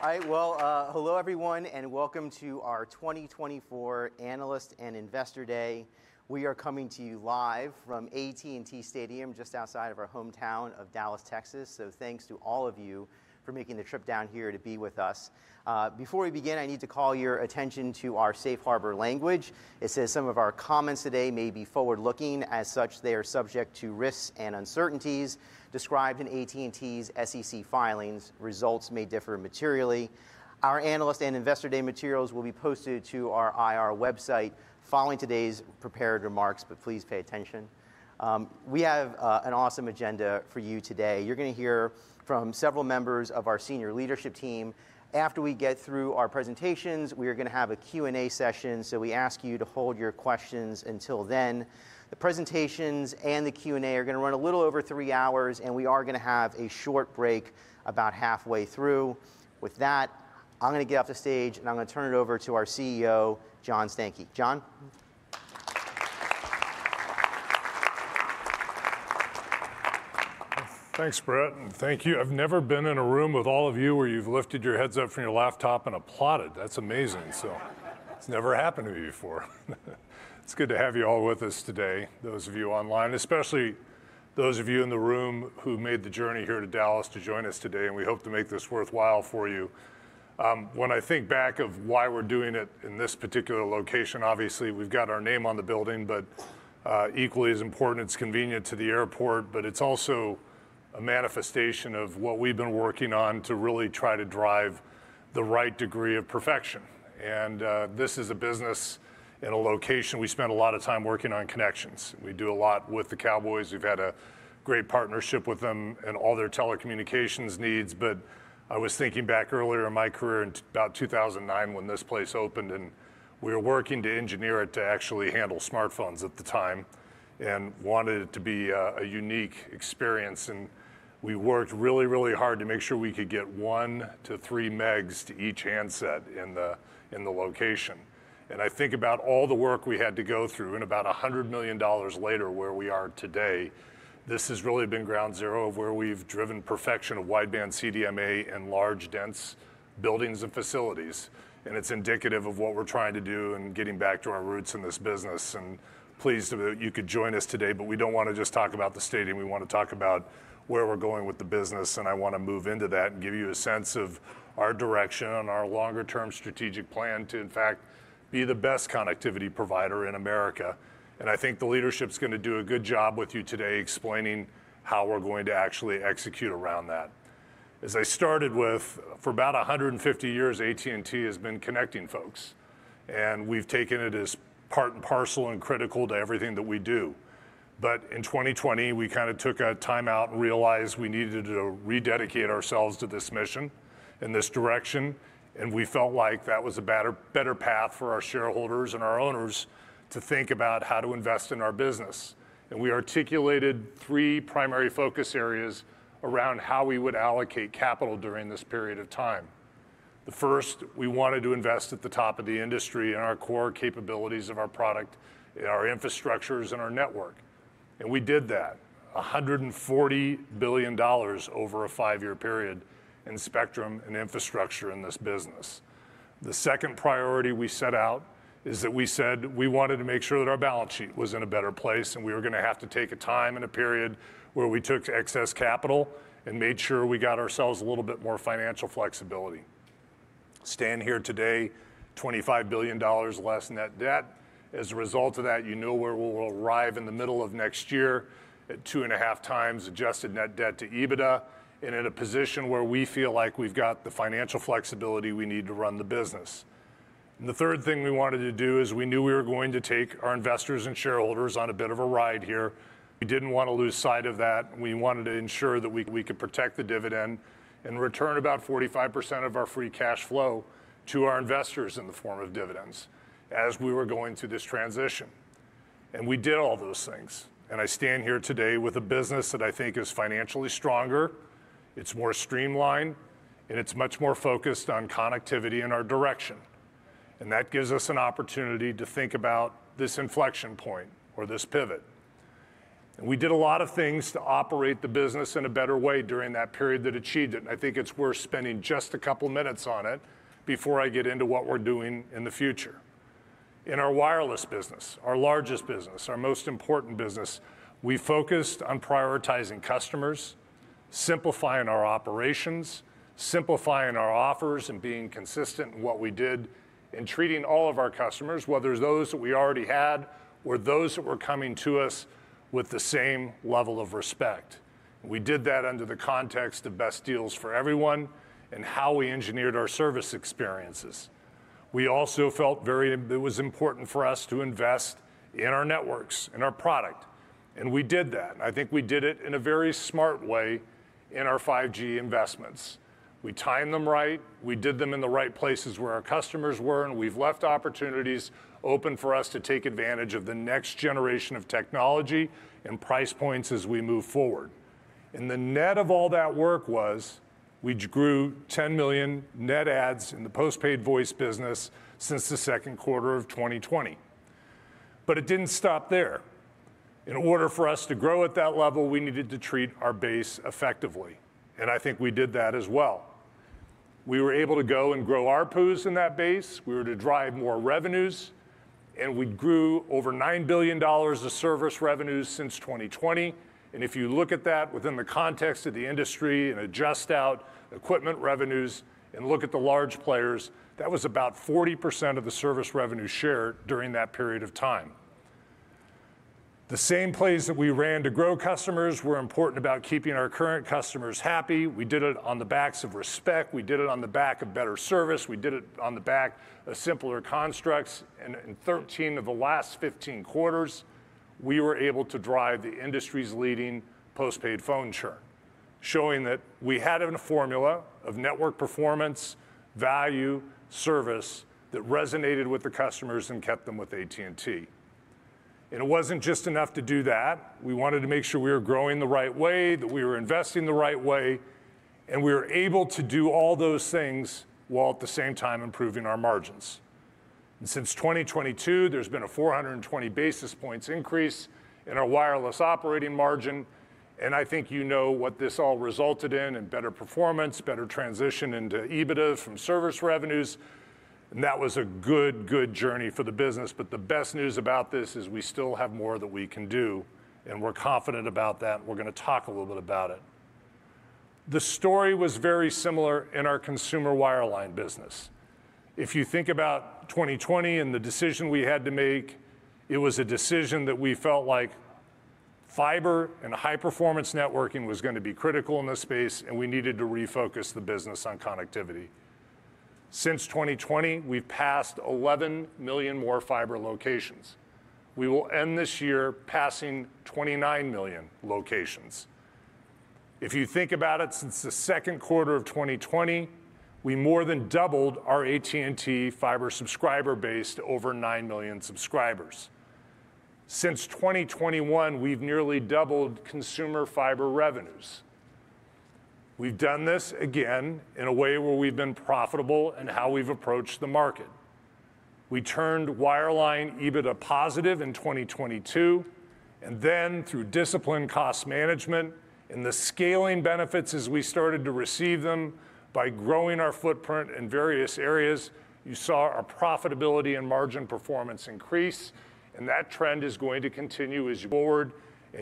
All right, well, hello everyone and welcome to our 2024 Analyst and Investor Day. We are coming to you live from AT&T Stadium just outside of our hometown of Dallas, Texas. So thanks to all of you for making the trip down here to be with us. Before we begin, I need to call your attention to our safe harbor language. It says some of our comments today may be forward-looking. As such, they are subject to risks and uncertainties described in AT&T's SEC filings. Results may differ materially. Our Analyst and Investor Day materials will be posted to our IR website following today's prepared remarks, but please pay attention. We have an awesome agenda for you today. You're going to hear from several members of our senior leadership team. After we get through our presentations, we are going to have a Q&A session, so we ask you to hold your questions until then. The presentations and the Q&A are going to run a little over three hours, and we are going to have a short break about halfway through. With that, I'm going to get off the stage and I'm going to turn it over to our CEO, John Stankey. John. Thanks, Brett. And thank you. I've never been in a room with all of you where you've lifted your heads up from your laptop and applauded. That's amazing. So it's never happened to me before. It's good to have you all with us today, those of you online, especially those of you in the room who made the journey here to Dallas to join us today, and we hope to make this worthwhile for you. When I think back of why we're doing it in this particular location, obviously we've got our name on the building, but equally as important, it's convenient to the airport, but it's also a manifestation of what we've been working on to really try to drive the right degree of perfection. And this is a business in a location we spend a lot of time working on connections. We do a lot with the Cowboys. We've had a great partnership with them and all their telecommunications needs. But I was thinking back earlier in my career in about 2009 when this place opened, and we were working to engineer it to actually handle smartphones at the time and wanted it to be a unique experience, and we worked really, really hard to make sure we could get one to three megs to each handset in the location, and I think about all the work we had to go through and about $100 million later where we are today. This has really been ground zero of where we've driven perfection of Wideband CDMA and large dense buildings and facilities, and it's indicative of what we're trying to do and getting back to our roots in this business, and pleased that you could join us today, but we don't want to just talk about the stadium. We want to talk about where we're going with the business, and I want to move into that and give you a sense of our direction and our longer-term strategic plan to, in fact, be the best connectivity provider in America, and I think the leadership's going to do a good job with you today explaining how we're going to actually execute around that. As I started with, for about 150 years, AT&T has been connecting folks, and we've taken it as part and parcel and critical to everything that we do, but in 2020, we kind of took a timeout and realized we needed to rededicate ourselves to this mission and this direction, and we felt like that was a better path for our shareholders and our owners to think about how to invest in our business. We articulated three primary focus areas around how we would allocate capital during this period of time. The first, we wanted to invest at the top of the industry in our core capabilities of our product, our infrastructures, and our network. And we did that: $140 billion over a five-year period in spectrum and infrastructure in this business. The second priority we set out is that we said we wanted to make sure that our balance sheet was in a better place, and we were going to have to take a time and a period where we took excess capital and made sure we got ourselves a little bit more financial flexibility. Standing here today, $25 billion less net debt. As a result of that, you know where we'll arrive in the middle of next year at 2.5x adjusted net debt to EBITDA and in a position where we feel like we've got the financial flexibility we need to run the business, and the third thing we wanted to do is we knew we were going to take our investors and shareholders on a bit of a ride here. We didn't want to lose sight of that. We wanted to ensure that we could protect the dividend and return about 45% of our free cash flow to our investors in the form of dividends as we were going through this transition, and we did all those things, and I stand here today with a business that I think is financially stronger. It's more streamlined, and it's much more focused on connectivity in our direction. And that gives us an opportunity to think about this inflection point or this pivot. And we did a lot of things to operate the business in a better way during that period that achieved it. And I think it's worth spending just a couple of minutes on it before I get into what we're doing in the future. In our wireless business, our largest business, our most important business, we focused on prioritizing customers, simplifying our operations, simplifying our offers, and being consistent in what we did in treating all of our customers, whether it's those that we already had or those that were coming to us with the same level of respect. We did that under the context of Best Deals for Everyone and how we engineered our service experiences. We also felt it was very important for us to invest in our networks and our product. We did that. I think we did it in a very smart way in our 5G investments. We timed them right. We did them in the right places where our customers were. We've left opportunities open for us to take advantage of the next generation of technology and price points as we move forward. The net of all that work was we grew 10 million net adds in the postpaid voice business since the second quarter of 2020. It didn't stop there. In order for us to grow at that level, we needed to treat our base effectively. I think we did that as well. We were able to go and grow our POPs in that base. We were able to drive more revenues. We grew over $9 billion of service revenues since 2020. And if you look at that within the context of the industry and adjust out equipment revenues and look at the large players, that was about 40% of the service revenue share during that period of time. The same plays that we ran to grow customers were important about keeping our current customers happy. We did it on the backs of respect. We did it on the back of better service. We did it on the back of simpler constructs. And in 13 of the last 15 quarters, we were able to drive the industry's leading postpaid phone churn, showing that we had a formula of network performance, value, service that resonated with the customers and kept them with AT&T. And it wasn't just enough to do that. We wanted to make sure we were growing the right way, that we were investing the right way, and we were able to do all those things while at the same time improving our margins. And since 2022, there's been a 420 basis points increase in our wireless operating margin. And I think you know what this all resulted in: better performance, better transition into EBITDA from service revenues. And that was a good, good journey for the business. But the best news about this is we still have more that we can do. And we're confident about that. And we're going to talk a little bit about it. The story was very similar in our consumer wireline business. If you think about 2020 and the decision we had to make, it was a decision that we felt like fiber and high-performance networking was going to be critical in this space, and we needed to refocus the business on connectivity. Since 2020, we've passed 11 million more fiber locations. We will end this year passing 29 million locations. If you think about it, since the second quarter of 2020, we more than doubled our AT&T Fiber subscriber base to over 9 million subscribers. Since 2021, we've nearly doubled consumer fiber revenues. We've done this again in a way where we've been profitable in how we've approached the market. We turned wireline EBITDA positive in 2022, and then, through disciplined cost management and the scaling benefits as we started to receive them by growing our footprint in various areas, you saw our profitability and margin performance increase. That trend is going to continue as you go forward.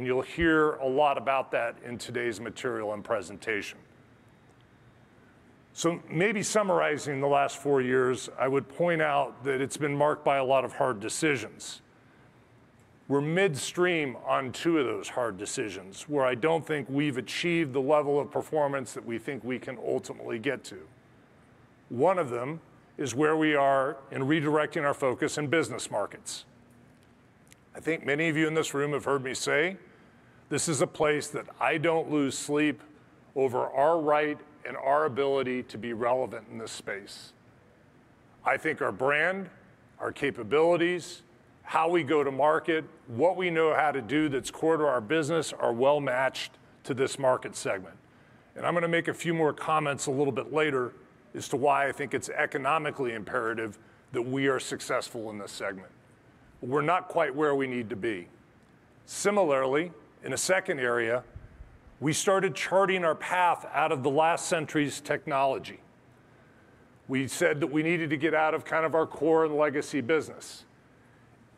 You'll hear a lot about that in today's material and presentation. Maybe summarizing the last four years, I would point out that it's been marked by a lot of hard decisions. We're midstream on two of those hard decisions where I don't think we've achieved the level of performance that we think we can ultimately get to. One of them is where we are in redirecting our focus in business markets. I think many of you in this room have heard me say this is a place that I don't lose sleep over our right and our ability to be relevant in this space. I think our brand, our capabilities, how we go to market, what we know how to do that's core to our business are well matched to this market segment. I'm going to make a few more comments a little bit later as to why I think it's economically imperative that we are successful in this segment. We're not quite where we need to be. Similarly, in a second area, we started charting our path out of the last century's technology. We said that we needed to get out of kind of our core and legacy business.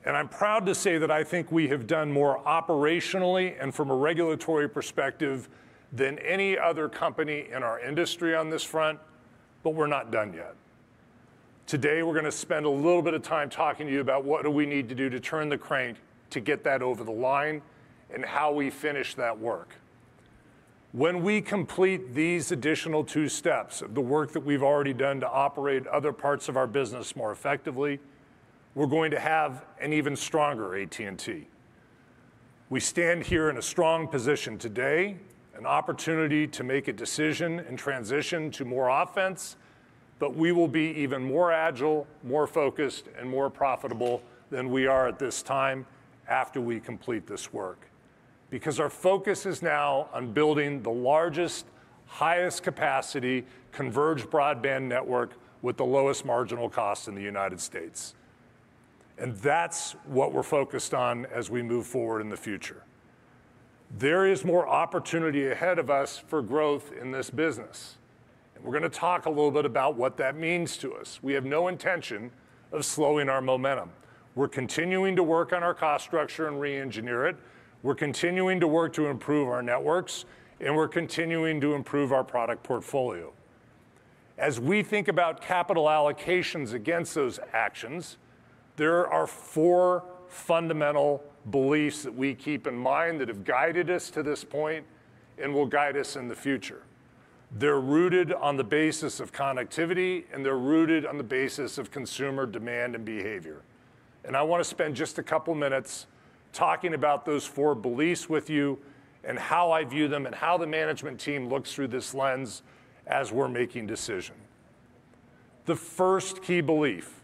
And I'm proud to say that I think we have done more operationally and from a regulatory perspective than any other company in our industry on this front, but we're not done yet. Today, we're going to spend a little bit of time talking to you about what do we need to do to turn the crank to get that over the line and how we finish that work. When we complete these additional two steps of the work that we've already done to operate other parts of our business more effectively, we're going to have an even stronger AT&T. We stand here in a strong position today, an opportunity to make a decision and transition to more offense, but we will be even more agile, more focused, and more profitable than we are at this time after we complete this work because our focus is now on building the largest, highest capacity converged broadband network with the lowest marginal cost in the United States. And that's what we're focused on as we move forward in the future. There is more opportunity ahead of us for growth in this business. And we're going to talk a little bit about what that means to us. We have no intention of slowing our momentum. We're continuing to work on our cost structure and re-engineer it. We're continuing to work to improve our networks, and we're continuing to improve our product portfolio. As we think about capital allocations against those actions, there are four fundamental beliefs that we keep in mind that have guided us to this point and will guide us in the future. They're rooted on the basis of connectivity, and they're rooted on the basis of consumer demand and behavior. And I want to spend just a couple of minutes talking about those four beliefs with you and how I view them and how the management team looks through this lens as we're making decisions. The first key belief,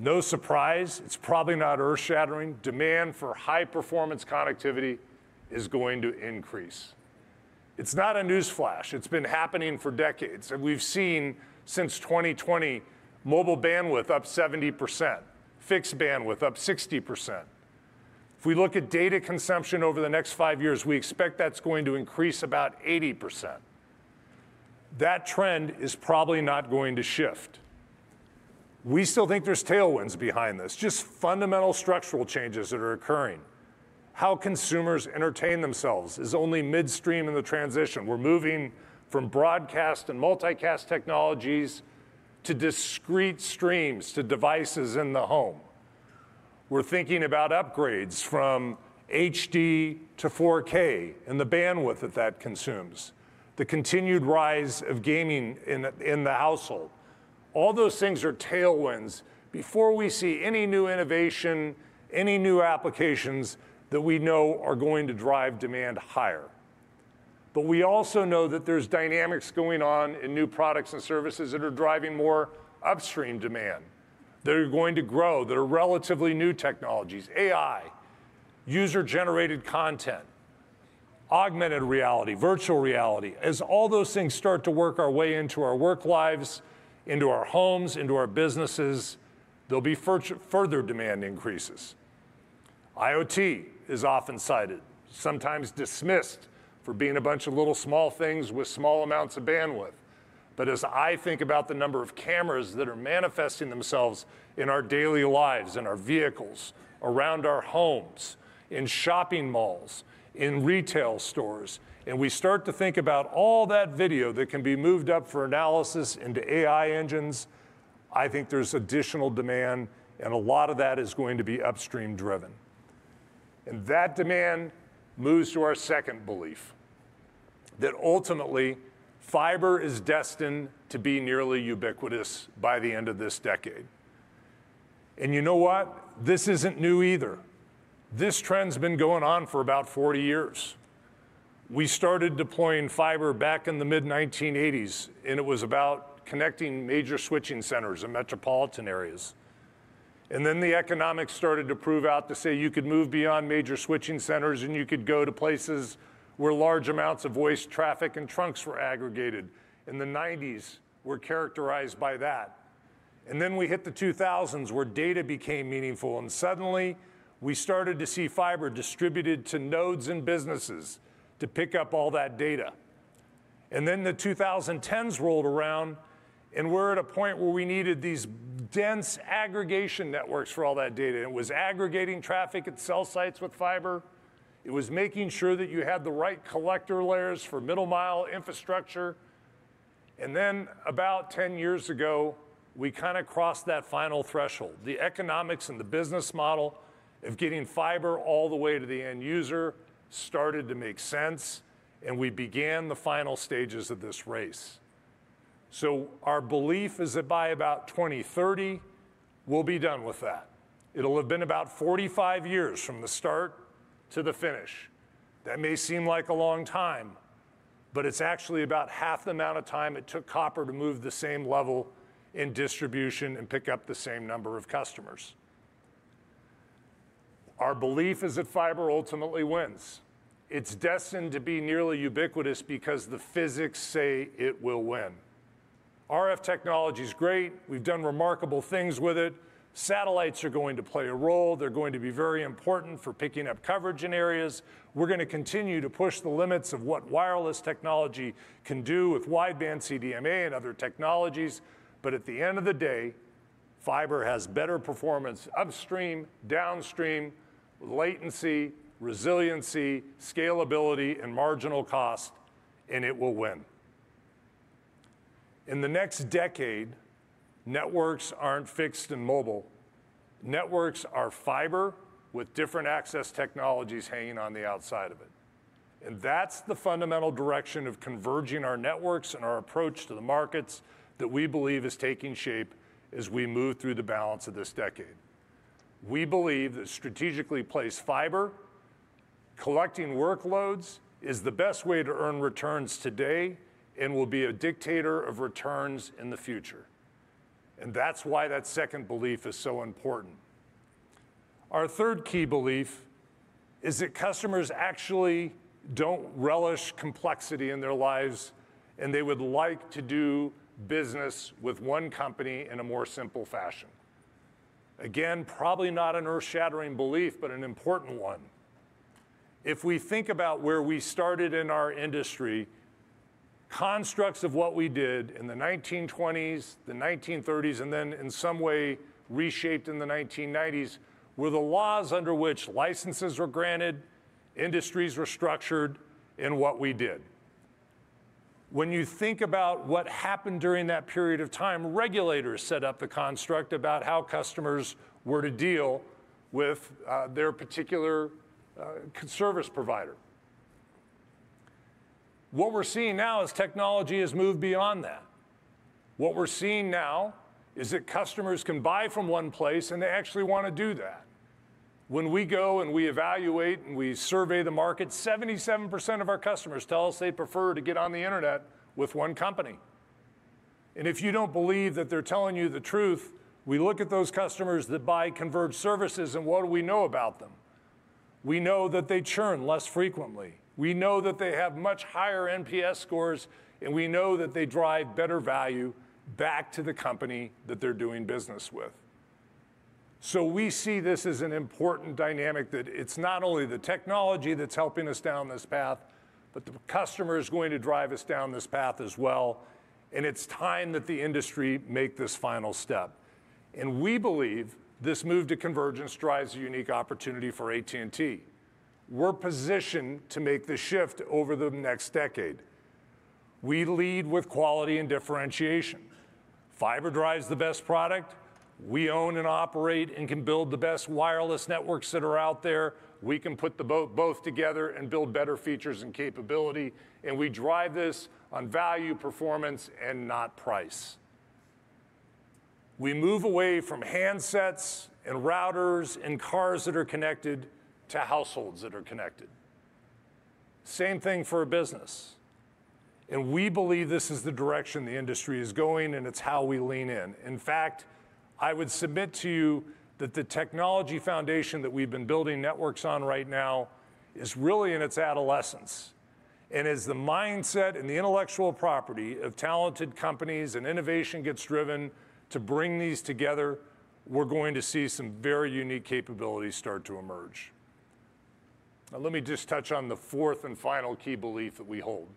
no surprise, it's probably not earth-shattering, demand for high-performance connectivity is going to increase. It's not a newsflash. It's been happening for decades. We've seen since 2020, mobile bandwidth up 70%, fixed bandwidth up 60%. If we look at data consumption over the next five years, we expect that's going to increase about 80%. That trend is probably not going to shift. We still think there's tailwinds behind this, just fundamental structural changes that are occurring. How consumers entertain themselves is only midstream in the transition. We're moving from broadcast and multicast technologies to discrete streams to devices in the home. We're thinking about upgrades from HD to 4K and the bandwidth that that consumes, the continued rise of gaming in the household. All those things are tailwinds before we see any new innovation, any new applications that we know are going to drive demand higher. But we also know that there's dynamics going on in new products and services that are driving more upstream demand that are going to grow, that are relatively new technologies: AI, user-generated content, Augmented Reality, Virtual Reality. As all those things start to work our way into our work lives, into our homes, into our businesses, there'll be further demand increases. IoT is often cited, sometimes dismissed for being a bunch of little small things with small amounts of bandwidth. But as I think about the number of cameras that are manifesting themselves in our daily lives, in our vehicles, around our homes, in shopping malls, in retail stores, and we start to think about all that video that can be moved up for analysis into AI engines, I think there's additional demand, and a lot of that is going to be upstream driven. And that demand moves to our second belief that ultimately fiber is destined to be nearly ubiquitous by the end of this decade. And you know what? This isn't new either. This trend's been going on for about 40 years. We started deploying fiber back in the mid-1980s, and it was about connecting major switching centers in metropolitan areas. And then the economics started to prove out to say you could move beyond major switching centers, and you could go to places where large amounts of voice traffic and trunks were aggregated. And the 1990s were characterized by that. And then we hit the 2000s where data became meaningful. And suddenly, we started to see fiber distributed to nodes and businesses to pick up all that data. And then the 2010s rolled around, and we're at a point where we needed these dense aggregation networks for all that data. It was aggregating traffic at cell sites with fiber. It was making sure that you had the right collector layers for middle-mile infrastructure. And then about 10 years ago, we kind of crossed that final threshold. The economics and the business model of getting fiber all the way to the end user started to make sense, and we began the final stages of this race. So our belief is that by about 2030, we'll be done with that. It'll have been about 45 years from the start to the finish. That may seem like a long time, but it's actually about half the amount of time it took copper to move the same level in distribution and pick up the same number of customers. Our belief is that fiber ultimately wins. It's destined to be nearly ubiquitous because the physics say it will win. RF technologies great. We've done remarkable things with it. Satellites are going to play a role. They're going to be very important for picking up coverage in areas. We're going to continue to push the limits of what wireless technology can do with Wideband CDMA and other technologies. But at the end of the day, fiber has better performance upstream, downstream, latency, resiliency, scalability, and marginal cost, and it will win. In the next decade, networks aren't fixed and mobile. Networks are fiber with different access technologies hanging on the outside of it. And that's the fundamental direction of converging our networks and our approach to the markets that we believe is taking shape as we move through the balance of this decade. We believe that strategically placed fiber collecting workloads is the best way to earn returns today and will be a determinant of returns in the future. And that's why that second belief is so important. Our third key belief is that customers actually don't relish complexity in their lives, and they would like to do business with one company in a more simple fashion. Again, probably not an earth-shattering belief, but an important one. If we think about where we started in our industry, constructs of what we did in the 1920s, the 1930s, and then in some way reshaped in the 1990s were the laws under which licenses were granted, industries were structured, and what we did. When you think about what happened during that period of time, regulators set up the construct about how customers were to deal with their particular service provider. What we're seeing now is technology has moved beyond that. What we're seeing now is that customers can buy from one place, and they actually want to do that. When we go and we evaluate and we survey the market, 77% of our customers tell us they prefer to get on the internet with one company, and if you don't believe that they're telling you the truth, we look at those customers that buy converged services, and what do we know about them? We know that they churn less frequently. We know that they have much higher NPS scores, and we know that they drive better value back to the company that they're doing business with, so we see this as an important dynamic that it's not only the technology that's helping us down this path, but the customer is going to drive us down this path as well, and it's time that the industry make this final step, and we believe this move to convergence drives a unique opportunity for AT&T. We're positioned to make the shift over the next decade. We lead with quality and differentiation. Fiber drives the best product. We own and operate and can build the best wireless networks that are out there. We can put it all together and build better features and capability, and we drive this on value, performance, and not price. We move away from handsets and routers and cars that are connected to households that are connected. Same thing for a business, and we believe this is the direction the industry is going, and it's how we lean in. In fact, I would submit to you that the technology foundation that we've been building networks on right now is really in its adolescence. As the mindset and the intellectual property of talented companies and innovation gets driven to bring these together, we're going to see some very unique capabilities start to emerge. Now, let me just touch on the fourth and final key belief that we hold.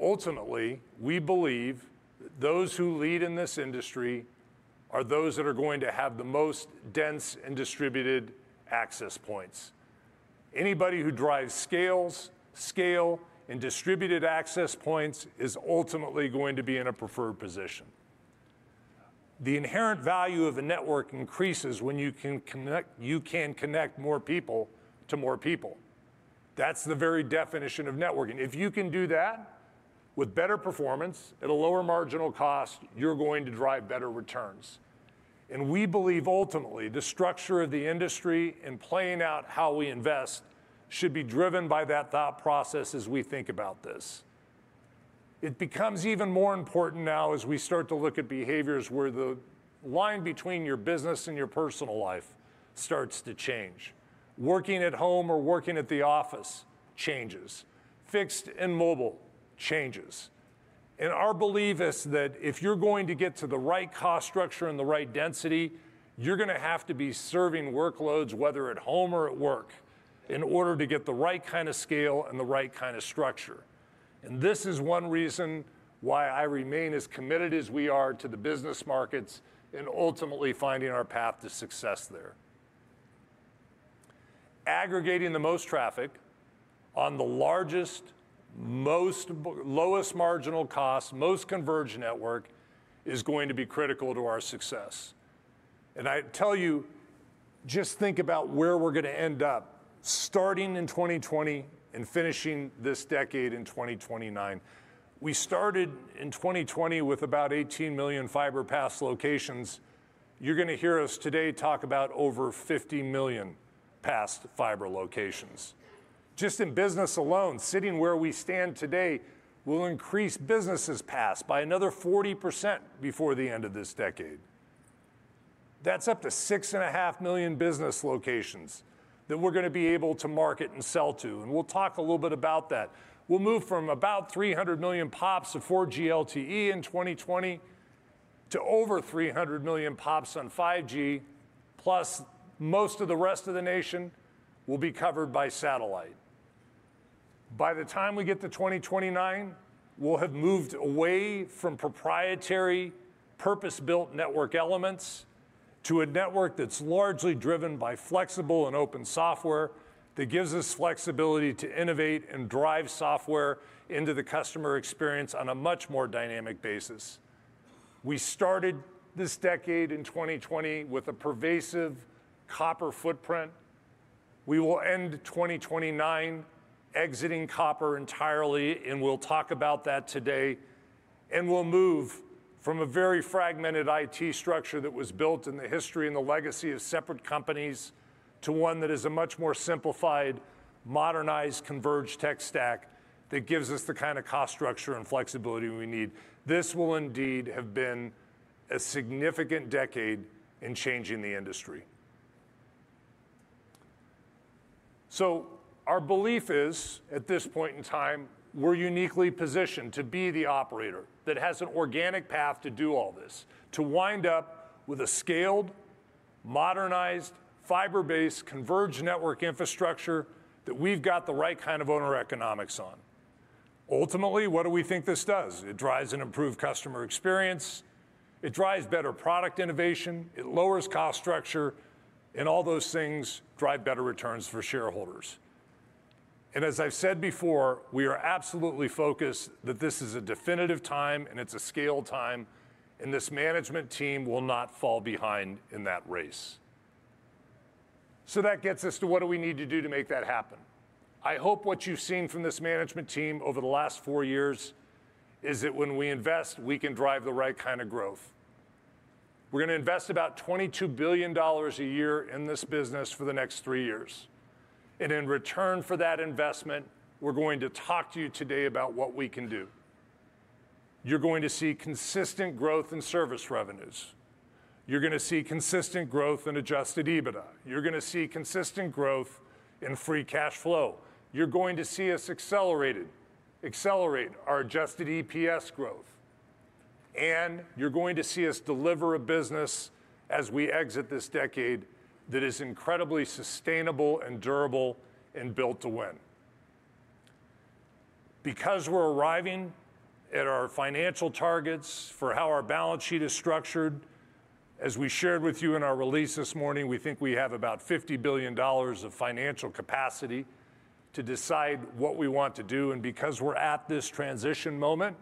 Ultimately, we believe that those who lead in this industry are those that are going to have the most dense and distributed access points. Anybody who drives scale and distributed access points is ultimately going to be in a preferred position. The inherent value of a network increases when you can connect more people to more people. That's the very definition of networking. If you can do that with better performance at a lower marginal cost, you're going to drive better returns. We believe ultimately the structure of the industry and playing out how we invest should be driven by that thought process as we think about this. It becomes even more important now as we start to look at behaviors where the line between your business and your personal life starts to change. Working at home or working at the office changes. Fixed and mobile changes. Our belief is that if you're going to get to the right cost structure and the right density, you're going to have to be serving workloads, whether at home or at work, in order to get the right kind of scale and the right kind of structure. This is one reason why I remain as committed as we are to the business markets and ultimately finding our path to success there. Aggregating the most traffic on the largest, lowest marginal cost, most converged network is going to be critical to our success, and I tell you, just think about where we're going to end up starting in 2020 and finishing this decade in 2029. We started in 2020 with about 18 million fiber passed locations. You're going to hear us today talk about over 50 million passed fiber locations. Just in business alone, sitting where we stand today, we'll increase businesses passed by another 40% before the end of this decade. That's up to 6.5 million business locations that we're going to be able to market and sell to, and we'll talk a little bit about that. We'll move from about 300 million POPs of 4G LTE in 2020 to over 300 million POPs on 5G, plus most of the rest of the nation will be covered by satellite. By the time we get to 2029, we'll have moved away from proprietary purpose-built network elements to a network that's largely driven by flexible and open software that gives us flexibility to innovate and drive software into the customer experience on a much more dynamic basis. We started this decade in 2020 with a pervasive copper footprint. We will end 2029 exiting copper entirely, and we'll talk about that today. And we'll move from a very fragmented IT structure that was built in the history and the legacy of separate companies to one that is a much more simplified, modernized converged tech stack that gives us the kind of cost structure and flexibility we need. This will indeed have been a significant decade in changing the industry. So our belief is, at this point in time, we're uniquely positioned to be the operator that has an organic path to do all this, to wind up with a scaled, modernized fiber-based converged network infrastructure that we've got the right kind of owner economics on. Ultimately, what do we think this does? It drives an improved customer experience. It drives better product innovation. It lowers cost structure. And all those things drive better returns for shareholders. And as I've said before, we are absolutely focused that this is a definitive time, and it's a scale time, and this management team will not fall behind in that race. So that gets us to what do we need to do to make that happen? I hope what you've seen from this management team over the last four years is that when we invest, we can drive the right kind of growth. We're going to invest about $22 billion a year in this business for the next three years. And in return for that investment, we're going to talk to you today about what we can do. You're going to see consistent growth in service revenues. You're going to see consistent growth in adjusted EBITDA. You're going to see consistent growth in free cash flow. You're going to see us accelerate our adjusted EPS growth. And you're going to see us deliver a business as we exit this decade that is incredibly sustainable and durable and built to win. Because we're arriving at our financial targets for how our balance sheet is structured, as we shared with you in our release this morning, we think we have about $50 billion of financial capacity to decide what we want to do. And because we're at this transition moment,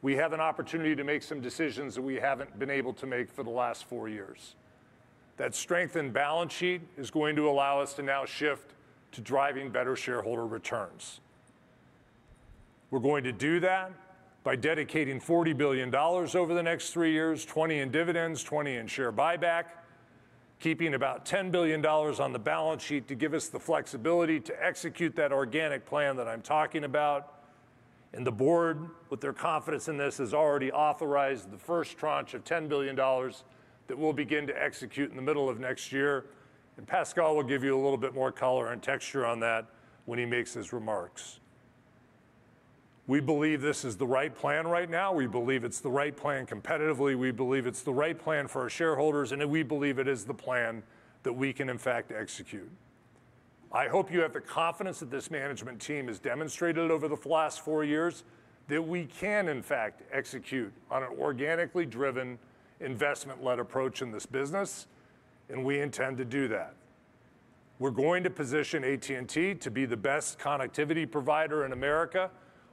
we have an opportunity to make some decisions that we haven't been able to make for the last four years. That strengthened balance sheet is going to allow us to now shift to driving better shareholder returns. We're going to do that by dedicating $40 billion over the next three years, 20 in dividends, 20 in share buyback, keeping about $10 billion on the balance sheet to give us the flexibility to execute that organic plan that I'm talking about. And the board, with their confidence in this, has already authorized the first tranche of $10 billion that we'll begin to execute in the middle of next year. And Pascal will give you a little bit more color and texture on that when he makes his remarks. We believe this is the right plan right now. We believe it's the right plan competitively. We believe it's the right plan for our shareholders, and we believe it is the plan that we can, in fact, execute. I hope you have the confidence that this management team has demonstrated over the last four years that we can, in fact, execute on an organically driven investment-led approach in this business, and we intend to do that. We're going to position AT&T to be the best connectivity provider in America.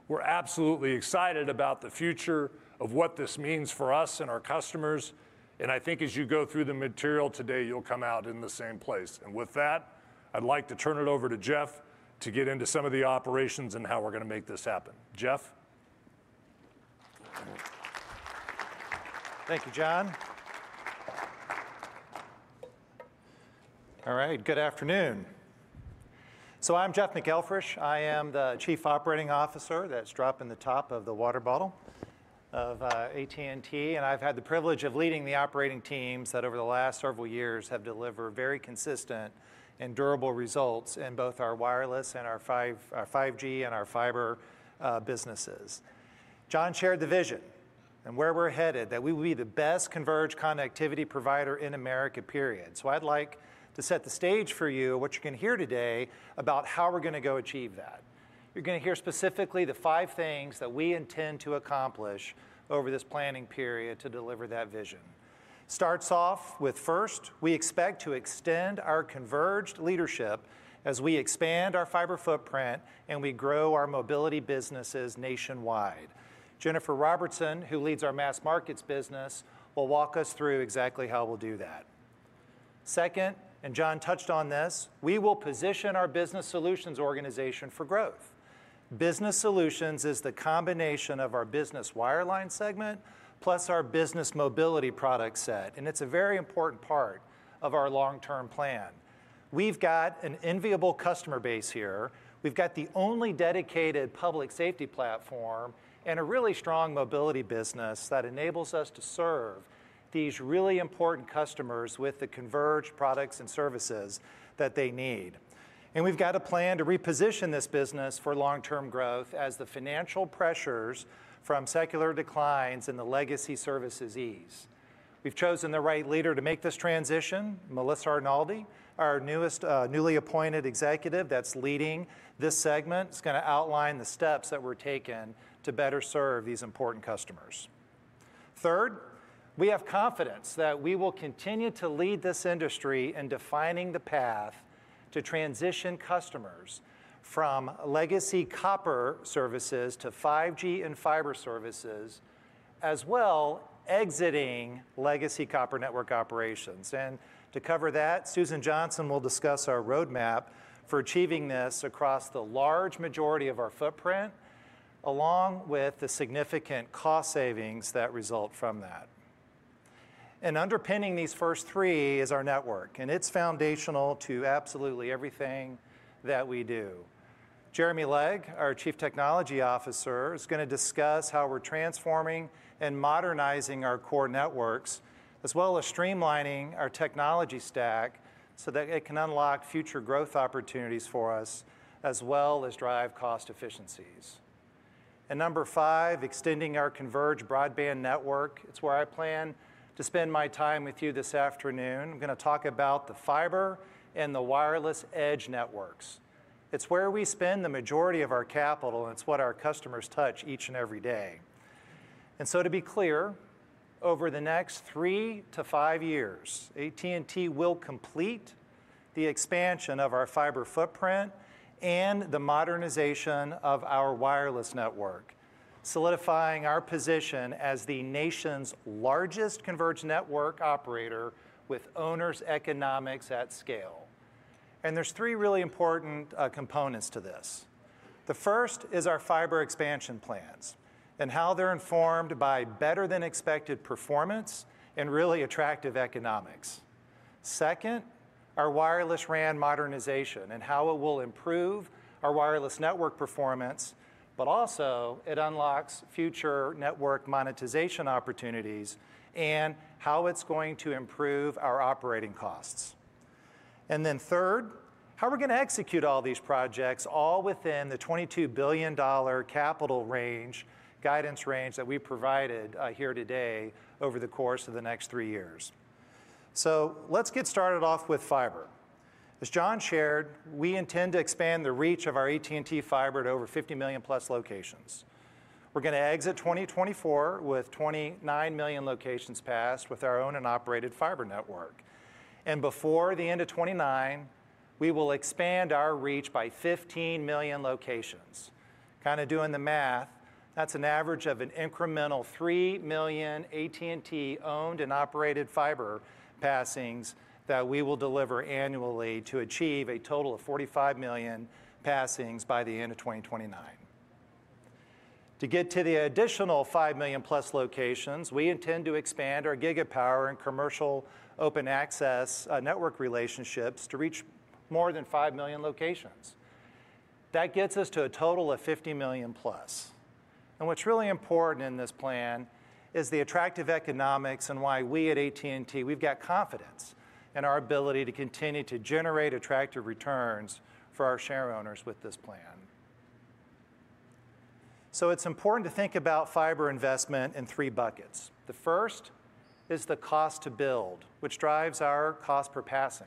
We're absolutely excited about the future of what this means for us and our customers. And I think as you go through the material today, you'll come out in the same place. And with that, I'd like to turn it over to Jeff to get into some of the operations and how we're going to make this happen. Jeff. Thank you, John. All right, good afternoon. So I'm Jeff McElfresh. I am the Chief Operating Officer that's dropping the top of the water bottle of AT&T. And I've had the privilege of leading the operating teams that over the last several years have delivered very consistent and durable results in both our wireless and our 5G and our fiber businesses. John shared the vision and where we're headed, that we will be the best converged connectivity provider in America, period. So, I'd like to set the stage for you, what you're going to hear today about how we're going to go achieve that. You're going to hear specifically the five things that we intend to accomplish over this planning period to deliver that vision. It starts off with, first, we expect to extend our converged leadership as we expand our fiber footprint and we grow our mobility businesses nationwide. Jenifer Robertson, who leads our Mass Markets business, will walk us through exactly how we'll do that. Second, and John touched on this, we will position our Business Solutions organization for growth. Business Solutions is the combination of our business wireline segment plus our business mobility product set. And it's a very important part of our long-term plan. We've got an enviable customer base here. We've got the only dedicated public safety platform and a really strong mobility business that enables us to serve these really important customers with the converged products and services that they need, and we've got a plan to reposition this business for long-term growth as the financial pressures from secular declines and the legacy services ease. We've chosen the right leader to make this transition, Melissa Arnoldi, our newly appointed executive that's leading this segment. It's going to outline the steps that were taken to better serve these important customers. Third, we have confidence that we will continue to lead this industry in defining the path to transition customers from legacy copper services to 5G and fiber services, as well as exiting legacy copper network operations. And to cover that, Susan Johnson will discuss our roadmap for achieving this across the large majority of our footprint, along with the significant cost savings that result from that. And underpinning these first three is our network, and it's foundational to absolutely everything that we do. Jeremy Legg, our Chief Technology Officer, is going to discuss how we're transforming and modernizing our core networks, as well as streamlining our technology stack so that it can unlock future growth opportunities for us, as well as drive cost efficiencies. And number five, extending our converged broadband network. It's where I plan to spend my time with you this afternoon. I'm going to talk about the fiber and the wireless edge networks. It's where we spend the majority of our capital, and it's what our customers touch each and every day. And so to be clear, over the next three to five years, AT&T will complete the expansion of our fiber footprint and the modernization of our wireless network, solidifying our position as the nation's largest converged network operator with owner's economics at scale. And there's three really important components to this. The first is our fiber expansion plans and how they're informed by better than expected performance and really attractive economics. Second, our wireless RAN modernization and how it will improve our wireless network performance, but also it unlocks future network monetization opportunities and how it's going to improve our operating costs. And then third, how we're going to execute all these projects, all within the $22 billion capital guidance range that we provided here today over the course of the next three years. So let's get started off with fiber. As John shared, we intend to expand the reach of our AT&T Fiber to over 50 million plus locations. We're going to exit 2024 with 29 million locations passed with our owned and operated fiber network. Before the end of 2029, we will expand our reach by 15 million locations. Kind of doing the math, that's an average of an incremental 3 million AT&T owned and operated fiber passings that we will deliver annually to achieve a total of 45 million passings by the end of 2029. To get to the additional 5 million plus locations, we intend to expand our Gigapower and commercial open access network relationships to reach more than 5 million locations. That gets us to a total of 50 million plus. What's really important in this plan is the attractive economics and why we at AT&T have confidence in our ability to continue to generate attractive returns for our share owners with this plan. It's important to think about fiber investment in three buckets. The first is the cost to build, which drives our cost per passing.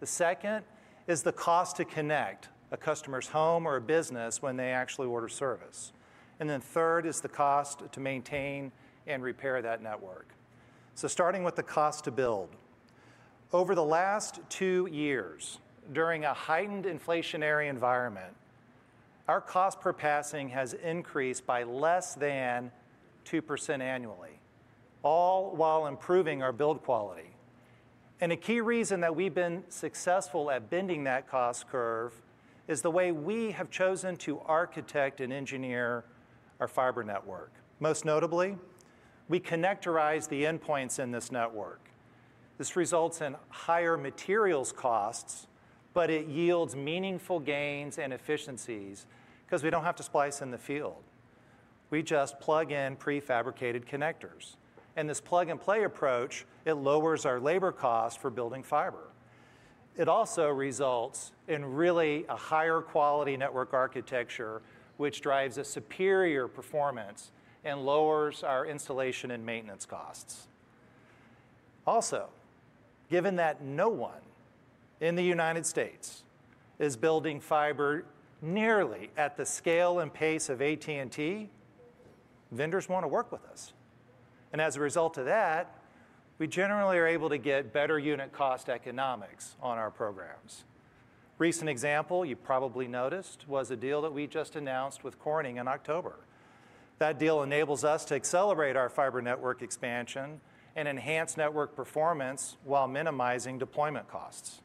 The second is the cost to connect a customer's home or a business when they actually order service. Then the third is the cost to maintain and repair that network. Starting with the cost to build. Over the last two years, during a heightened inflationary environment, our cost per passing has increased by less than 2% annually, all while improving our build quality. A key reason that we've been successful at bending that cost curve is the way we have chosen to architect and engineer our fiber network. Most notably, we connectorize the endpoints in this network. This results in higher materials costs, but it yields meaningful gains and efficiencies because we don't have to splice in the field. We just plug in prefabricated connectors. And this plug and play approach, it lowers our labor costs for building fiber. It also results in really a higher quality network architecture, which drives a superior performance and lowers our installation and maintenance costs. Also, given that no one in the United States is building fiber nearly at the scale and pace of AT&T, vendors want to work with us. And as a result of that, we generally are able to get better unit cost economics on our programs. Recent example, you probably noticed, was a deal that we just announced with Corning in October. That deal enables us to accelerate our fiber network expansion and enhance network performance while minimizing deployment costs.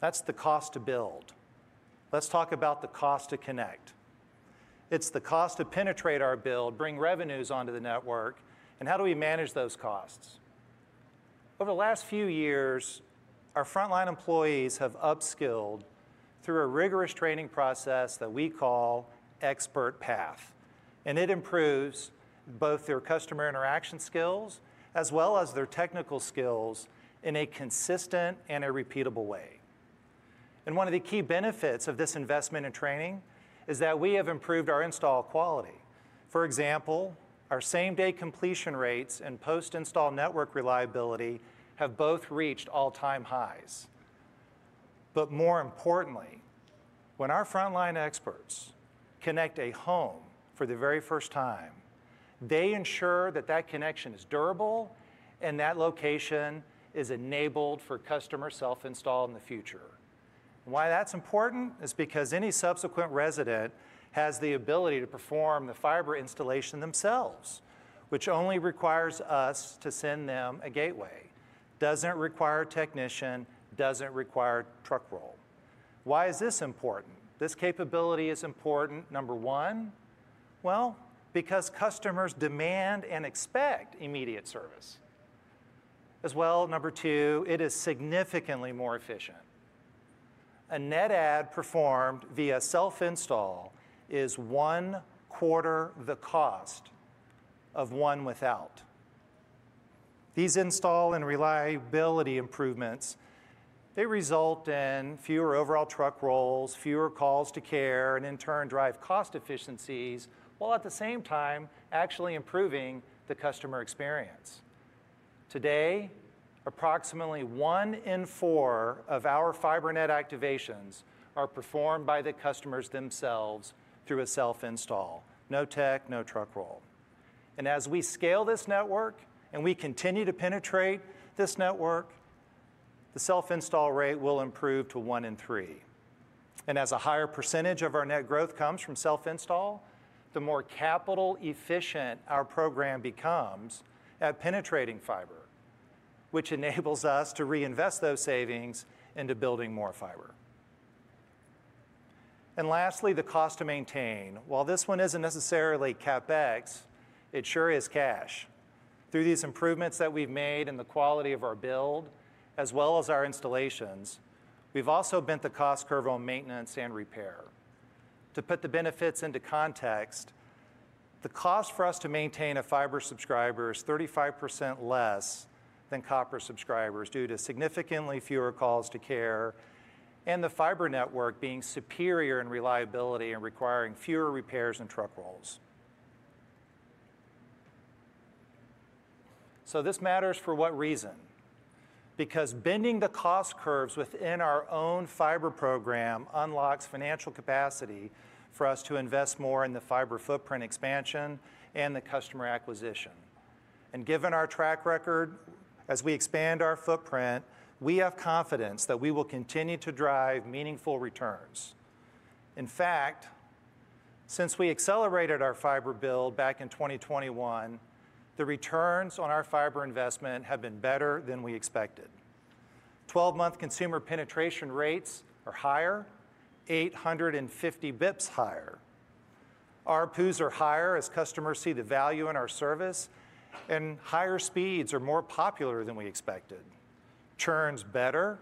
That's the cost to build. Let's talk about the cost to connect. It's the cost to penetrate our build, bring revenues onto the network, and how do we manage those costs? Over the last few years, our frontline employees have upskilled through a rigorous training process that we call Expert Path, and it improves both their customer interaction skills as well as their technical skills in a consistent and a repeatable way, and one of the key benefits of this investment in training is that we have improved our install quality. For example, our same-day completion rates and post-install network reliability have both reached all-time highs. But more importantly, when our frontline experts connect a home for the very first time, they ensure that that connection is durable and that location is enabled for customer self-install in the future. And why that's important is because any subsequent resident has the ability to perform the fiber installation themselves, which only requires us to send them a gateway. Doesn't require a technician, doesn't require truck roll. Why is this important? This capability is important, number one, well, because customers demand and expect immediate service. As well, number two, it is significantly more efficient. A net add performed via self-install is one-quarter the cost of one without. These install and reliability improvements, they result in fewer overall truck rolls, fewer calls to care, and in turn, drive cost efficiencies while at the same time actually improving the customer experience. Today, approximately one in four of our fiber net activations are performed by the customers themselves through a self-install, no tech, no truck roll, and as we scale this network and we continue to penetrate this network, the self-install rate will improve to one in three, and as a higher percentage of our net growth comes from self-install, the more capital efficient our program becomes at penetrating fiber, which enables us to reinvest those savings into building more fiber, and lastly, the cost to maintain, while this one isn't necessarily CapEx, it sure is cash. Through these improvements that we've made in the quality of our build, as well as our installations, we've also bent the cost curve on maintenance and repair. To put the benefits into context, the cost for us to maintain a fiber subscriber is 35% less than copper subscribers due to significantly fewer calls to care and the fiber network being superior in reliability and requiring fewer repairs and truck rolls. So this matters for what reason? Because bending the cost curves within our own fiber program unlocks financial capacity for us to invest more in the fiber footprint expansion and the customer acquisition. And given our track record, as we expand our footprint, we have confidence that we will continue to drive meaningful returns. In fact, since we accelerated our fiber build back in 2021, the returns on our fiber investment have been better than we expected. 12-month consumer penetration rates are higher, 850 basis points higher. Our ARPUs are higher as customers see the value in our service, and higher speeds are more popular than we expected. Churn's better,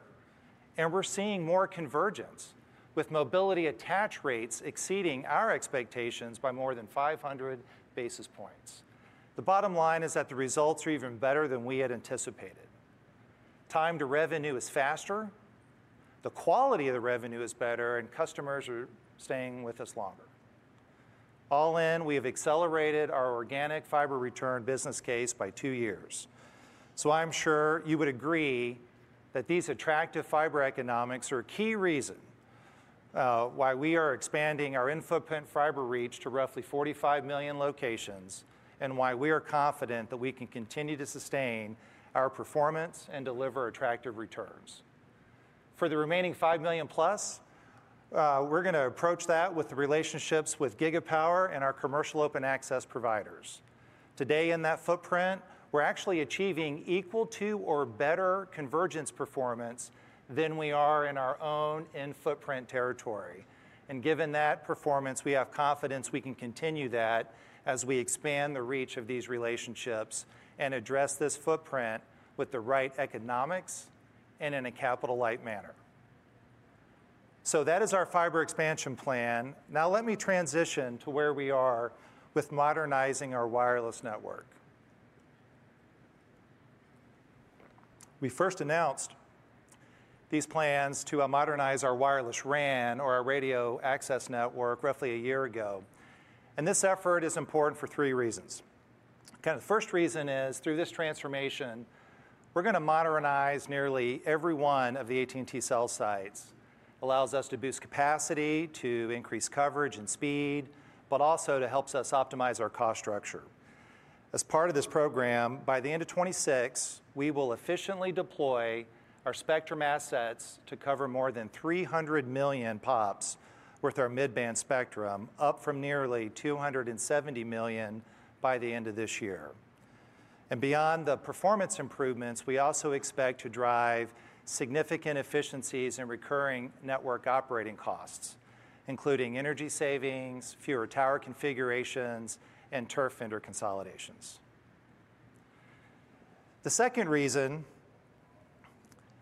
and we're seeing more convergence with mobility attach rates exceeding our expectations by more than 500 basis points. The bottom line is that the results are even better than we had anticipated. Time to revenue is faster. The quality of the revenue is better, and customers are staying with us longer. All in, we have accelerated our organic fiber return business case by two years. So I'm sure you would agree that these attractive fiber economics are a key reason why we are expanding our fiber footprint to roughly 45 million locations and why we are confident that we can continue to sustain our performance and deliver attractive returns. For the remaining 5 million plus, we're going to approach that with the relationships with Gigapower and our commercial open access providers. Today, in that footprint, we're actually achieving equal to or better coverage performance than we are in our own in-footprint territory. And given that performance, we have confidence we can continue that as we expand the reach of these relationships and address this footprint with the right economics and in a capital-light manner. So that is our fiber expansion plan. Now let me transition to where we are with modernizing our wireless network. We first announced these plans to modernize our wireless RAN or our radio access network roughly a year ago. And this effort is important for three reasons. Kind of the first reason is through this transformation, we're going to modernize nearly every one of the AT&T cell sites. It allows us to boost capacity, to increase coverage and speed, but also it helps us optimize our cost structure. As part of this program, by the end of 2026, we will efficiently deploy our spectrum assets to cover more than 300 million POPs with our midband spectrum, up from nearly 270 million by the end of this year, and beyond the performance improvements, we also expect to drive significant efficiencies in recurring network operating costs, including energy savings, fewer tower configurations, and turf vendor consolidations. The second reason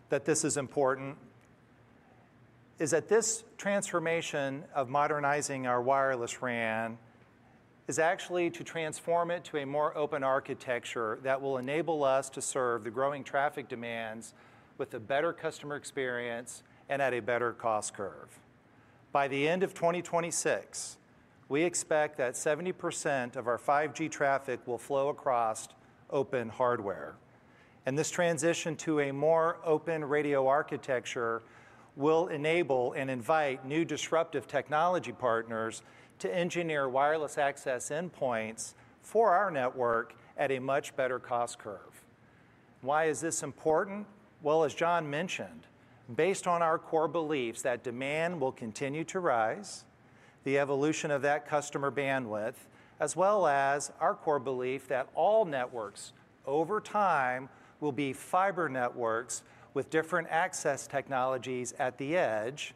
that this is important is that this transformation of modernizing our wireless RAN is actually to transform it to a more open architecture that will enable us to serve the growing traffic demands with a better customer experience and at a better cost curve. By the end of 2026, we expect that 70% of our 5G traffic will flow across open hardware. And this transition to a more open radio architecture will enable and invite new disruptive technology partners to engineer wireless access endpoints for our network at a much better cost curve. Why is this important? Well, as John mentioned, based on our core beliefs that demand will continue to rise, the evolution of that customer bandwidth, as well as our core belief that all networks over time will be fiber networks with different access technologies at the edge,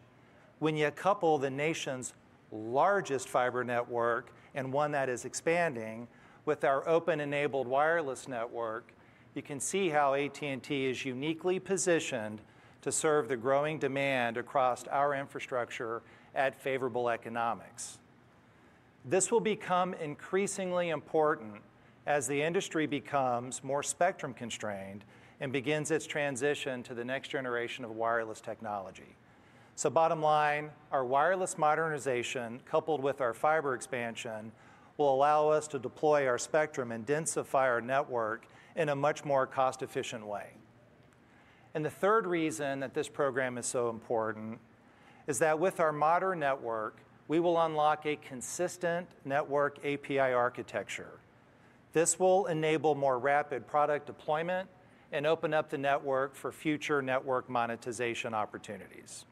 when you couple the nation's largest fiber network and one that is expanding with our open-enabled wireless network, you can see how AT&T is uniquely positioned to serve the growing demand across our infrastructure at favorable economics. This will become increasingly important as the industry becomes more spectrum constrained and begins its transition to the next generation of wireless technology. Bottom line, our wireless modernization coupled with our fiber expansion will allow us to deploy our spectrum and densify our network in a much more cost-efficient way. And the third reason that this program is so important is that with our modern network, we will unlock a consistent network API architecture. This will enable more rapid product deployment and open up the network for future network monetization opportunities.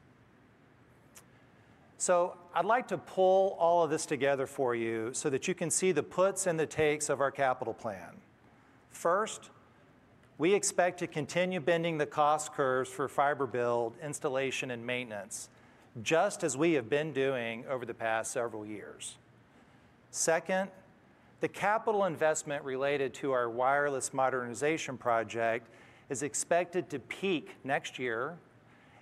I'd like to pull all of this together for you so that you can see the puts and the takes of our capital plan. First, we expect to continue bending the cost curves for fiber build, installation, and maintenance, just as we have been doing over the past several years. Second, the capital investment related to our wireless modernization project is expected to peak next year,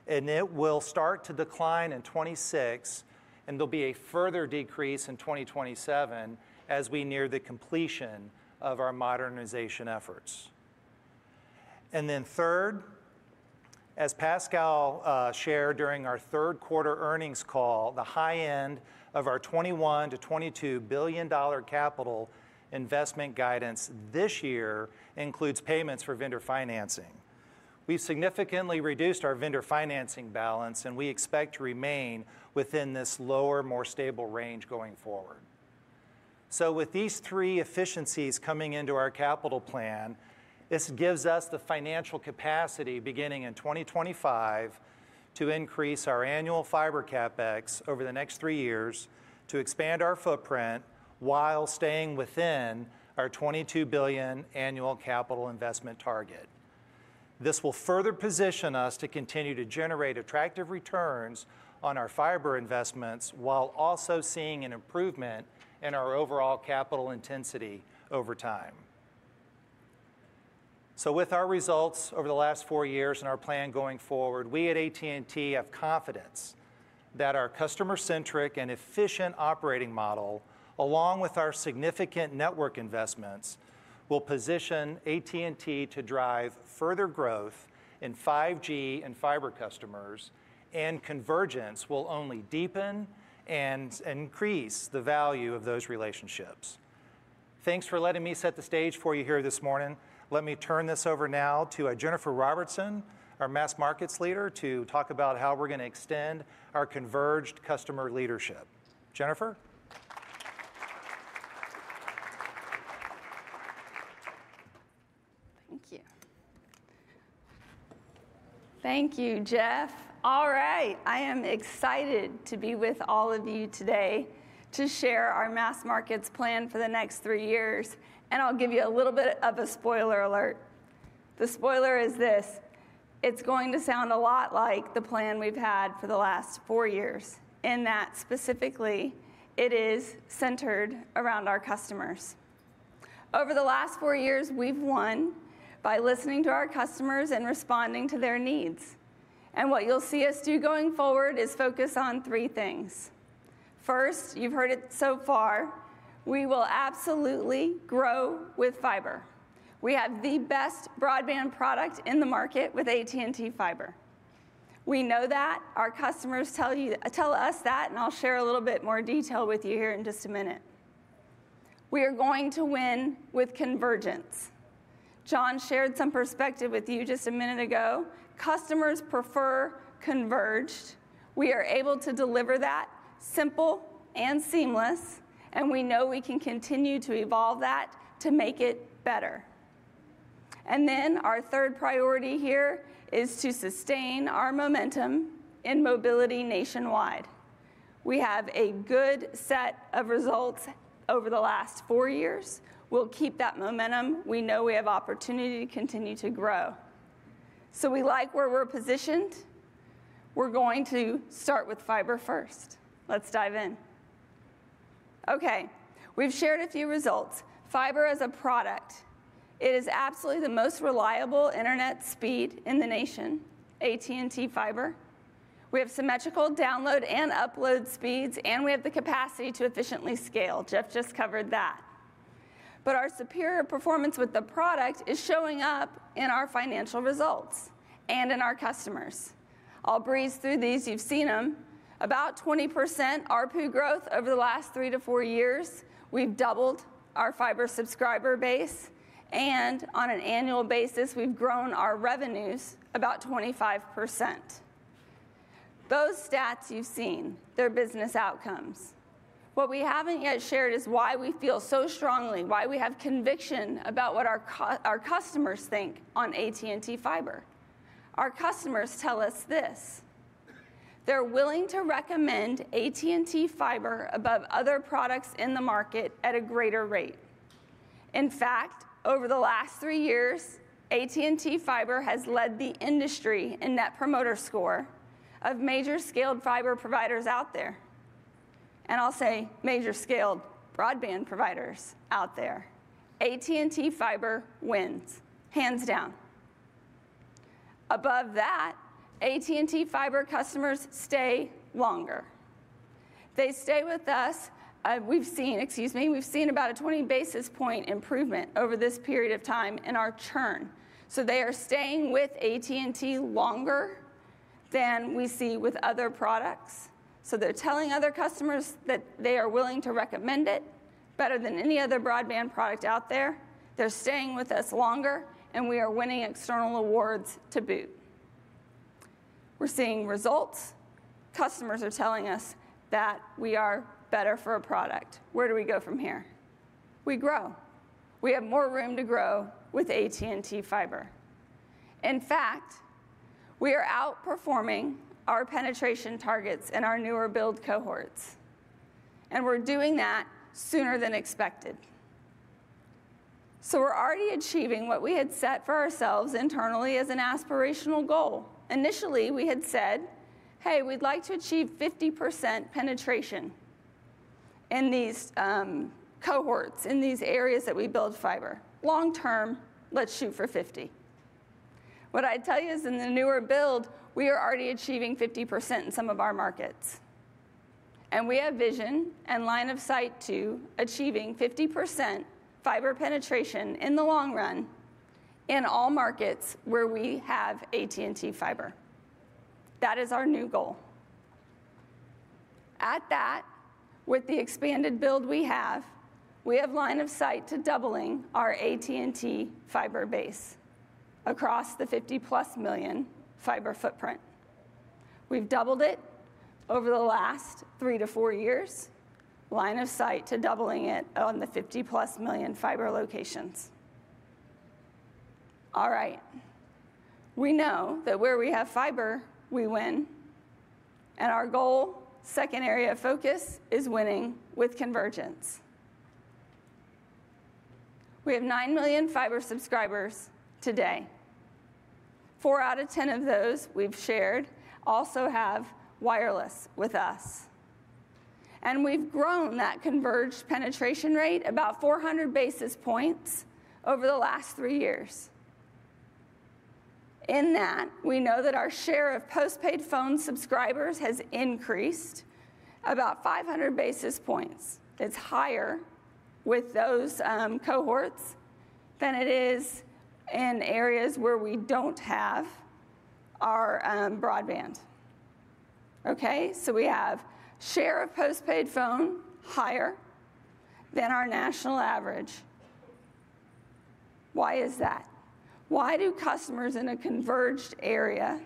and it will start to decline in 2026, and there'll be a further decrease in 2027 as we near the completion of our modernization efforts. Then third, as Pascal shared during our third quarter earnings call, the high-end of our $21 billion-$22 billion capital investment guidance this year includes payments for vendor financing. We've significantly reduced our vendor financing balance, and we expect to remain within this lower, more stable range going forward. With these three efficiencies coming into our capital plan, this gives us the financial capacity beginning in 2025 to increase our annual fiber CapEx over the next three years to expand our footprint while staying within our $22 billion annual capital investment target. This will further position us to continue to generate attractive returns on our fiber investments while also seeing an improvement in our overall capital intensity over time. So with our results over the last four years and our plan going forward, we at AT&T have confidence that our customer-centric and efficient operating model, along with our significant network investments, will position AT&T to drive further growth in 5G and fiber customers, and convergence will only deepen and increase the value of those relationships. Thanks for letting me set the stage for you here this morning. Let me turn this over now to Jenifer Robertson, our Mass Markets leader, to talk about how we're going to extend our converged customer leadership. Jenifer? Thank you. Thank you, Jeff. All right, I am excited to be with all of you today to share our Mass Markets plan for the next three years, and I'll give you a little bit of a spoiler alert. The spoiler is this: it's going to sound a lot like the plan we've had for the last four years. In that, specifically, it is centered around our customers. Over the last four years, we've won by listening to our customers and responding to their needs, and what you'll see us do going forward is focus on three things. First, you've heard it so far, we will absolutely grow with fiber. We have the best broadband product in the market with AT&T Fiber. We know that. Our customers tell us that, and I'll share a little bit more detail with you here in just a minute. We are going to win with convergence. John shared some perspective with you just a minute ago. Customers prefer converged. We are able to deliver that simple and seamless, and we know we can continue to evolve that to make it better, and then our third priority here is to sustain our momentum in mobility nationwide. We have a good set of results over the last four years. We'll keep that momentum. We know we have opportunity to continue to grow, so we like where we're positioned. We're going to start with fiber first. Let's dive in. Okay, we've shared a few results. Fiber as a product, it is absolutely the most reliable internet speed in the nation, AT&T Fiber. We have symmetrical download and upload speeds, and we have the capacity to efficiently scale. Jeff just covered that, but our superior performance with the product is showing up in our financial results and in our customers. I'll breeze through these. You've seen them. About 20% ARPU growth over the last three to four years. We've doubled our fiber subscriber base. And on an annual basis, we've grown our revenues about 25%. Those stats you've seen; they're business outcomes. What we haven't yet shared is why we feel so strongly, why we have conviction about what our customers think on AT&T Fiber. Our customers tell us this: they're willing to recommend AT&T Fiber above other products in the market at a greater rate. In fact, over the last three years, AT&T Fiber has led the industry in Net Promoter Score of major scaled fiber providers out there. And I'll say major scaled broadband providers out there. AT&T Fiber wins, hands down. Above that, AT&T Fiber customers stay longer. They stay with us. We've seen, excuse me, we've seen about a 20 basis points improvement over this period of time in our churn. So they are staying with AT&T longer than we see with other products. So they're telling other customers that they are willing to recommend it better than any other broadband product out there. They're staying with us longer, and we are winning external awards to boot. We're seeing results. Customers are telling us that we are better for a product. Where do we go from here? We grow. We have more room to grow with AT&T Fiber. In fact, we are outperforming our penetration targets and our newer build cohorts, and we're doing that sooner than expected, so we're already achieving what we had set for ourselves internally as an aspirational goal. Initially, we had said, "Hey, we'd like to achieve 50% penetration in these cohorts, in these areas that we build fiber. Long term, let's shoot for 50." What I'd tell you is in the newer build, we are already achieving 50% in some of our markets. And we have vision and line of sight to achieving 50% Fiber penetration in the long run in all markets where we have AT&T Fiber. That is our new goal. At that, with the expanded build we have, we have line of sight to doubling our AT&T Fiber base across the 50-plus million Fiber footprint. We've doubled it over the last three to four years, line of sight to doubling it on the 50-plus million Fiber locations. All right. We know that where we have fiber, we win. And our goal, second area of focus, is winning with convergence. We have 9 million fiber subscribers today. Four out of 10 of those we've shared also have wireless with us, and we've grown that converged penetration rate about 400 basis points over the last three years. In that, we know that our share of postpaid phone subscribers has increased about 500 basis points. It's higher with those cohorts than it is in areas where we don't have our broadband. Okay, so we have share of postpaid phone higher than our national average. Why is that? Why do customers in a converged area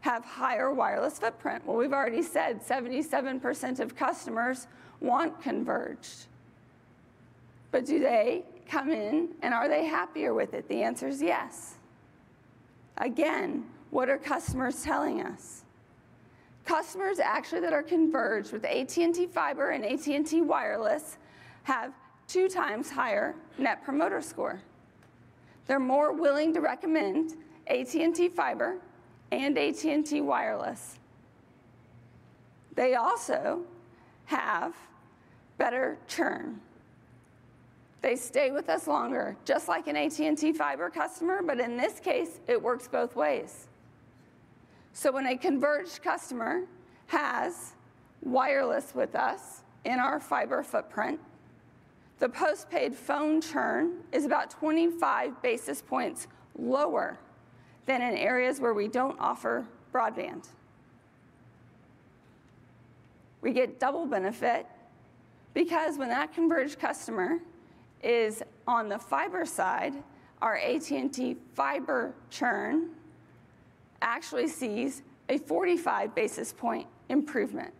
have higher wireless footprint? Well, we've already said 77% of customers want converged. But do they come in and are they happier with it? The answer is yes. Again, what are customers telling us? Customers actually that are converged with AT&T Fiber and AT&T Wireless have 2x higher Net Promoter Score. They're more willing to recommend AT&T Fiber and AT&T Wireless. They also have better churn. They stay with us longer, just like an AT&T Fiber customer, but in this case, it works both ways. So when a converged customer has wireless with us in our fiber footprint, the postpaid phone churn is about 25 basis points lower than in areas where we don't offer broadband. We get double benefit because when that converged customer is on the fiber side, our AT&T Fiber churn actually sees a 45 basis point improvement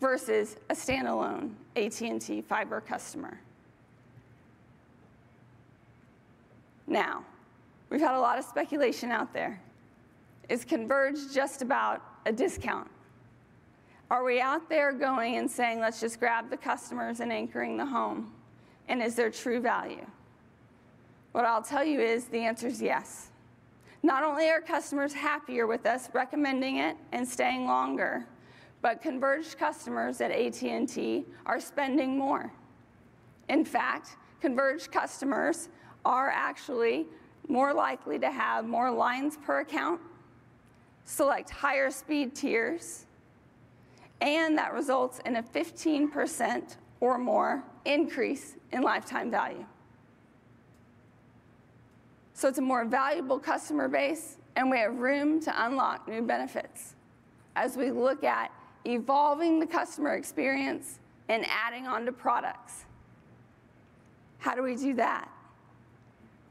versus a standalone AT&T Fiber customer. Now, we've had a lot of speculation out there. Is converged just about a discount? Are we out there going and saying, "Let's just grab the customers and anchoring the home," and is there true value? What I'll tell you is the answer is yes. Not only are customers happier with us recommending it and staying longer, but converged customers at AT&T are spending more. In fact, converged customers are actually more likely to have more lines per account, select higher speed tiers, and that results in a 15% or more increase in lifetime value, so it's a more valuable customer base, and we have room to unlock new benefits as we look at evolving the customer experience and adding on to products. How do we do that?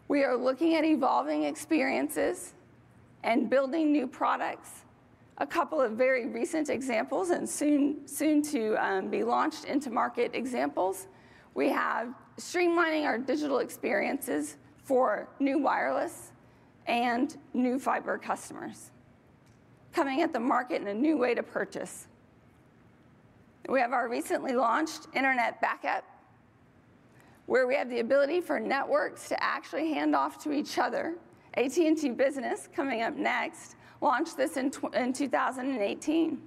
We are looking at evolving experiences and building new products. A couple of very recent examples and soon-to-be-launched-to-market examples. We have streamlining our digital experiences for new wireless and new fiber customers coming to the market in a new way to purchase. We have our recently launched Internet Backup, where we have the ability for networks to actually hand off to each other. AT&T Business coming up next launched this in 2018.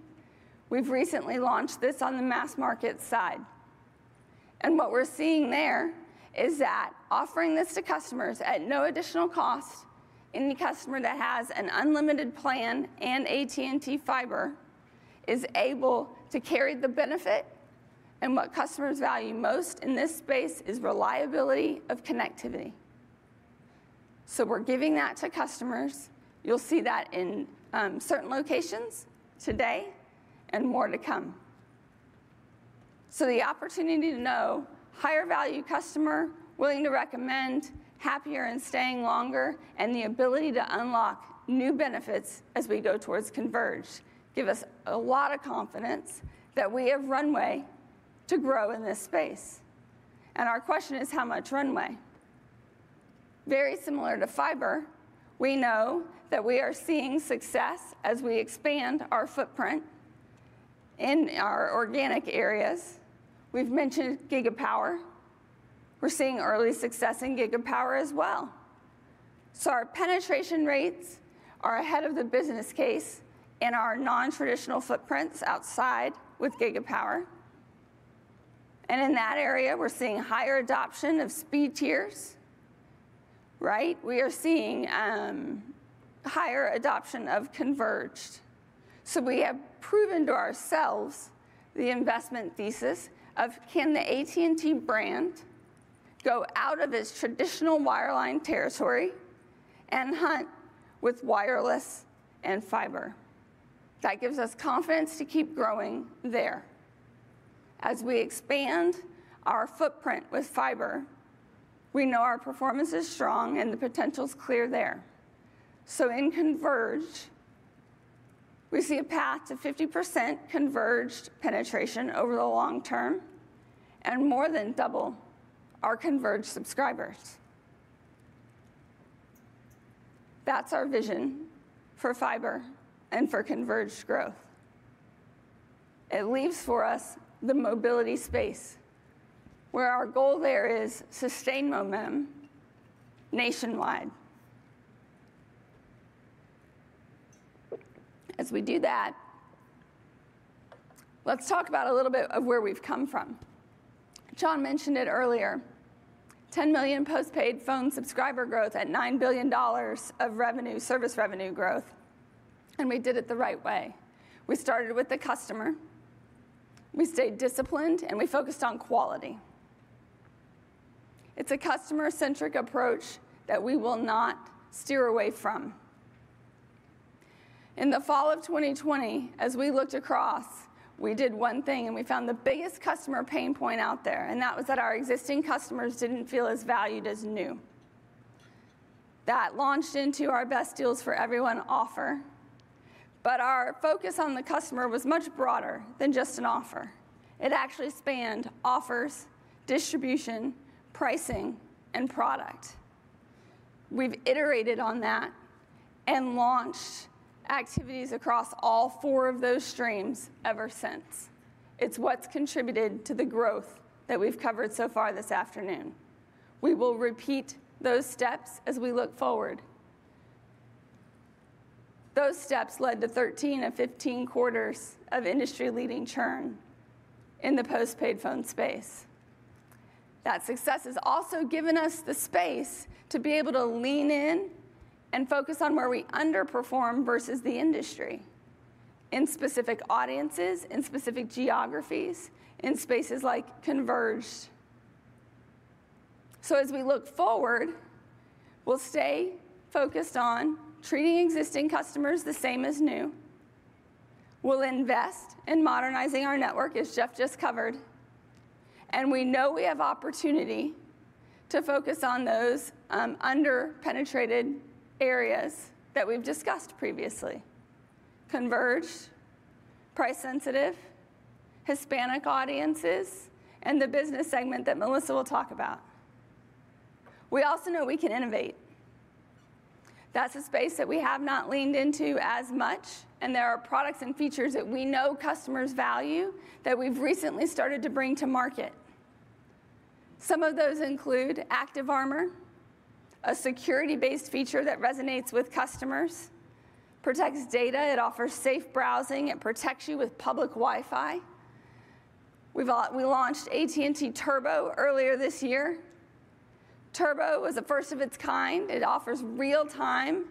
We've recently launched this on the Mass Markets side. And what we're seeing there is that offering this to customers at no additional cost, any customer that has an unlimited plan and AT&T Fiber is able to carry the benefit. And what customers value most in this space is reliability of connectivity. So we're giving that to customers. You'll see that in certain locations today and more to come. So the opportunity to grow higher value customer willing to recommend, happier and staying longer, and the ability to unlock new benefits as we go towards converged gives us a lot of confidence that we have runway to grow in this space. And our question is, how much runway? Very similar to fiber, we know that we are seeing success as we expand our footprint in our organic areas. We've mentioned Gigapower. We're seeing early success in Gigapower as well. So our penetration rates are ahead of the business case in our non-traditional footprints outside with Gigapower. And in that area, we're seeing higher adoption of speed tiers, right? We are seeing higher adoption of converged. So we have proven to ourselves the investment thesis of, can the AT&T brand go out of its traditional wireline territory and hunt with wireless and fiber? That gives us confidence to keep growing there. As we expand our footprint with fiber, we know our performance is strong and the potential is clear there. So in converged, we see a path to 50% converged penetration over the long term and more than double our converged subscribers. That's our vision for fiber and for converged growth. It leaves for us the mobility space where our goal there is to sustain momentum nationwide. As we do that, let's talk about a little bit of where we've come from. John mentioned it earlier, 10 million postpaid phone subscriber growth at $9 billion of service revenue growth, and we did it the right way. We started with the customer. We stayed disciplined, and we focused on quality. It's a customer-centric approach that we will not steer away from. In the fall of 2020, as we looked across, we did one thing, and we found the biggest customer pain point out there, and that was that our existing customers didn't feel as valued as new. That launched into our Best Deals for Everyone offer, but our focus on the customer was much broader than just an offer. It actually spanned offers, distribution, pricing, and product. We've iterated on that and launched activities across all four of those streams ever since. It's what's contributed to the growth that we've covered so far this afternoon. We will repeat those steps as we look forward. Those steps led to 13 of 15 quarters of industry-leading churn in the postpaid phone space. That success has also given us the space to be able to lean in and focus on where we underperform versus the industry in specific audiences, in specific geographies, in spaces like converged. So as we look forward, we'll stay focused on treating existing customers the same as new. We'll invest in modernizing our network, as Jeff just covered, and we know we have opportunity to focus on those under-penetrated areas that we've discussed previously: converged, price-sensitive, Hispanic audiences, and the business segment that Melissa will talk about. We also know we can innovate. That's a space that we have not leaned into as much, and there are products and features that we know customers value that we've recently started to bring to market. Some of those include ActiveArmor, a security-based feature that resonates with customers, protects data. It offers safe browsing. It protects you with public Wi-Fi. We launched AT&T Turbo earlier this year. Turbo was a first of its kind. It offers real-time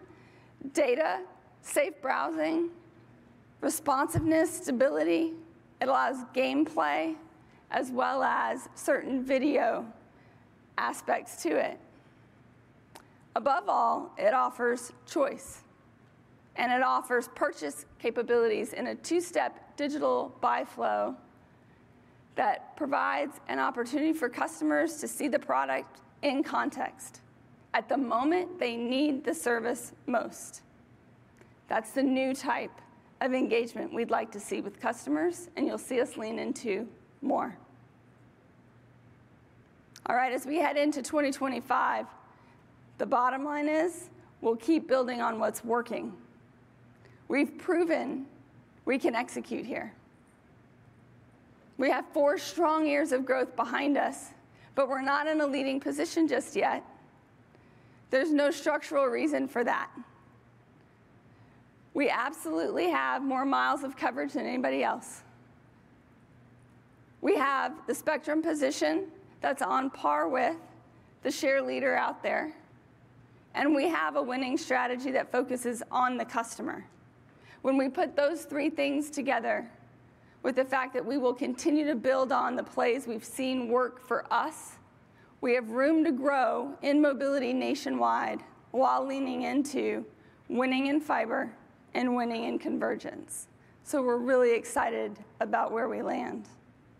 data, safe browsing, responsiveness, stability. It allows gameplay as well as certain video aspects to it. Above all, it offers choice, and it offers purchase capabilities in a two-step digital buy flow that provides an opportunity for customers to see the product in context at the moment they need the service most. That's the new type of engagement we'd like to see with customers, and you'll see us lean into more. All right, as we head into 2025, the bottom line is we'll keep building on what's working. We've proven we can execute here. We have four strong years of growth behind us, but we're not in a leading position just yet. There's no structural reason for that. We absolutely have more miles of coverage than anybody else. We have the spectrum position that's on par with the share leader out there, and we have a winning strategy that focuses on the customer. When we put those three things together with the fact that we will continue to build on the plays we've seen work for us, we have room to grow in mobility nationwide while leaning into winning in fiber and winning in convergence. So we're really excited about where we land.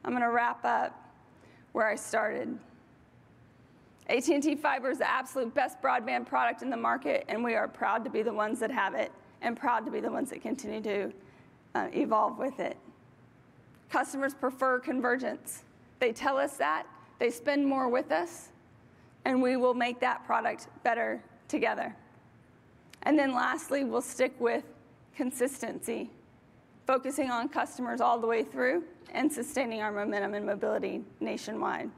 I'm going to wrap up where I started. AT&T Fiber is the absolute best broadband product in the market, and we are proud to be the ones that have it and proud to be the ones that continue to evolve with it. Customers prefer convergence. They tell us that. They spend more with us, and we will make that product better together. And then lastly, we'll stick with consistency, focusing on customers all the way through and sustaining our momentum and mobility nationwide.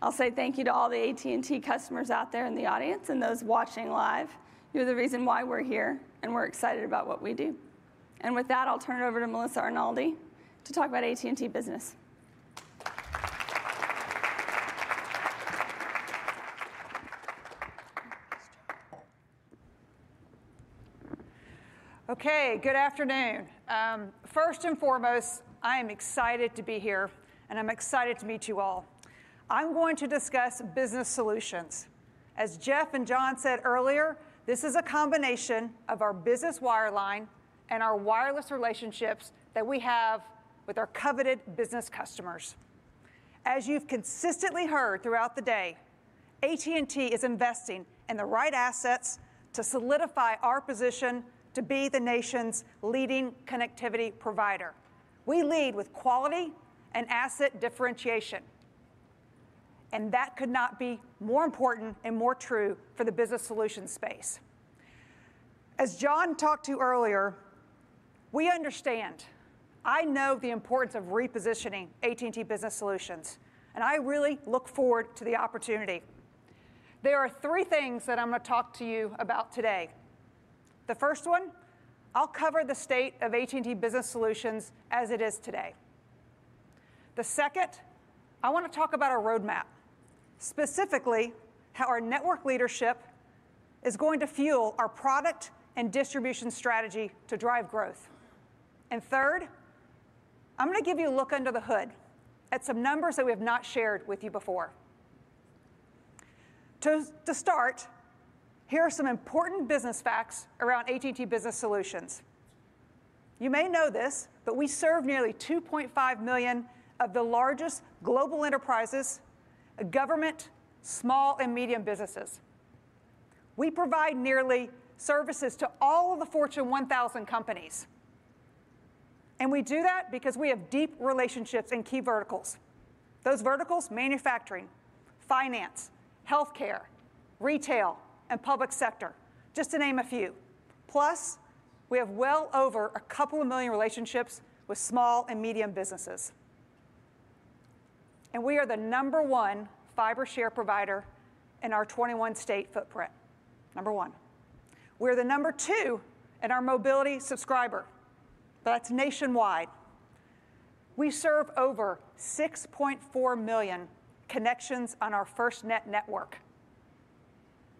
I'll say thank you to all the AT&T customers out there in the audience and those watching live. You're the reason why we're here, and we're excited about what we do. And with that, I'll turn it over to Melissa Arnoldi to talk about AT&T Business. Okay, good afternoon. First and foremost, I am excited to be here, and I'm excited to meet you all. I'm going to discuss business solutions. As Jeff and John said earlier, this is a combination of our business wireline and our wireless relationships that we have with our coveted business customers. As you've consistently heard throughout the day, AT&T is investing in the right assets to solidify our position to be the nation's leading connectivity provider. We lead with quality and asset differentiation, and that could not be more important and more true for the business solutions space. As John talked about earlier, we understand. I know the importance of repositioning AT&T Business Solutions, and I really look forward to the opportunity. There are three things that I'm going to talk to you about today. The first one, I'll cover the state of AT&T Business Solutions as it is today. The second, I want to talk about our roadmap, specifically how our network leadership is going to fuel our product and distribution strategy to drive growth. And third, I'm going to give you a look under the hood at some numbers that we have not shared with you before. To start, here are some important business facts around AT&T Business Solutions. You may know this, but we serve nearly 2.5 million of the largest global enterprises, government, small, and medium businesses. We provide services to nearly all of the Fortune 1000 companies. And we do that because we have deep relationships in key verticals. Those verticals are manufacturing, finance, healthcare, retail, and public sector, just to name a few. Plus, we have well over a couple of million relationships with small and medium businesses. And we are the number one fiber share provider in our 21-state footprint, number one. We are number two in our mobility subscriber. That's nationwide. We serve over 6.4 million connections on our FirstNet network.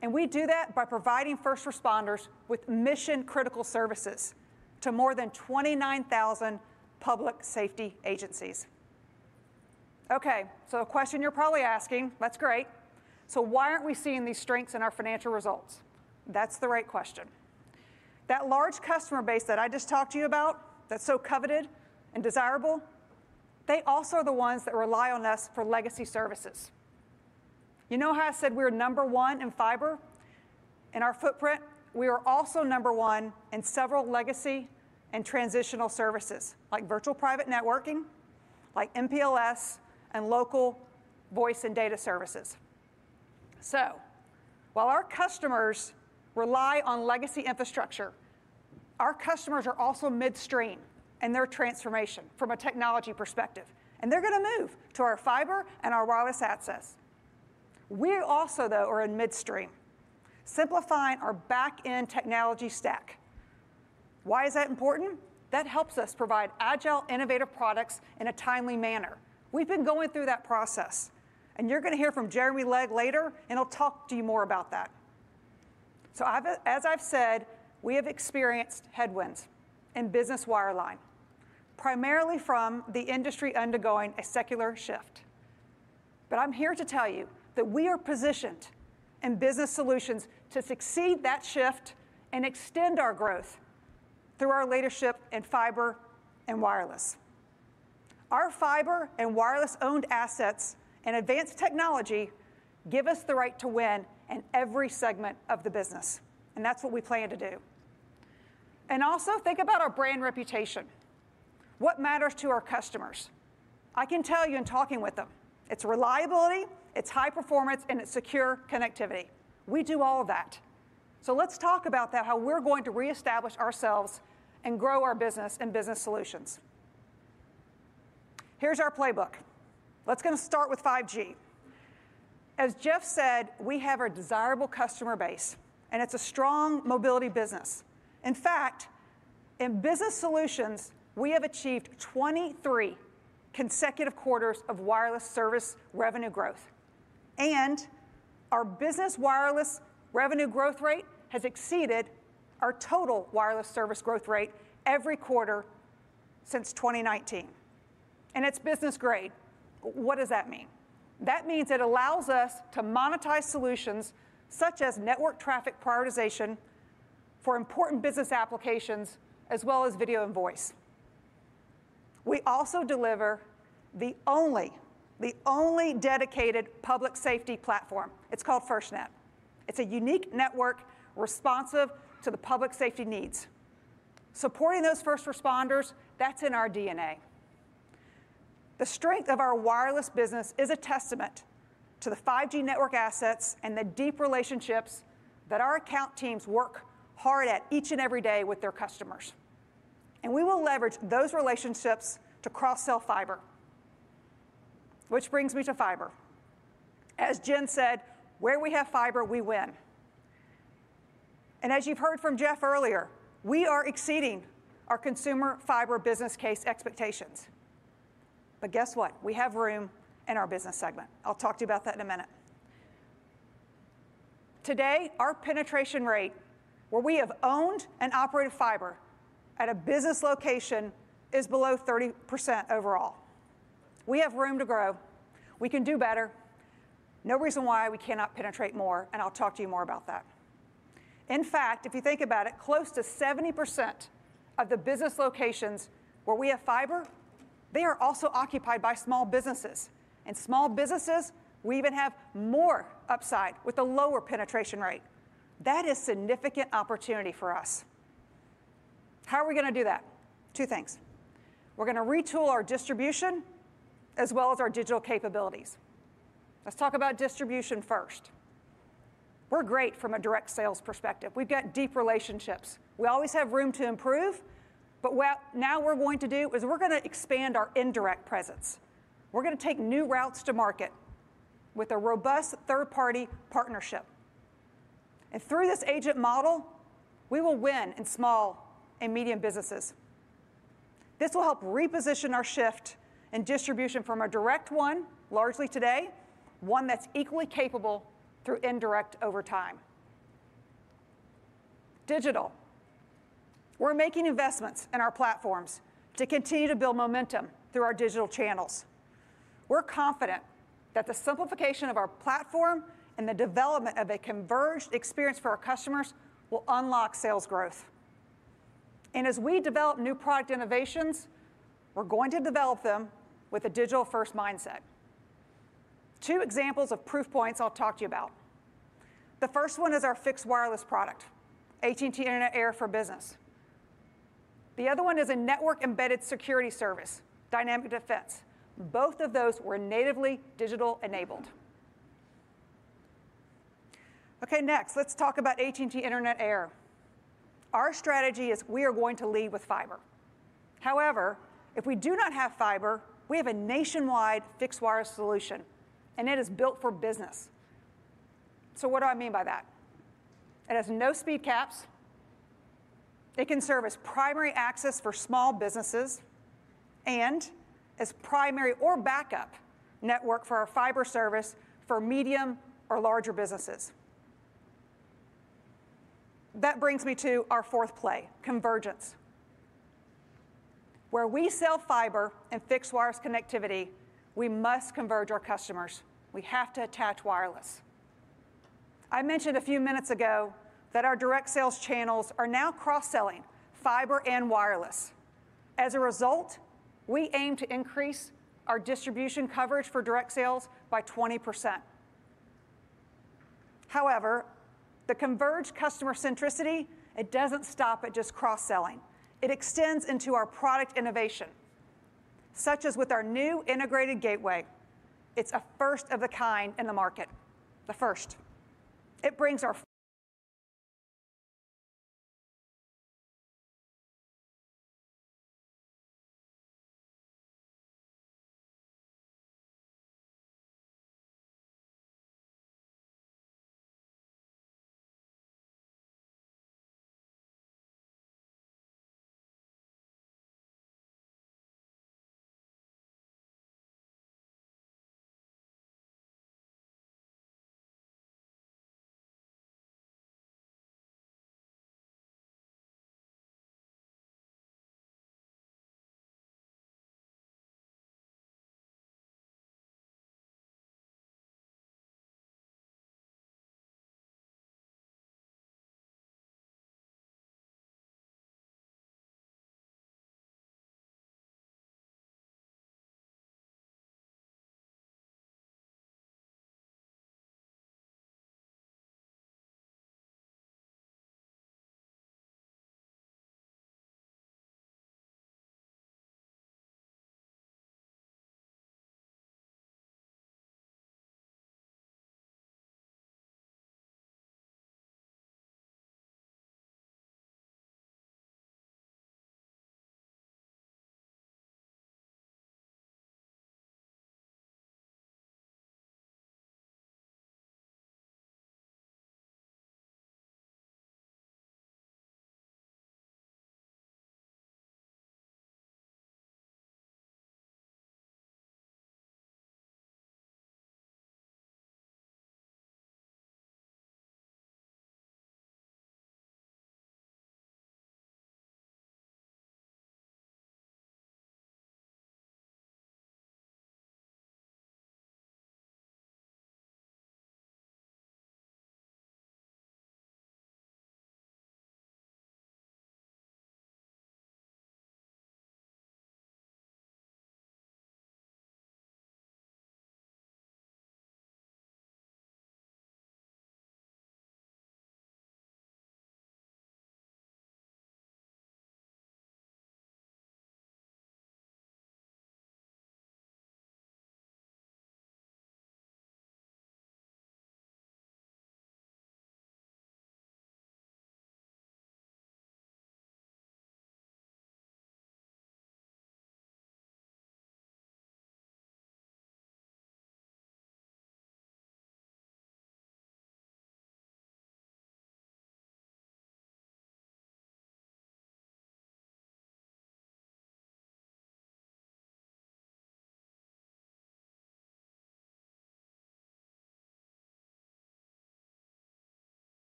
And we do that by providing first responders with mission-critical services to more than 29,000 public safety agencies. Okay, so the question you're probably asking, that's great. So why aren't we seeing these strengths in our financial results? That's the right question. That large customer base that I just talked to you about that's so coveted and desirable, they also are the ones that rely on us for legacy services. You know how I said we were number one in fiber and our footprint? We are also number one in several legacy and transitional services like virtual private networking, like MPLS, and local voice and data services. So while our customers rely on legacy infrastructure, our customers are also midstream in their transformation from a technology perspective. And they're going to move to our fiber and our wireless access. We also, though, are in midstream, simplifying our back-end technology stack. Why is that important? That helps us provide agile, innovative products in a timely manner. We've been going through that process, and you're going to hear from Jeremy Legg later, and he'll talk to you more about that. So as I've said, we have experienced headwinds in business wireline, primarily from the industry undergoing a secular shift. But I'm here to tell you that we are positioned in business solutions to succeed that shift and extend our growth through our leadership in fiber and wireless. Our fiber and wireless-owned assets and advanced technology give us the right to win in every segment of the business. And that's what we plan to do. And also think about our brand reputation. What matters to our customers? I can tell you in talking with them, it's reliability, it's high performance, and it's secure connectivity. We do all of that, so let's talk about how we're going to reestablish ourselves and grow our business in business solutions. Here's our playbook. We're going to start with 5G. As Jeff said, we have a desirable customer base, and it's a strong mobility business. In fact, in business solutions, we have achieved 23 consecutive quarters of wireless service revenue growth, and our business wireless revenue growth rate has exceeded our total wireless service growth rate every quarter since 2019. And it's business grade. What does that mean? That means it allows us to monetize solutions such as network traffic prioritization for important business applications, as well as video and voice. We also deliver the only dedicated public safety platform. It's called FirstNet. It's a unique network responsive to the public safety needs. Supporting those first responders, that's in our DNA. The strength of our wireless business is a testament to the 5G network assets and the deep relationships that our account teams work hard at each and every day with their customers. And we will leverage those relationships to cross-sell fiber. Which brings me to fiber. As Jen said, where we have fiber, we win. And as you've heard from Jeff earlier, we are exceeding our consumer fiber business case expectations. But guess what? We have room in our business segment. I'll talk to you about that in a minute. Today, our penetration rate, where we have owned and operated fiber at a business location, is below 30% overall. We have room to grow. We can do better. No reason why we cannot penetrate more, and I'll talk to you more about that. In fact, if you think about it, close to 70% of the business locations where we have fiber, they are also occupied by small businesses. And small businesses, we even have more upside with a lower penetration rate. That is a significant opportunity for us. How are we going to do that? Two things. We're going to retool our distribution as well as our digital capabilities. Let's talk about distribution first. We're great from a direct sales perspective. We've got deep relationships. We always have room to improve, but now what we're going to do is we're going to expand our indirect presence. We're going to take new routes to market with a robust third-party partnership. And through this agent model, we will win in small and medium businesses. This will help reposition our shift in distribution from a direct one, largely today, one that's equally capable through indirect over time. Digital. We're making investments in our platforms to continue to build momentum through our digital channels. We're confident that the simplification of our platform and the development of a converged experience for our customers will unlock sales growth. And as we develop new product innovations, we're going to develop them with a digital-first mindset. Two examples of proof points I'll talk to you about. The first one is our fixed wireless product, AT&T Internet Air for Business. The other one is a network-embedded security service, Dynamic Defense. Both of those were natively digital-enabled. Okay, next, let's talk about AT&T Internet Air. Our strategy is we are going to lead with fiber. However, if we do not have fiber, we have a nationwide fixed wireless solution, and it is built for business. So what do I mean by that? It has no speed caps. It can serve as primary access for small businesses and as primary or backup network for our fiber service for medium or larger businesses. That brings me to our fourth play, convergence. Where we sell fiber and fixed wireless connectivity, we must converge our customers. We have to attach wireless. I mentioned a few minutes ago that our direct sales channels are now cross-selling fiber and wireless. As a result, we aim to increase our distribution coverage for direct sales by 20%. However, the converged customer centricity, it doesn't stop at just cross-selling. It extends into our product innovation, such as with our new integrated gateway. It's a first of a kind in the market, the first.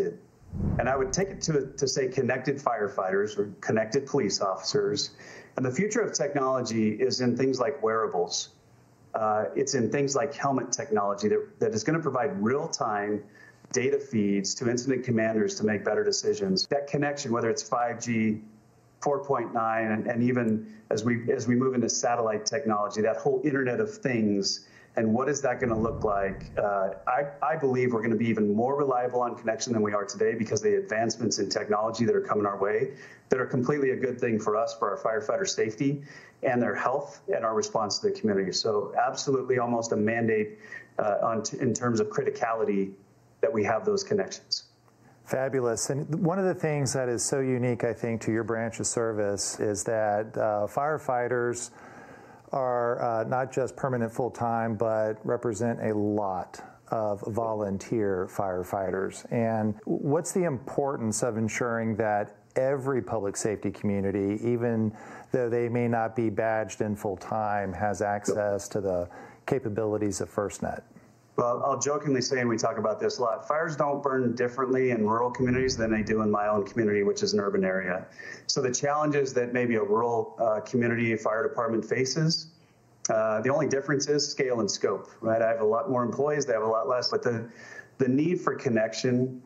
It brings us. I would take it to say connected firefighters or connected police officers. The future of technology is in things like wearables. It's in things like helmet technology that is going to provide real-time data feeds to incident commanders to make better decisions. That connection, whether it's 5G, 4G, and even as we move into satellite technology, that whole Internet of Things, and what is that going to look like? I believe we're going to be even more reliant on connection than we are today because of the advancements in technology that are coming our way, that are completely a good thing for us, for our firefighter safety, and their health, and our response to the community. So absolutely almost a mandate in terms of criticality that we have those connections. Fabulous. And one of the things that is so unique, I think, to your branch of service is that firefighters are not just permanent full-time, but represent a lot of volunteer firefighters. And what's the importance of ensuring that every public safety community, even though they may not be badged in full-time, has access to the capabilities of FirstNet? Well, I'll jokingly say, and we talk about this a lot, fires don't burn differently in rural communities than they do in my own community, which is an urban area. So the challenges that maybe a rural community fire department faces, the only difference is scale and scope, right? I have a lot more employees. They have a lot less. But the need for connection,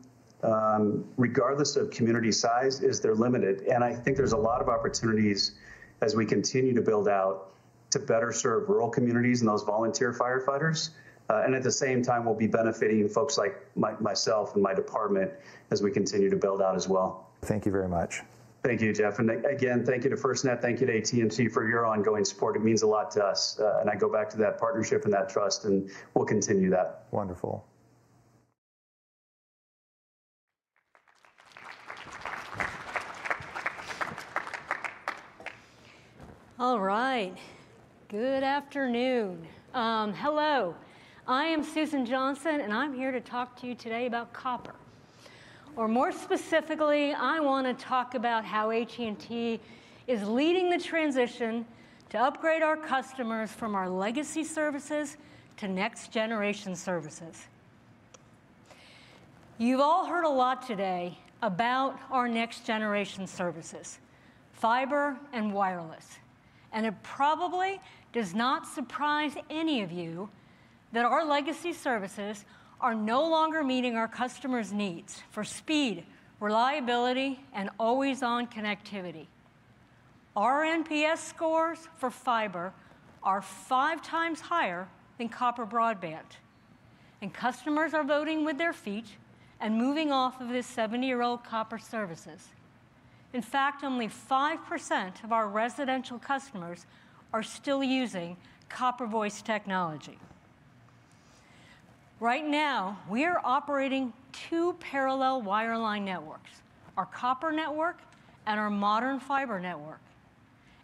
regardless of community size, is limited. I think there's a lot of opportunities as we continue to build out to better serve rural communities and those volunteer firefighters. And at the same time, we'll be benefiting folks like myself and my department as we continue to build out as well. Thank you very much. Thank you, Jeff. And again, thank you to FirstNet. Thank you to AT&T for your ongoing support. It means a lot to us. And I go back to that partnership and that trust, and we'll continue that. Wonderful. All right. Good afternoon. Hello. I am Susan Johnson, and I'm here to talk to you today about copper. Or more specifically, I want to talk about how AT&T is leading the transition to upgrade our customers from our legacy services to next-generation services. You've all heard a lot today about our next-generation services, fiber and wireless. And it probably does not surprise any of you that our legacy services are no longer meeting our customers' needs for speed, reliability, and always-on connectivity. NPS scores for fiber are five times higher than copper broadband. And customers are voting with their feet and moving off of the 70-year-old copper services. In fact, only 5% of our residential customers are still using copper voice technology. Right now, we are operating two parallel wireline networks, our copper network and our modern fiber network.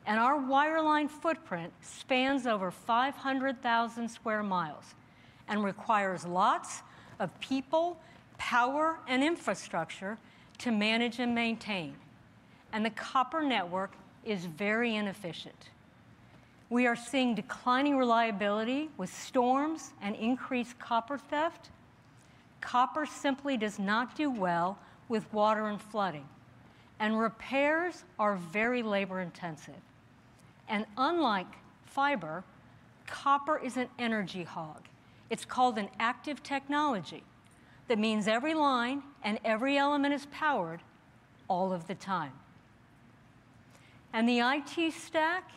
And our wireline footprint spans over 500,000 sq mi and requires lots of people, power, and infrastructure to manage and maintain. And the copper network is very inefficient. We are seeing declining reliability with storms and increased copper theft. Copper simply does not do well with water and flooding. And repairs are very labor-intensive. And unlike fiber, copper is an energy hog. It's called an active technology. That means every line and every element is powered all of the time, and the IT stack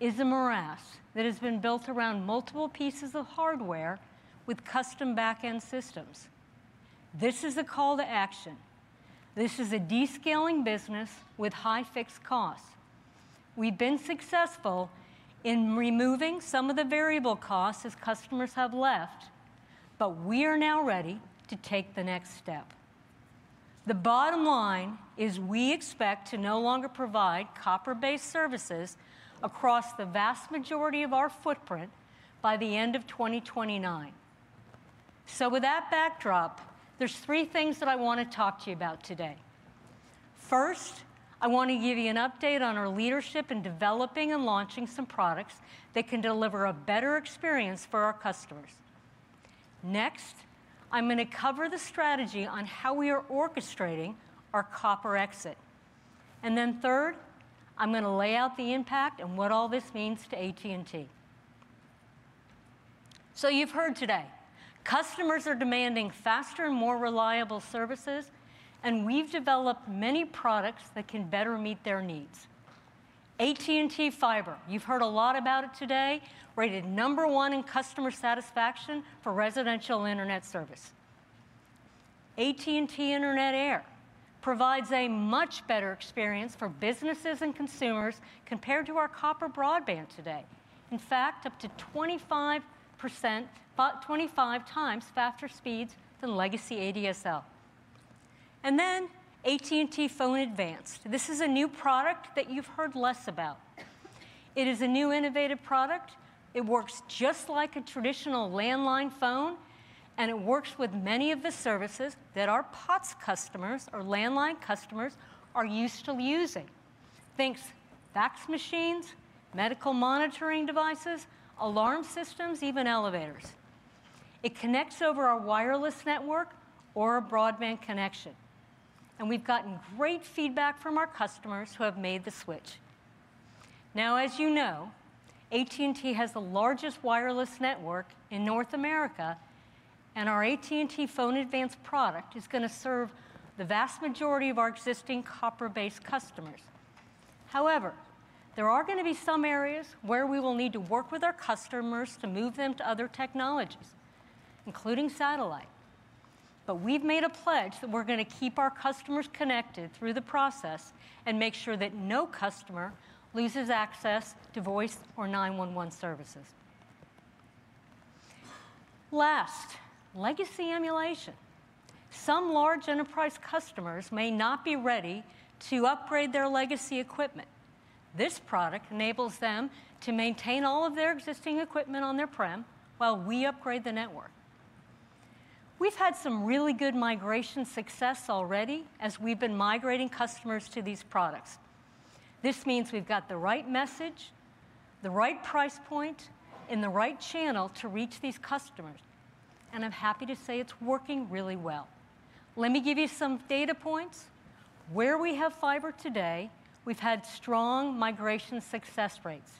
is a morass that has been built around multiple pieces of hardware with custom back-end systems. This is a call to action. This is a descaling business with high fixed costs. We've been successful in removing some of the variable costs as customers have left, but we are now ready to take the next step. The bottom line is we expect to no longer provide copper-based services across the vast majority of our footprint by the end of 2029, so with that backdrop, there are three things that I want to talk to you about today. First, I want to give you an update on our leadership in developing and launching some products that can deliver a better experience for our customers. Next, I'm going to cover the strategy on how we are orchestrating our copper exit, and then third, I'm going to lay out the impact and what all this means to AT&T, so you've heard today, customers are demanding faster and more reliable services, and we've developed many products that can better meet their needs. AT&T Fiber, you've heard a lot about it today, rated number one in customer satisfaction for residential Internet service. AT&T Internet Air provides a much better experience for businesses and consumers compared to our copper broadband today. In fact, up to 25%, about 25 times faster speeds than legacy ADSL, and then AT&T Phone Advanced. This is a new product that you've heard less about. It is a new innovative product. It works just like a traditional landline phone, and it works with many of the services that our POTS customers, our landline customers, are used to using. Think fax machines, medical monitoring devices, alarm systems, even elevators. It connects over our wireless network or a broadband connection. And we've gotten great feedback from our customers who have made the switch. Now, as you know, AT&T has the largest wireless network in North America, and our AT&T Phone Advanced product is going to serve the vast majority of our existing copper-based customers. However, there are going to be some areas where we will need to work with our customers to move them to other technologies, including satellite. But we've made a pledge that we're going to keep our customers connected through the process and make sure that no customer loses access to voice or 911 services. Last, legacy emulation. Some large enterprise customers may not be ready to upgrade their legacy equipment. This product enables them to maintain all of their existing equipment on their prem while we upgrade the network. We've had some really good migration success already as we've been migrating customers to these products. This means we've got the right message, the right price point, and the right channel to reach these customers. And I'm happy to say it's working really well. Let me give you some data points. Where we have fiber today, we've had strong migration success rates,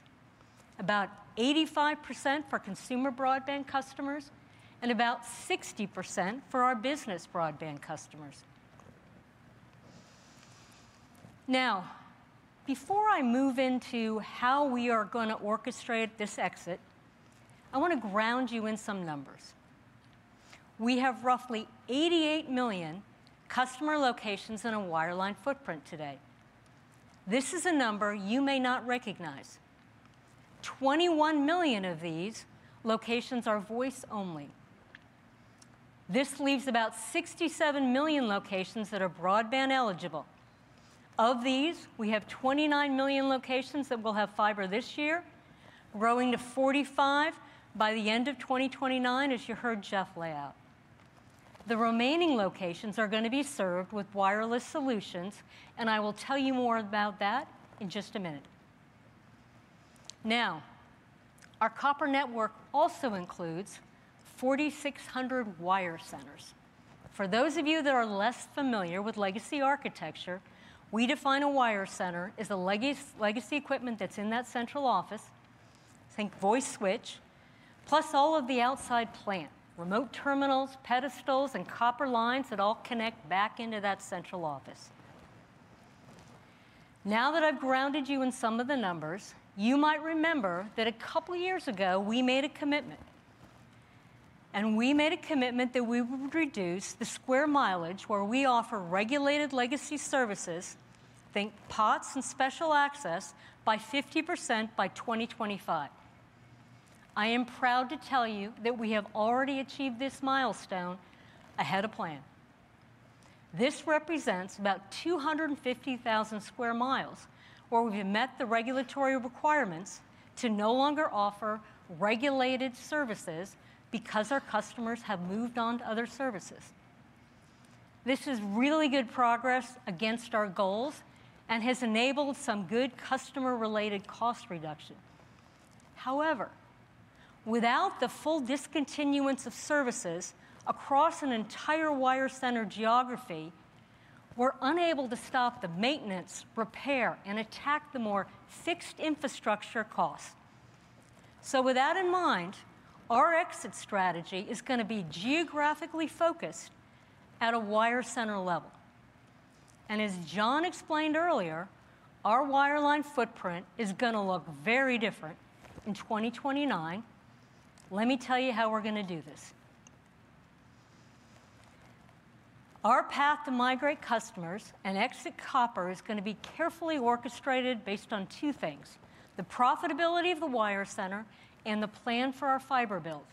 about 85% for consumer broadband customers and about 60% for our business broadband customers. Now, before I move into how we are going to orchestrate this exit, I want to ground you in some numbers. We have roughly 88 million customer locations in a wireline footprint today. This is a number you may not recognize. 21 million of these locations are voice only. This leaves about 67 million locations that are broadband eligible. Of these, we have 29 million locations that will have fiber this year, growing to 45 by the end of 2029, as you heard Jeff lay out. The remaining locations are going to be served with wireless solutions, and I will tell you more about that in just a minute. Now, our copper network also includes 4,600 wire centers. For those of you that are less familiar with legacy architecture, we define a wire center as the legacy equipment that's in that central office, think voice switch, plus all of the outside plant, remote terminals, pedestals, and copper lines that all connect back into that central office. Now that I've grounded you in some of the numbers, you might remember that a couple of years ago, we made a commitment. We made a commitment that we would reduce the square mileage where we offer regulated legacy services, think POTS and special access, by 50% by 2025. I am proud to tell you that we have already achieved this milestone ahead of plan. This represents about 250,000 sq mi where we've met the regulatory requirements to no longer offer regulated services because our customers have moved on to other services. This is really good progress against our goals and has enabled some good customer-related cost reduction. However, without the full discontinuance of services across an entire wire center geography, we're unable to stop the maintenance, repair, and attack the more fixed infrastructure costs. So with that in mind, our exit strategy is going to be geographically focused at a wire center level. As John explained earlier, our wireline footprint is going to look very different in 2029. Let me tell you how we're going to do this. Our path to migrate customers and exit copper is going to be carefully orchestrated based on two things: the profitability of the wire center and the plan for our fiber build.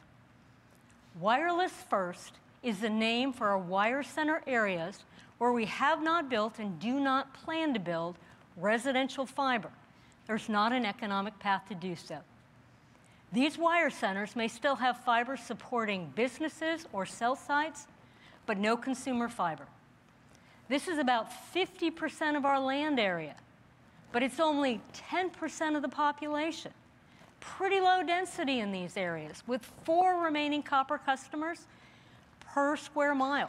Wireless First is the name for our wire center areas where we have not built and do not plan to build residential fiber. There's not an economic path to do so. These wire centers may still have fiber supporting businesses or cell sites, but no consumer fiber. This is about 50% of our land area, but it's only 10% of the population. Pretty low density in these areas with four remaining copper customers per sq mi.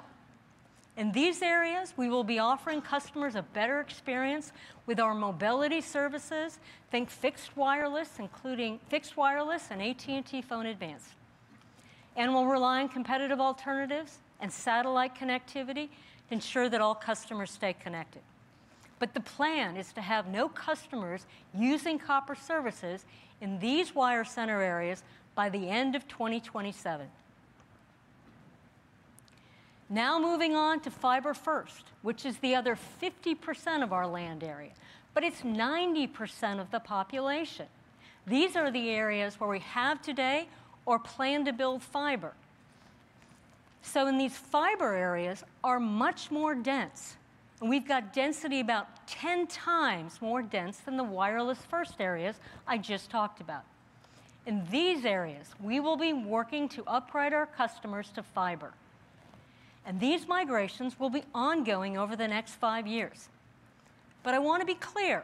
In these areas, we will be offering customers a better experience with our mobility services, think fixed wireless, including fixed wireless and AT&T Phone Advanced. We'll rely on competitive alternatives and satellite connectivity to ensure that all customers stay connected. The plan is to have no customers using copper services in these wire center areas by the end of 2027. Now moving on to Fiber First, which is the other 50% of our land area, but it's 90% of the population. These are the areas where we have today or plan to build fiber. In these fiber areas are much more dense. We've got density about 10 times more dense than the wireless first areas I just talked about. In these areas, we will be working to upgrade our customers to fiber. These migrations will be ongoing over the next five years. I want to be clear,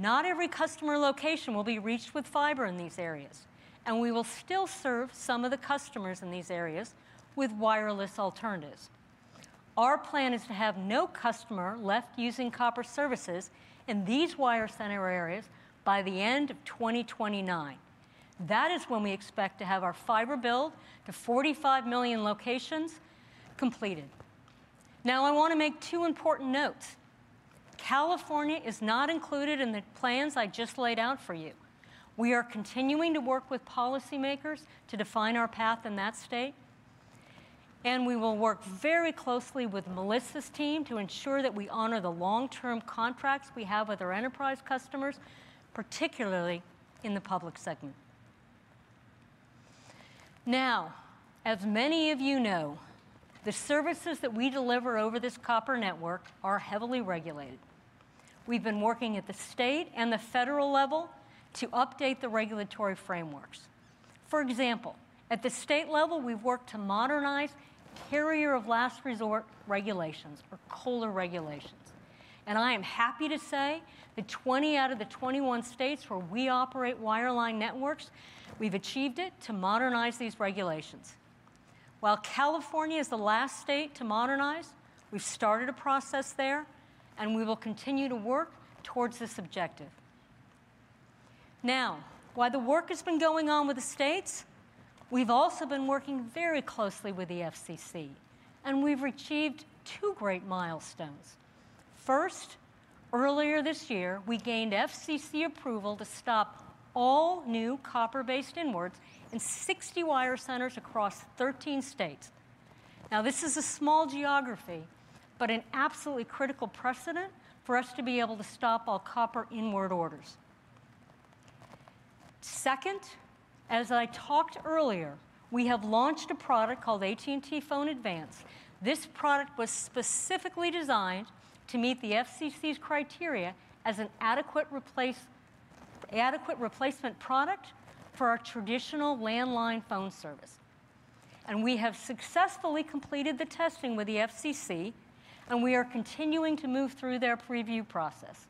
not every customer location will be reached with fiber in these areas. We will still serve some of the customers in these areas with wireless alternatives. Our plan is to have no customer left using copper services in these wire center areas by the end of 2029. That is when we expect to have our fiber build to 45 million locations completed. Now, I want to make two important notes. California is not included in the plans I just laid out for you. We are continuing to work with policymakers to define our path in that state. We will work very closely with Melissa's team to ensure that we honor the long-term contracts we have with our enterprise customers, particularly in the public segment. Now, as many of you know, the services that we deliver over this copper network are heavily regulated. We've been working at the state and the federal level to update the regulatory frameworks. For example, at the state level, we've worked to modernize carrier of last resort regulations or COLR regulations. I am happy to say that 20 out of the 21 states where we operate wireline networks, we've achieved it to modernize these regulations. While California is the last state to modernize, we've started a process there, and we will continue to work towards this objective. Now, while the work has been going on with the states, we've also been working very closely with the FCC. We've achieved two great milestones. First, earlier this year, we gained FCC approval to stop all new copper-based inward orders in 60 wire centers across 13 states. Now, this is a small geography, but an absolutely critical precedent for us to be able to stop all copper inward orders. Second, as I talked earlier, we have launched a product called AT&T Phone Advanced. This product was specifically designed to meet the FCC's criteria as an adequate replacement product for our traditional landline phone service, and we have successfully completed the testing with the FCC, and we are continuing to move through their preview process.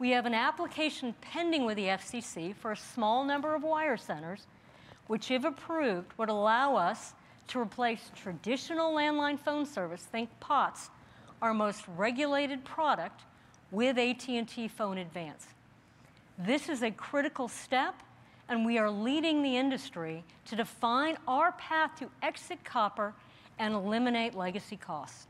We have an application pending with the FCC for a small number of wire centers, which, if approved, would allow us to replace traditional landline phone service, think POTS, our most regulated product with AT&T Phone Advanced. This is a critical step, and we are leading the industry to define our path to exit copper and eliminate legacy costs,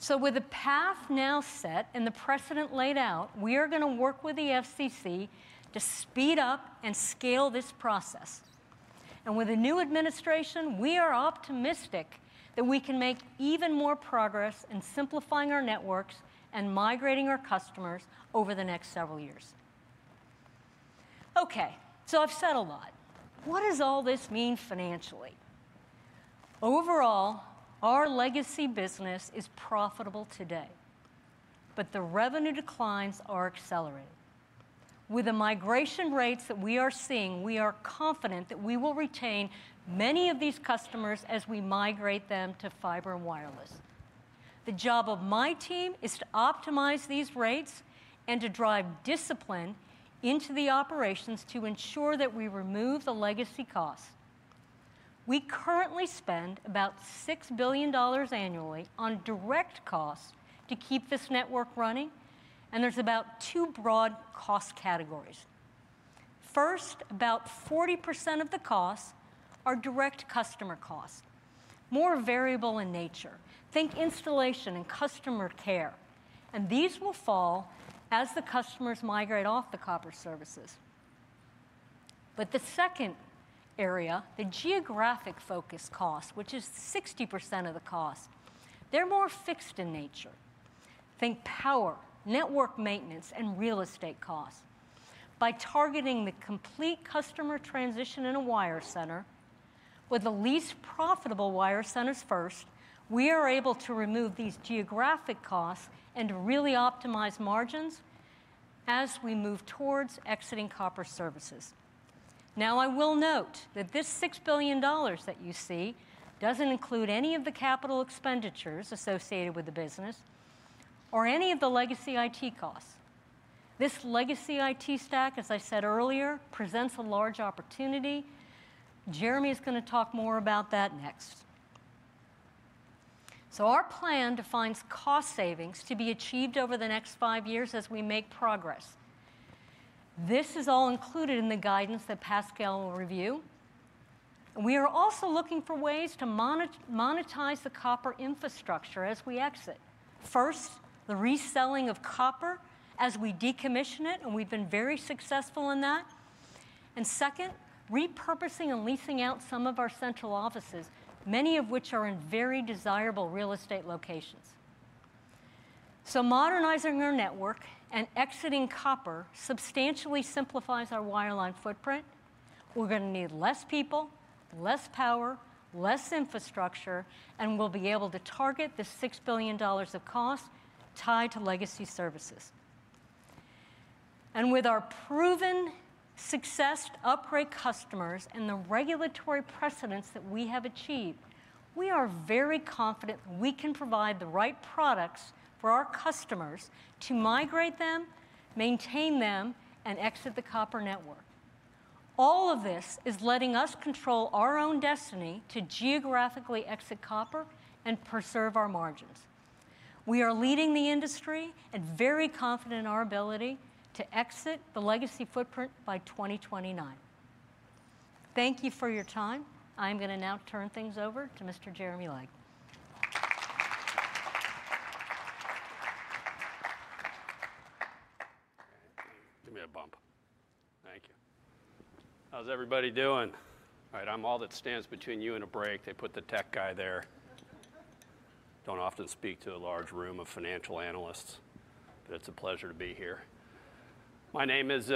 so with the path now set and the precedent laid out, we are going to work with the FCC to speed up and scale this process. And with the new administration, we are optimistic that we can make even more progress in simplifying our networks and migrating our customers over the next several years. Okay, so I've said a lot. What does all this mean financially? Overall, our legacy business is profitable today, but the revenue declines are accelerating. With the migration rates that we are seeing, we are confident that we will retain many of these customers as we migrate them to fiber and wireless. The job of my team is to optimize these rates and to drive discipline into the operations to ensure that we remove the legacy costs. We currently spend about $6 billion annually on direct costs to keep this network running, and there's about two broad cost categories. First, about 40% of the costs are direct customer costs, more variable in nature. Think installation and customer care. These will fall as the customers migrate off the copper services. The second area, the geographic focus costs, which is 60% of the cost, they're more fixed in nature. Think power, network maintenance, and real estate costs. By targeting the complete customer transition in a wire center with the least profitable wire centers first, we are able to remove these geographic costs and really optimize margins as we move towards exiting copper services. Now, I will note that this $6 billion that you see doesn't include any of the capital expenditures associated with the business or any of the legacy IT costs. This legacy IT stack, as I said earlier, presents a large opportunity. Jeremy is going to talk more about that next. Our plan defines cost savings to be achieved over the next five years as we make progress. This is all included in the guidance that Pascal will review. We are also looking for ways to monetize the copper infrastructure as we exit. First, the reselling of copper as we decommission it, and we've been very successful in that. And second, repurposing and leasing out some of our central offices, many of which are in very desirable real estate locations. So modernizing our network and exiting copper substantially simplifies our wireline footprint. We're going to need less people, less power, less infrastructure, and we'll be able to target the $6 billion of costs tied to legacy services. And with our proven success to upgrade customers and the regulatory precedents that we have achieved, we are very confident that we can provide the right products for our customers to migrate them, maintain them, and exit the copper network. All of this is letting us control our own destiny to geographically exit copper and preserve our margins. We are leading the industry and very confident in our ability to exit the legacy footprint by 2029. Thank you for your time. I'm going to now turn things over to Mr. Jeremy Legg. Give me a bump. Thank you. How's everybody doing? All right, I'm all that stands between you and a break. They put the tech guy there. Don't often speak to a large room of financial analysts, but it's a pleasure to be here. My name is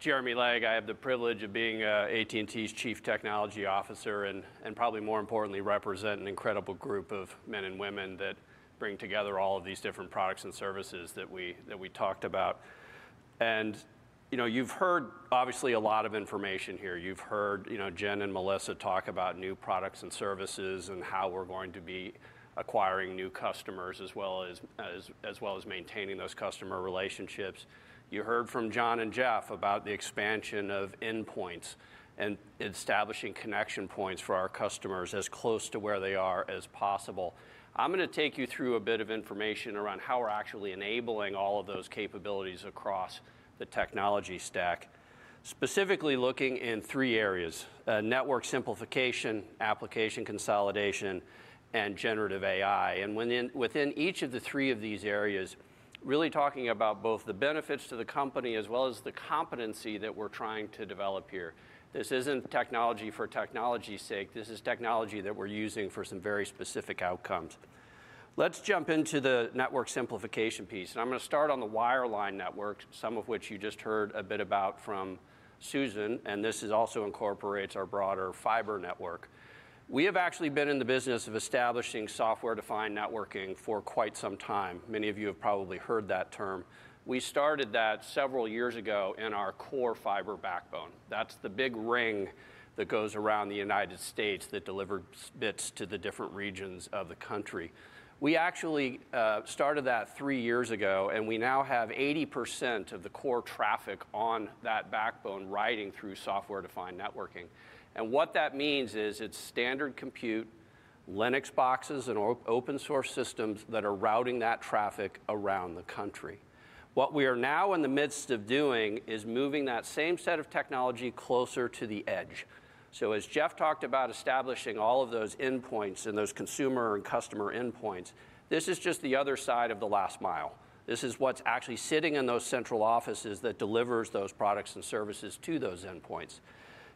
Jeremy Legg. I have the privilege of being AT&T's Chief Technology Officer and probably more importantly, represent an incredible group of men and women that bring together all of these different products and services that we talked about. And you've heard obviously a lot of information here. You've heard Jen and Melissa talk about new products and services and how we're going to be acquiring new customers as well as maintaining those customer relationships. You heard from John and Jeff about the expansion of endpoints and establishing connection points for our customers as close to where they are as possible. I'm going to take you through a bit of information around how we're actually enabling all of those capabilities across the technology stack, specifically looking in three areas: network simplification, application consolidation, and generative AI. And within each of the three of these areas, really talking about both the benefits to the company as well as the competency that we're trying to develop here. This isn't technology for technologies sake. This is technology that we're using for some very specific outcomes. Let's jump into the network simplification piece. And I'm going to start on the wireline network, some of which you just heard a bit about from Susan. And this also incorporates our broader fiber network. We have actually been in the business of establishing software-defined networking for quite some time. Many of you have probably heard that term. We started that several years ago in our core fiber backbone. That's the big ring that goes around the United States that delivers bits to the different regions of the country. We actually started that three years ago, and we now have 80% of the core traffic on that backbone riding through software-defined networking. And what that means is it's standard compute, Linux boxes, and open-source systems that are routing that traffic around the country. What we are now in the midst of doing is moving that same set of technology closer to the edge. So as Jeff talked about establishing all of those endpoints and those consumer and customer endpoints, this is just the other side of the last mile. This is what's actually sitting in those central offices that delivers those products and services to those endpoints.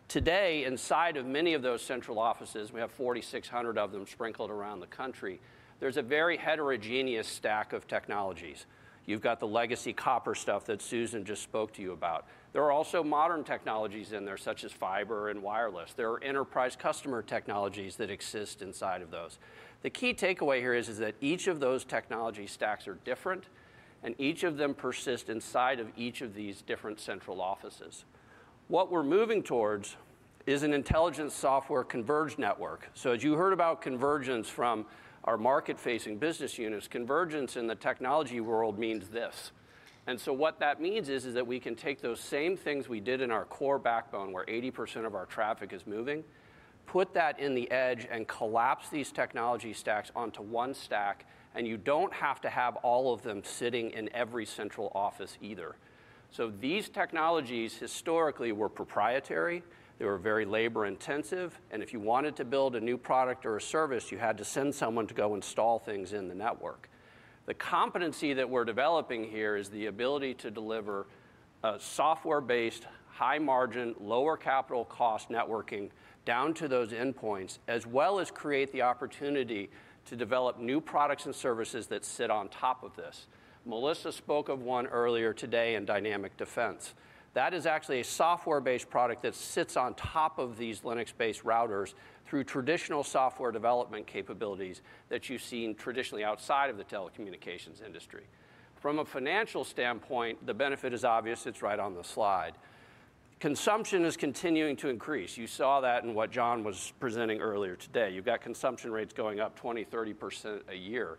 Today, inside of many of those central offices, we have 4,600 of them sprinkled around the country. There's a very heterogeneous stack of technologies. You've got the legacy copper stuff that Susan just spoke to you about. There are also modern technologies in there, such as fiber and wireless. There are enterprise customer technologies that exist inside of those. The key takeaway here is that each of those technology stacks are different, and each of them persists inside of each of these different central offices. What we're moving towards is an intelligent software converged network. So as you heard about convergence from our market-facing business units, convergence in the technology world means this. And so what that means is that we can take those same things we did in our core backbone where 80% of our traffic is moving, put that in the edge, and collapse these technology stacks onto one stack. And you don't have to have all of them sitting in every central office either. So these technologies historically were proprietary. They were very labor-intensive. And if you wanted to build a new product or a service, you had to send someone to go install things in the network. The competency that we're developing here is the ability to deliver software-based, high-margin, lower capital cost networking down to those endpoints, as well as create the opportunity to develop new products and services that sit on top of this. Melissa spoke of one earlier today in Dynamic Defense. That is actually a software-based product that sits on top of these Linux-based routers through traditional software development capabilities that you've seen traditionally outside of the telecommunications industry. From a financial standpoint, the benefit is obvious. It's right on the slide. Consumption is continuing to increase. You saw that in what John was presenting earlier today. You've got consumption rates going up 20%-30% a year.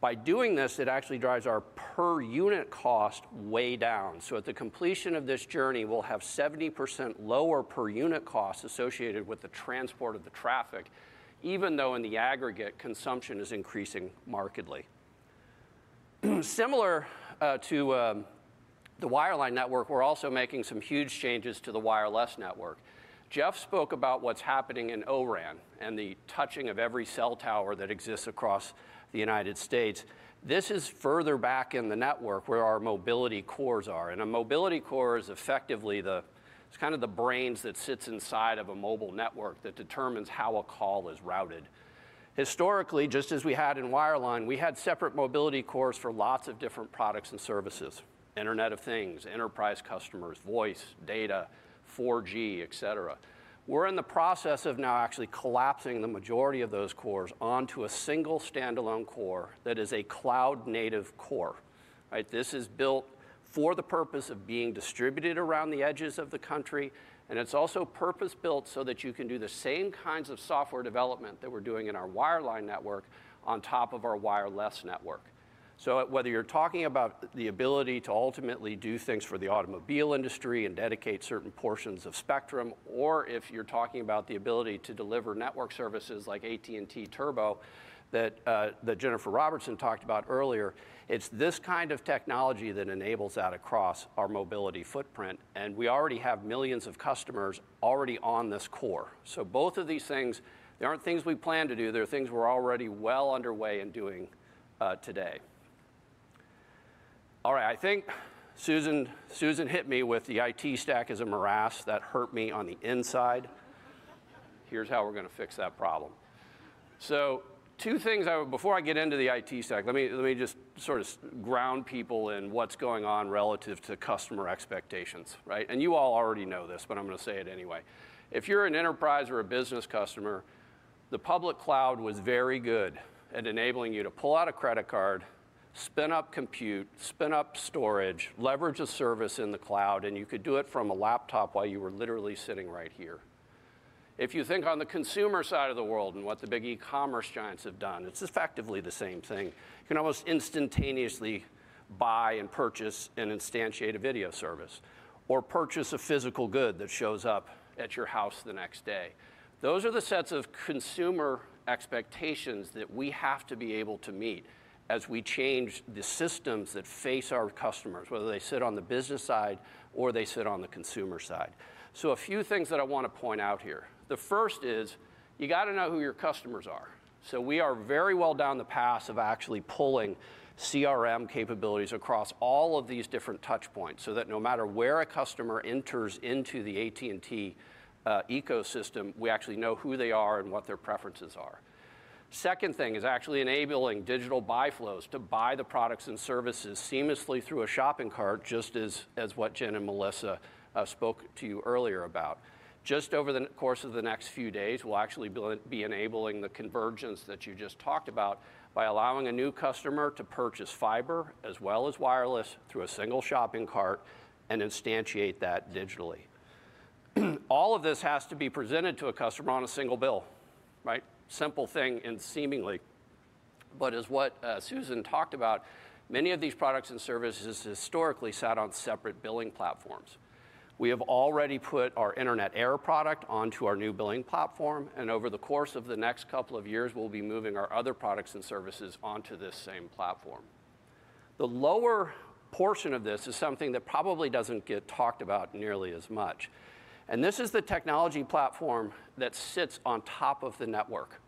By doing this, it actually drives our per-unit cost way down. So at the completion of this journey, we'll have 70% lower per-unit cost associated with the transport of the traffic, even though in the aggregate, consumption is increasing markedly. Similar to the wireline network, we're also making some huge changes to the wireless network. Jeff spoke about what's happening in O-RAN and the touching of every cell tower that exists across the United States. This is further back in the network where our mobility cores are. And a mobility core is effectively the kind of the brains that sit inside of a mobile network that determines how a call is routed. Historically, just as we had in wireline, we had separate mobility cores for lots of different products and services: Internet of Things, enterprise customers, voice, data, 4G, et cetera. We're in the process of now actually collapsing the majority of those cores onto a single standalone core that is a cloud-native core. This is built for the purpose of being distributed around the edges of the country. And it's also purpose-built so that you can do the same kinds of software development that we're doing in our wireline network on top of our wireless network. So whether you're talking about the ability to ultimately do things for the automobile industry and dedicate certain portions of spectrum, or if you're talking about the ability to deliver network services like AT&T Turbo that Jenifer Robertson talked about earlier, it's this kind of technology that enables that across our mobility footprint. And we already have millions of customers already on this core. So both of these things, they aren't things we plan to do. They're things we're already well underway in doing today. All right, I think Susan hit me with the IT stack is a morass that hurt me on the inside. Here's how we're going to fix that problem. So two things before I get into the IT stack, let me just sort of ground people in what's going on relative to customer expectations. You all already know this, but I'm going to say it anyway. If you're an enterprise or a business customer, the public cloud was very good at enabling you to pull out a credit card, spin up compute, spin up storage, leverage a service in the cloud, and you could do it from a laptop while you were literally sitting right here. If you think on the consumer side of the world and what the big e-commerce giants have done, it's effectively the same thing. You can almost instantaneously buy and purchase and instantiate a video service or purchase a physical good that shows up at your house the next day. Those are the sets of consumer expectations that we have to be able to meet as we change the systems that face our customers, whether they sit on the business side or they sit on the consumer side. A few things that I want to point out here. The first is you got to know who your customers are. We are very well down the path of actually pulling CRM capabilities across all of these different touch points so that no matter where a customer enters into the AT&T ecosystem, we actually know who they are and what their preferences are. Second thing is actually enabling digital buy flows to buy the products and services seamlessly through a shopping cart, just as what Jen and Melissa spoke to you earlier about. Just over the course of the next few days, we'll actually be enabling the convergence that you just talked about by allowing a new customer to purchase fiber as well as wireless through a single shopping cart and instantiate that digitally. All of this has to be presented to a customer on a single bill. Simple thing and seemingly. But as what Susan talked about, many of these products and services historically sat on separate billing platforms. We have already put our Internet Air product onto our new billing platform. And over the course of the next couple of years, we'll be moving our other products and services onto this same platform. The lower portion of this is something that probably doesn't get talked about nearly as much. This is the technology platform that sits on top of the network.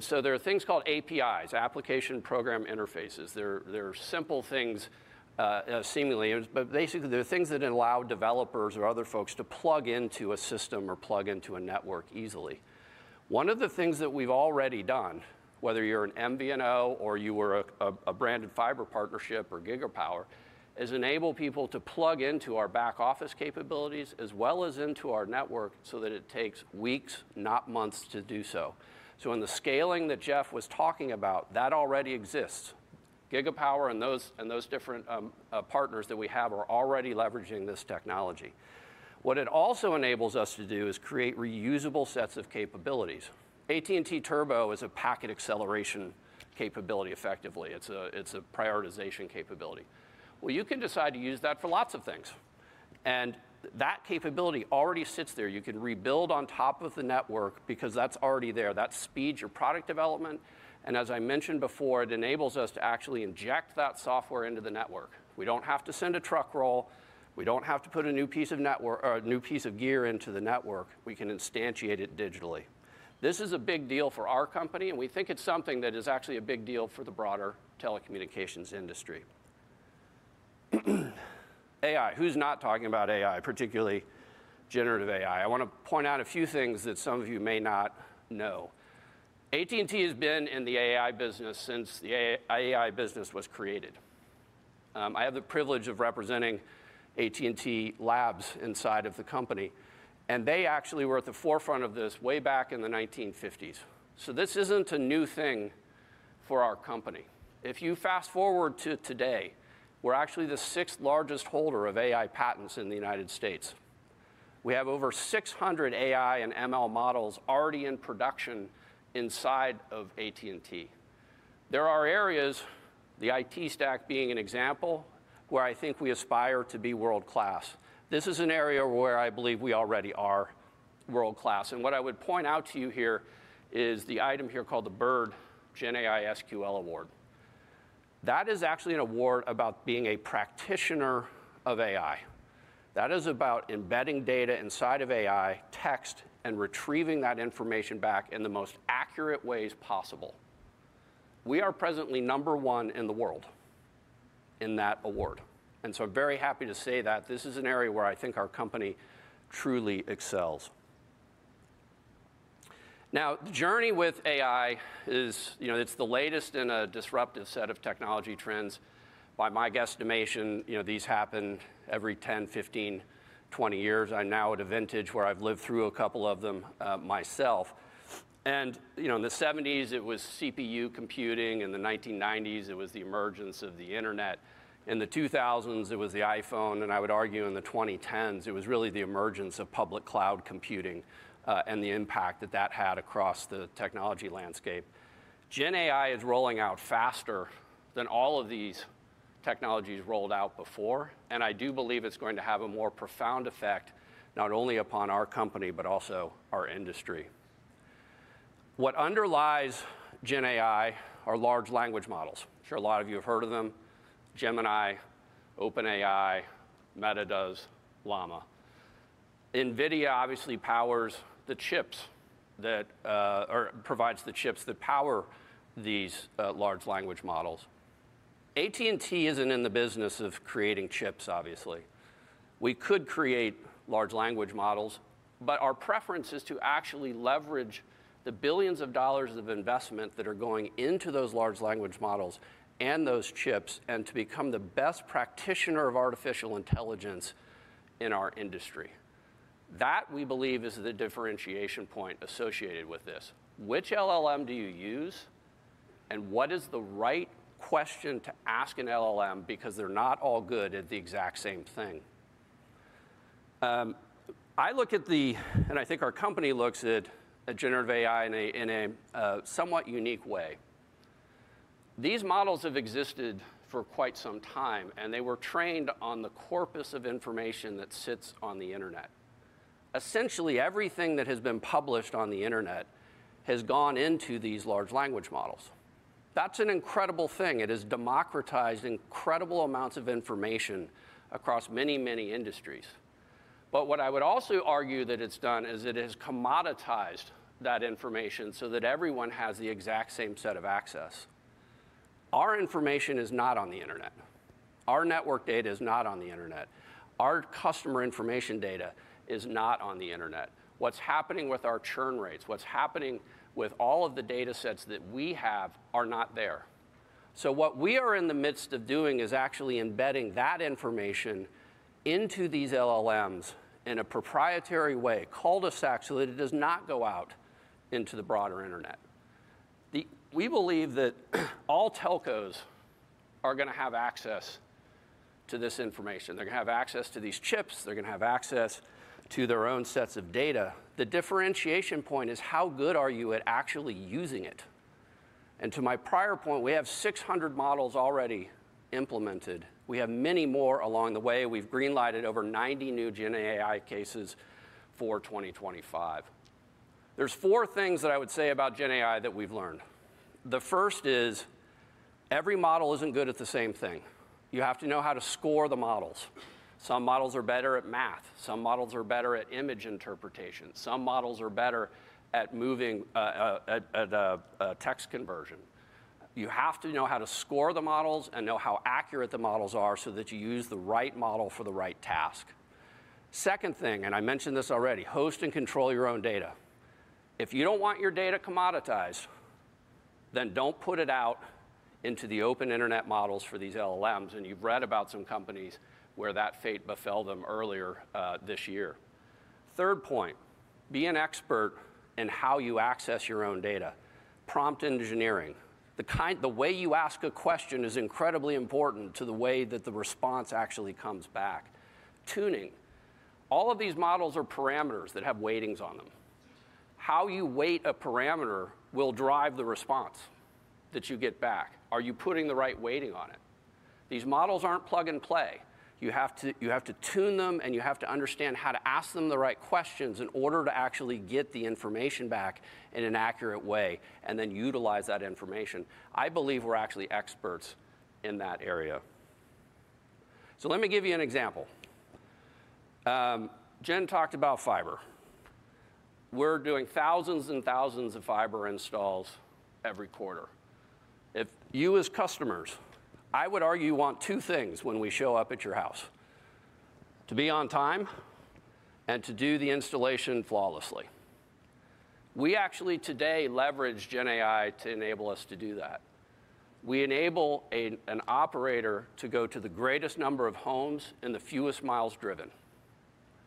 So there are things called APIs, Application Programming Interfaces. They're simple things seemingly, but basically they're things that allow developers or other folks to plug into a system or plug into a network easily. One of the things that we've already done, whether you're an MVNO or you were a branded fiber partnership or Gigapower, is enable people to plug into our back office capabilities as well as into our network so that it takes weeks, not months, to do so. In the scaling that Jeff was talking about, that already exists. Gigapower and those different partners that we have are already leveraging this technology. What it also enables us to do is create reusable sets of capabilities. AT&T Turbo is a packet acceleration capability, effectively. It's a prioritization capability. You can decide to use that for lots of things. And that capability already sits there. You can rebuild on top of the network because that's already there. That speeds your product development. And as I mentioned before, it enables us to actually inject that software into the network. We don't have to send a truck roll. We don't have to put a new piece of network or a new piece of gear into the network. We can instantiate it digitally. This is a big deal for our company, and we think it's something that is actually a big deal for the broader telecommunications industry. AI, who's not talking about AI, particularly generative AI? I want to point out a few things that some of you may not know. AT&T has been in the AI business since the AI business was created. I have the privilege of representing AT&T Labs inside of the company. They actually were at the forefront of this way back in the 1950s. This isn't a new thing for our company. If you fast forward to today, we're actually the sixth largest holder of AI patents in the United States. We have over 600 AI and ML models already in production inside of AT&T. There are areas, the IT stack being an example, where I think we aspire to be world-class. This is an area where I believe we already are world-class. What I would point out to you here is the item here called the BIRD GenAI SQL Award. That is actually an award about being a practitioner of AI. That is about embedding data inside of AI, text, and retrieving that information back in the most accurate ways possible. We are presently number one in the world in that award. And so I'm very happy to say that this is an area where I think our company truly excels. Now, the journey with AI is. It's the latest in a disruptive set of technology trends. By my guesstimation, these happen every 10, 15, 20 years. I'm now at a vintage where I've lived through a couple of them myself. And in the 1970s, it was CPU computing. In the 1990s, it was the emergence of the internet. In the 2000s, it was the iPhone. And I would argue in the 2010s, it was really the emergence of public cloud computing and the impact that that had across the technology landscape. GenAI is rolling out faster than all of these technologies rolled out before. I do believe it's going to have a more profound effect not only upon our company, but also our industry. What underlies GenAI are large language models. I'm sure a lot of you have heard of them: Gemini, OpenAI, Meta's, Llama. NVIDIA obviously powers the chips that provide the chips that power these large language models. AT&T isn't in the business of creating chips, obviously. We could create large language models, but our preference is to actually leverage the billions of dollars of investment that are going into those large language models and those chips and to become the best practitioner of artificial intelligence in our industry. That we believe is the differentiation point associated with this. Which LLM do you use? What is the right question to ask an LLM? Because they're not all good at the exact same thing. I look at the, and I think our company looks at generative AI in a somewhat unique way. These models have existed for quite some time, and they were trained on the corpus of information that sits on the internet. Essentially, everything that has been published on the internet has gone into these large language models. That's an incredible thing. It has democratized incredible amounts of information across many, many industries. But what I would also argue that it's done is it has commoditized that information so that everyone has the exact same set of access. Our information is not on the internet. Our network data is not on the internet. Our customer information data is not on the internet. What's happening with our churn rates, what's happening with all of the data sets that we have are not there. So what we are in the midst of doing is actually embedding that information into these LLMs in a proprietary way, cul-de-sac, so that it does not go out into the broader internet. We believe that all telcos are going to have access to this information. They're going to have access to these chips. They're going to have access to their own sets of data. The differentiation point is how good are you at actually using it? And to my prior point, we have 600 models already implemented. We have many more along the way. We've greenlighted over 90 new GenAI cases for 2025. There's four things that I would say about GenAI that we've learned. The first is every model isn't good at the same thing. You have to know how to score the models. Some models are better at math. Some models are better at image interpretation. Some models are better at doing text conversion. You have to know how to score the models and know how accurate the models are so that you use the right model for the right task. Second thing, and I mentioned this already, host and control your own data. If you don't want your data commoditized, then don't put it out into the open internet models for these LLMs. And you've read about some companies where that fate befell them earlier this year. Third point, be an expert in how you access your own data. Prompt engineering. The way you ask a question is incredibly important to the way that the response actually comes back. Tuning. All of these models have parameters that have weightings on them. How you weight a parameter will drive the response that you get back. Are you putting the right weighting on it? These models aren't plug and play. You have to tune them, and you have to understand how to ask them the right questions in order to actually get the information back in an accurate way and then utilize that information. I believe we're actually experts in that area. So let me give you an example. Jen talked about fiber. We're doing thousands and thousands of fiber installs every quarter. If you, as customers, I would argue you want two things when we show up at your house: to be on time and to do the installation flawlessly. We actually today leverage GenAI to enable us to do that. We enable an operator to go to the greatest number of homes and the fewest miles driven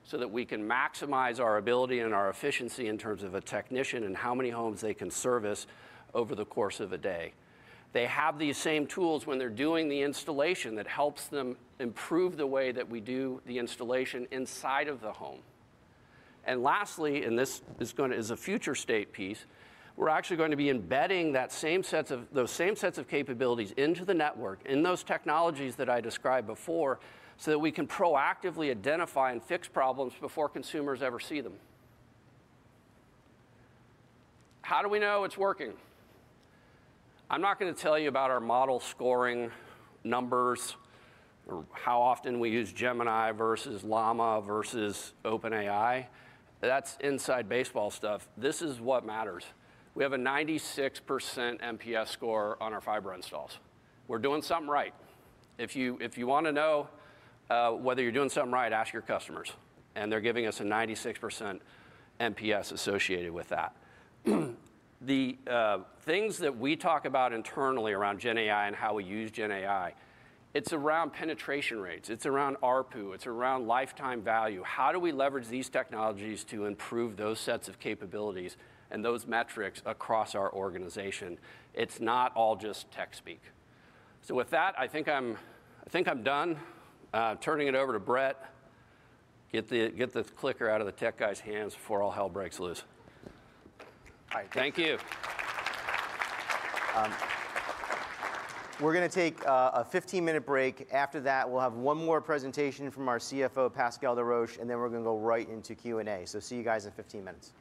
so that we can maximize our ability and our efficiency in terms of a technician and how many homes they can service over the course of a day. They have these same tools when they're doing the installation that helps them improve the way that we do the installation inside of the home. And lastly, and this is a future state piece, we're actually going to be embedding those same sets of capabilities into the network, in those technologies that I described before, so that we can proactively identify and fix problems before consumers ever see them. How do we know it's working? I'm not going to tell you about our model scoring numbers or how often we use Gemini versus Llama versus OpenAI. That's inside baseball stuff. This is what matters. We have a 96% NPS score on our fiber installs. We're doing something right. If you want to know whether you're doing something right, ask your customers, and they're giving us a 96% NPS associated with that. The things that we talk about internally around GenAI and how we use GenAI, it's around penetration rates. It's around ARPU. It's around lifetime value. How do we leverage these technologies to improve those sets of capabilities and those metrics across our organization? It's not all just tech speak. So with that, I think I'm done. Turning it over to Brett. Get the clicker out of the tech guy's hands before all hell breaks loose. Thank you. We're going to take a 15-minute break. After that, we'll have one more presentation from our CFO, Pascal Desroches, and then we're going to go right into Q&A, so see you guys in 15 minutes.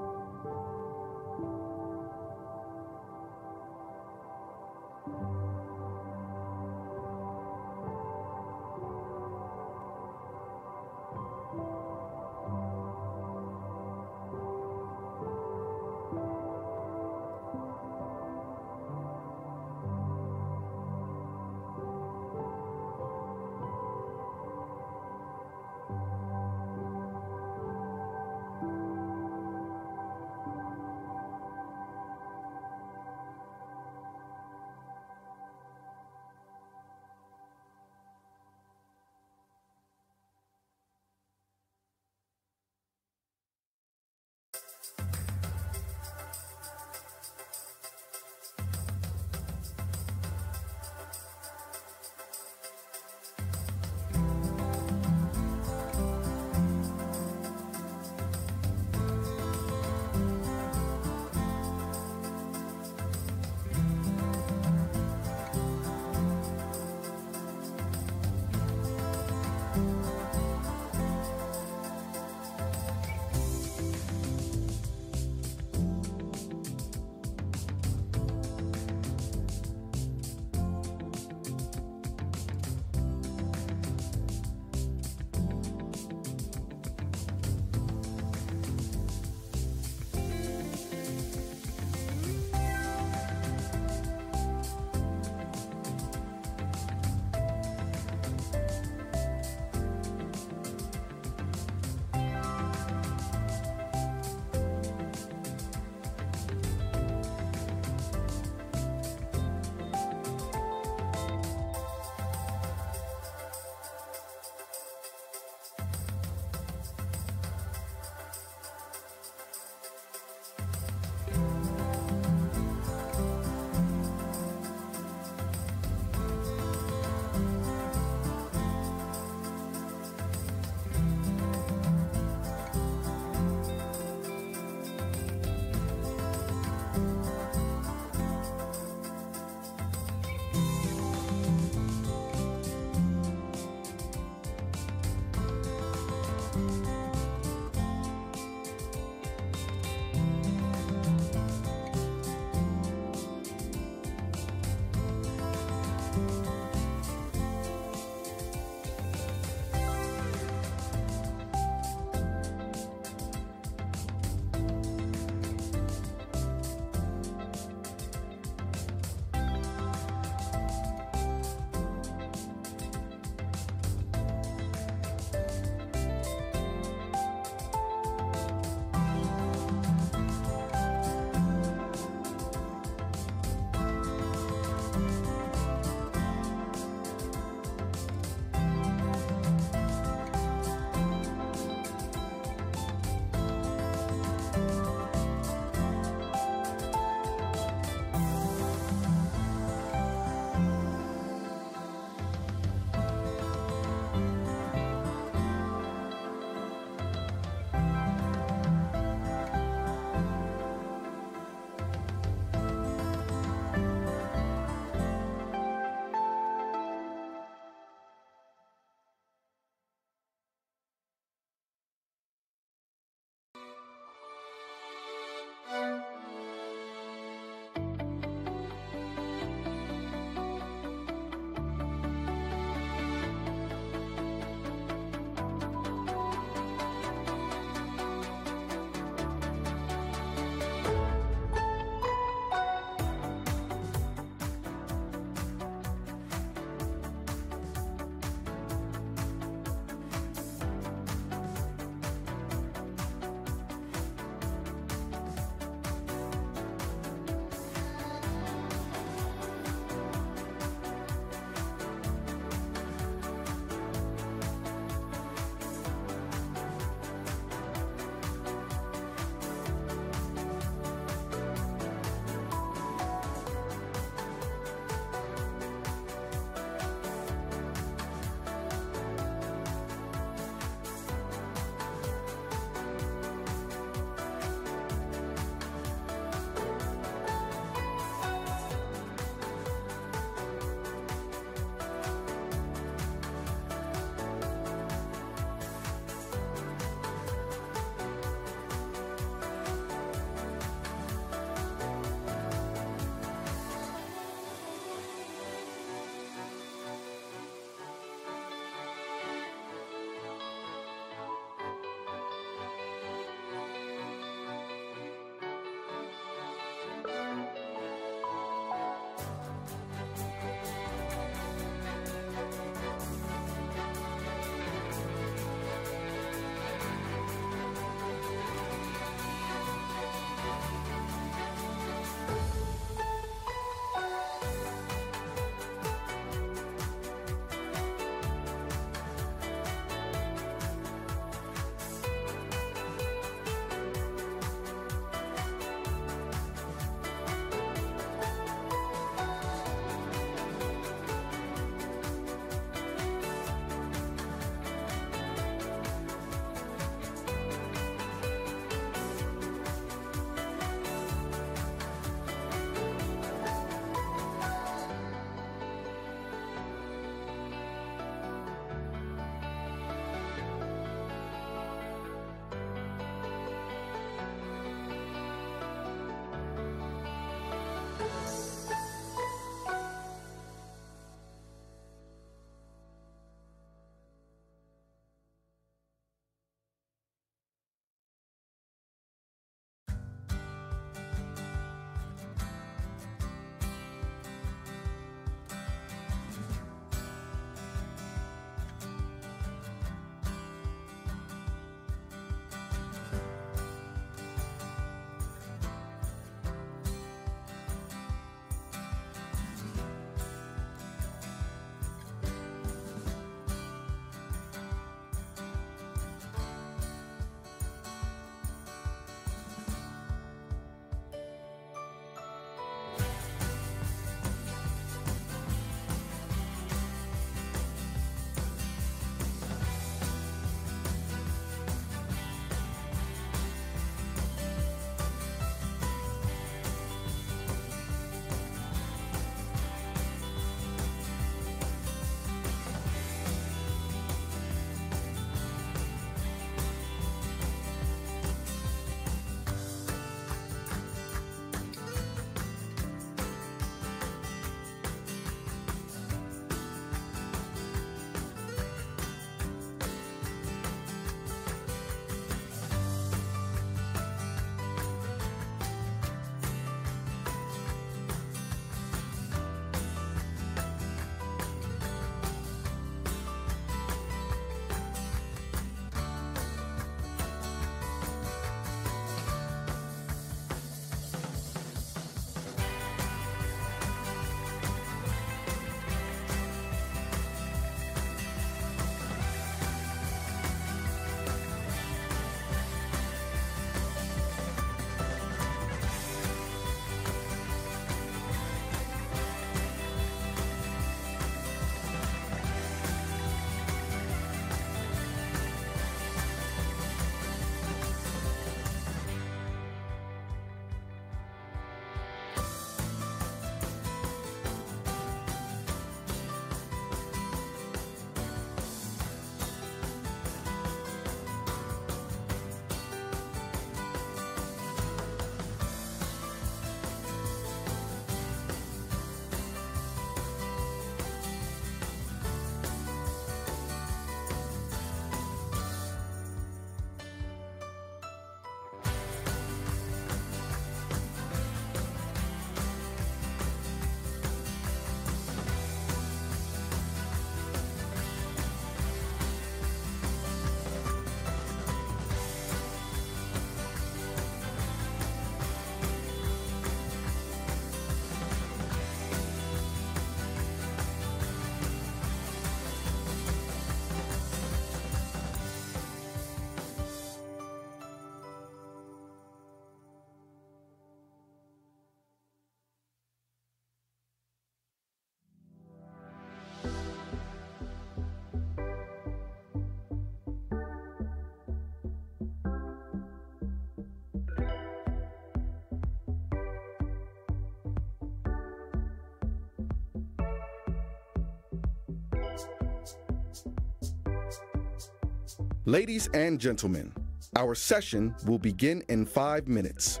Ladies and gentlemen, our session will begin in five minutes.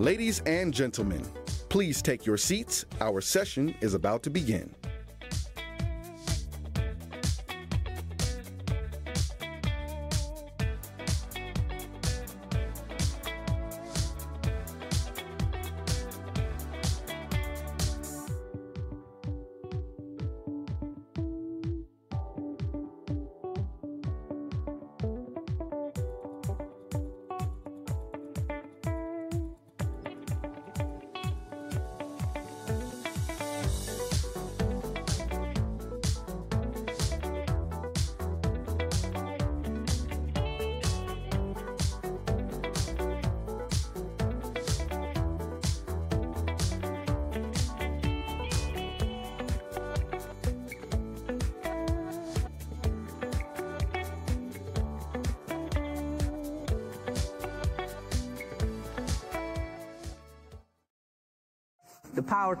Ladies and gentlemen, please take your seats. Our session is about to begin.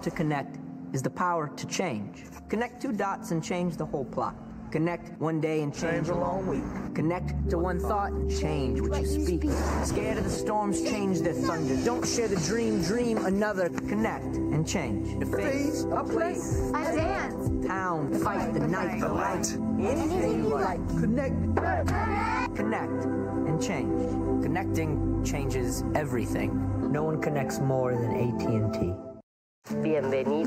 The power to connect is the power to change. Connect two dots and change the whole plot. Connect one day and change a long week. Connect to one thought and change what you speak. Scared of the storms, change their thunder. Don't share the dream, dream another. Connect and change. Face a place. A dance. Town. Fight the night. The right. Anything you like. Connect. Connect and change. Connecting changes everything. No one connects more than AT&T.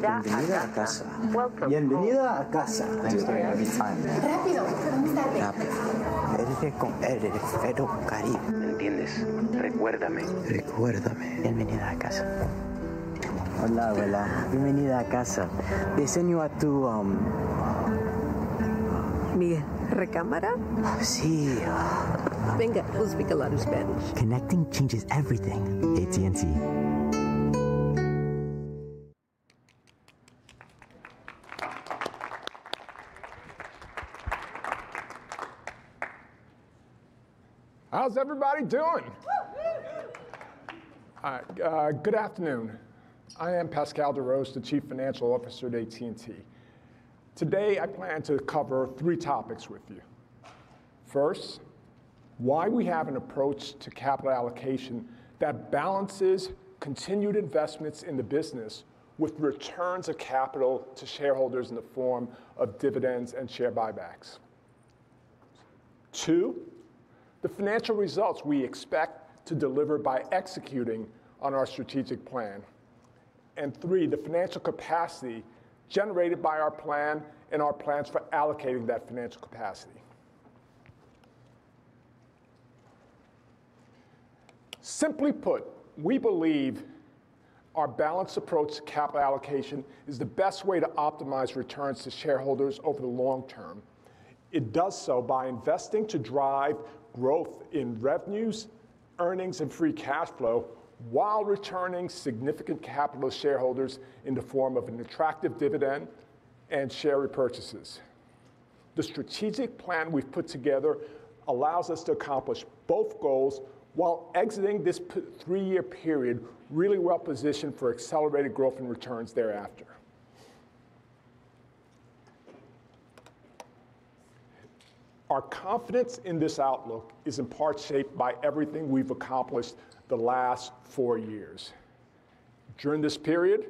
Bienvenida a casa. Bienvenida a casa. Thanks for having me. Rápido. Muy tarde. Él es el feo Caribe. ¿Me entiendes? Recuérdame. Recuérdame. Bienvenida a casa. Hola, abuela. Bienvenida a casa. They send you a too... Miguel. ¿Recámara? Sí. Venga, we'll speak a lot of Spanish. Connecting changes everything. AT&T. How's everybody doing? All right. Good afternoon. I am Pascal Desroches, the Chief Financial Officer at AT&T. Today, I plan to cover three topics with you. First, why we have an approach to capital allocation that balances continued investments in the business with returns of capital to shareholders in the form of dividends and share buybacks. Two, the financial results we expect to deliver by executing on our strategic plan. And three, the financial capacity generated by our plan and our plans for allocating that financial capacity. Simply put, we believe our balanced approach to capital allocation is the best way to optimize returns to shareholders over the long term. It does so by investing to drive growth in revenues, earnings, and free cash flow while returning significant capital to shareholders in the form of an attractive dividend and share repurchases. The strategic plan we've put together allows us to accomplish both goals while exiting this three-year period really well-positioned for accelerated growth and returns thereafter. Our confidence in this outlook is in part shaped by everything we've accomplished the last four years. During this period,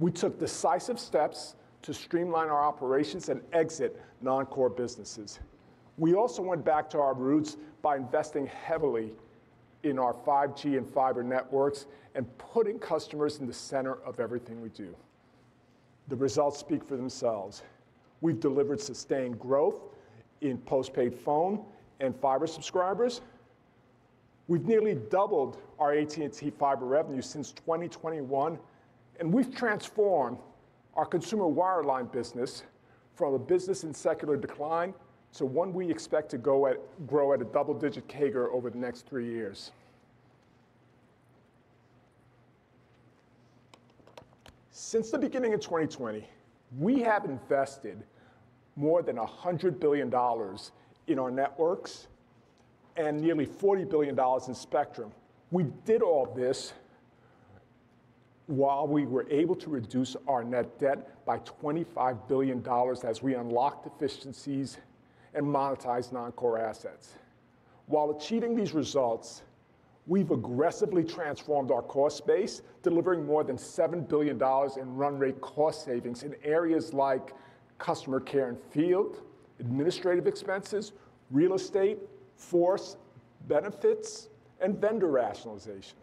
we took decisive steps to streamline our operations and exit non-core businesses. We also went back to our roots by investing heavily in our 5G and fiber networks and putting customers in the center of everything we do. The results speak for themselves. We've delivered sustained growth in postpaid phone and fiber subscribers. We've nearly doubled our AT&T Fiber revenue since 2021, and we've transformed our consumer wireline business from a business in secular decline to one we expect to grow at a double-digit CAGR over the next three years. Since the beginning of 2020, we have invested more than $100 billion in our networks and nearly $40 billion in spectrum. We did all this while we were able to reduce our net debt by $25 billion as we unlocked efficiencies and monetized non-core assets. While achieving these results, we've aggressively transformed our cost base, delivering more than $7 billion in run rate cost savings in areas like customer care and field, administrative expenses, real estate, workforce benefits, and vendor rationalization.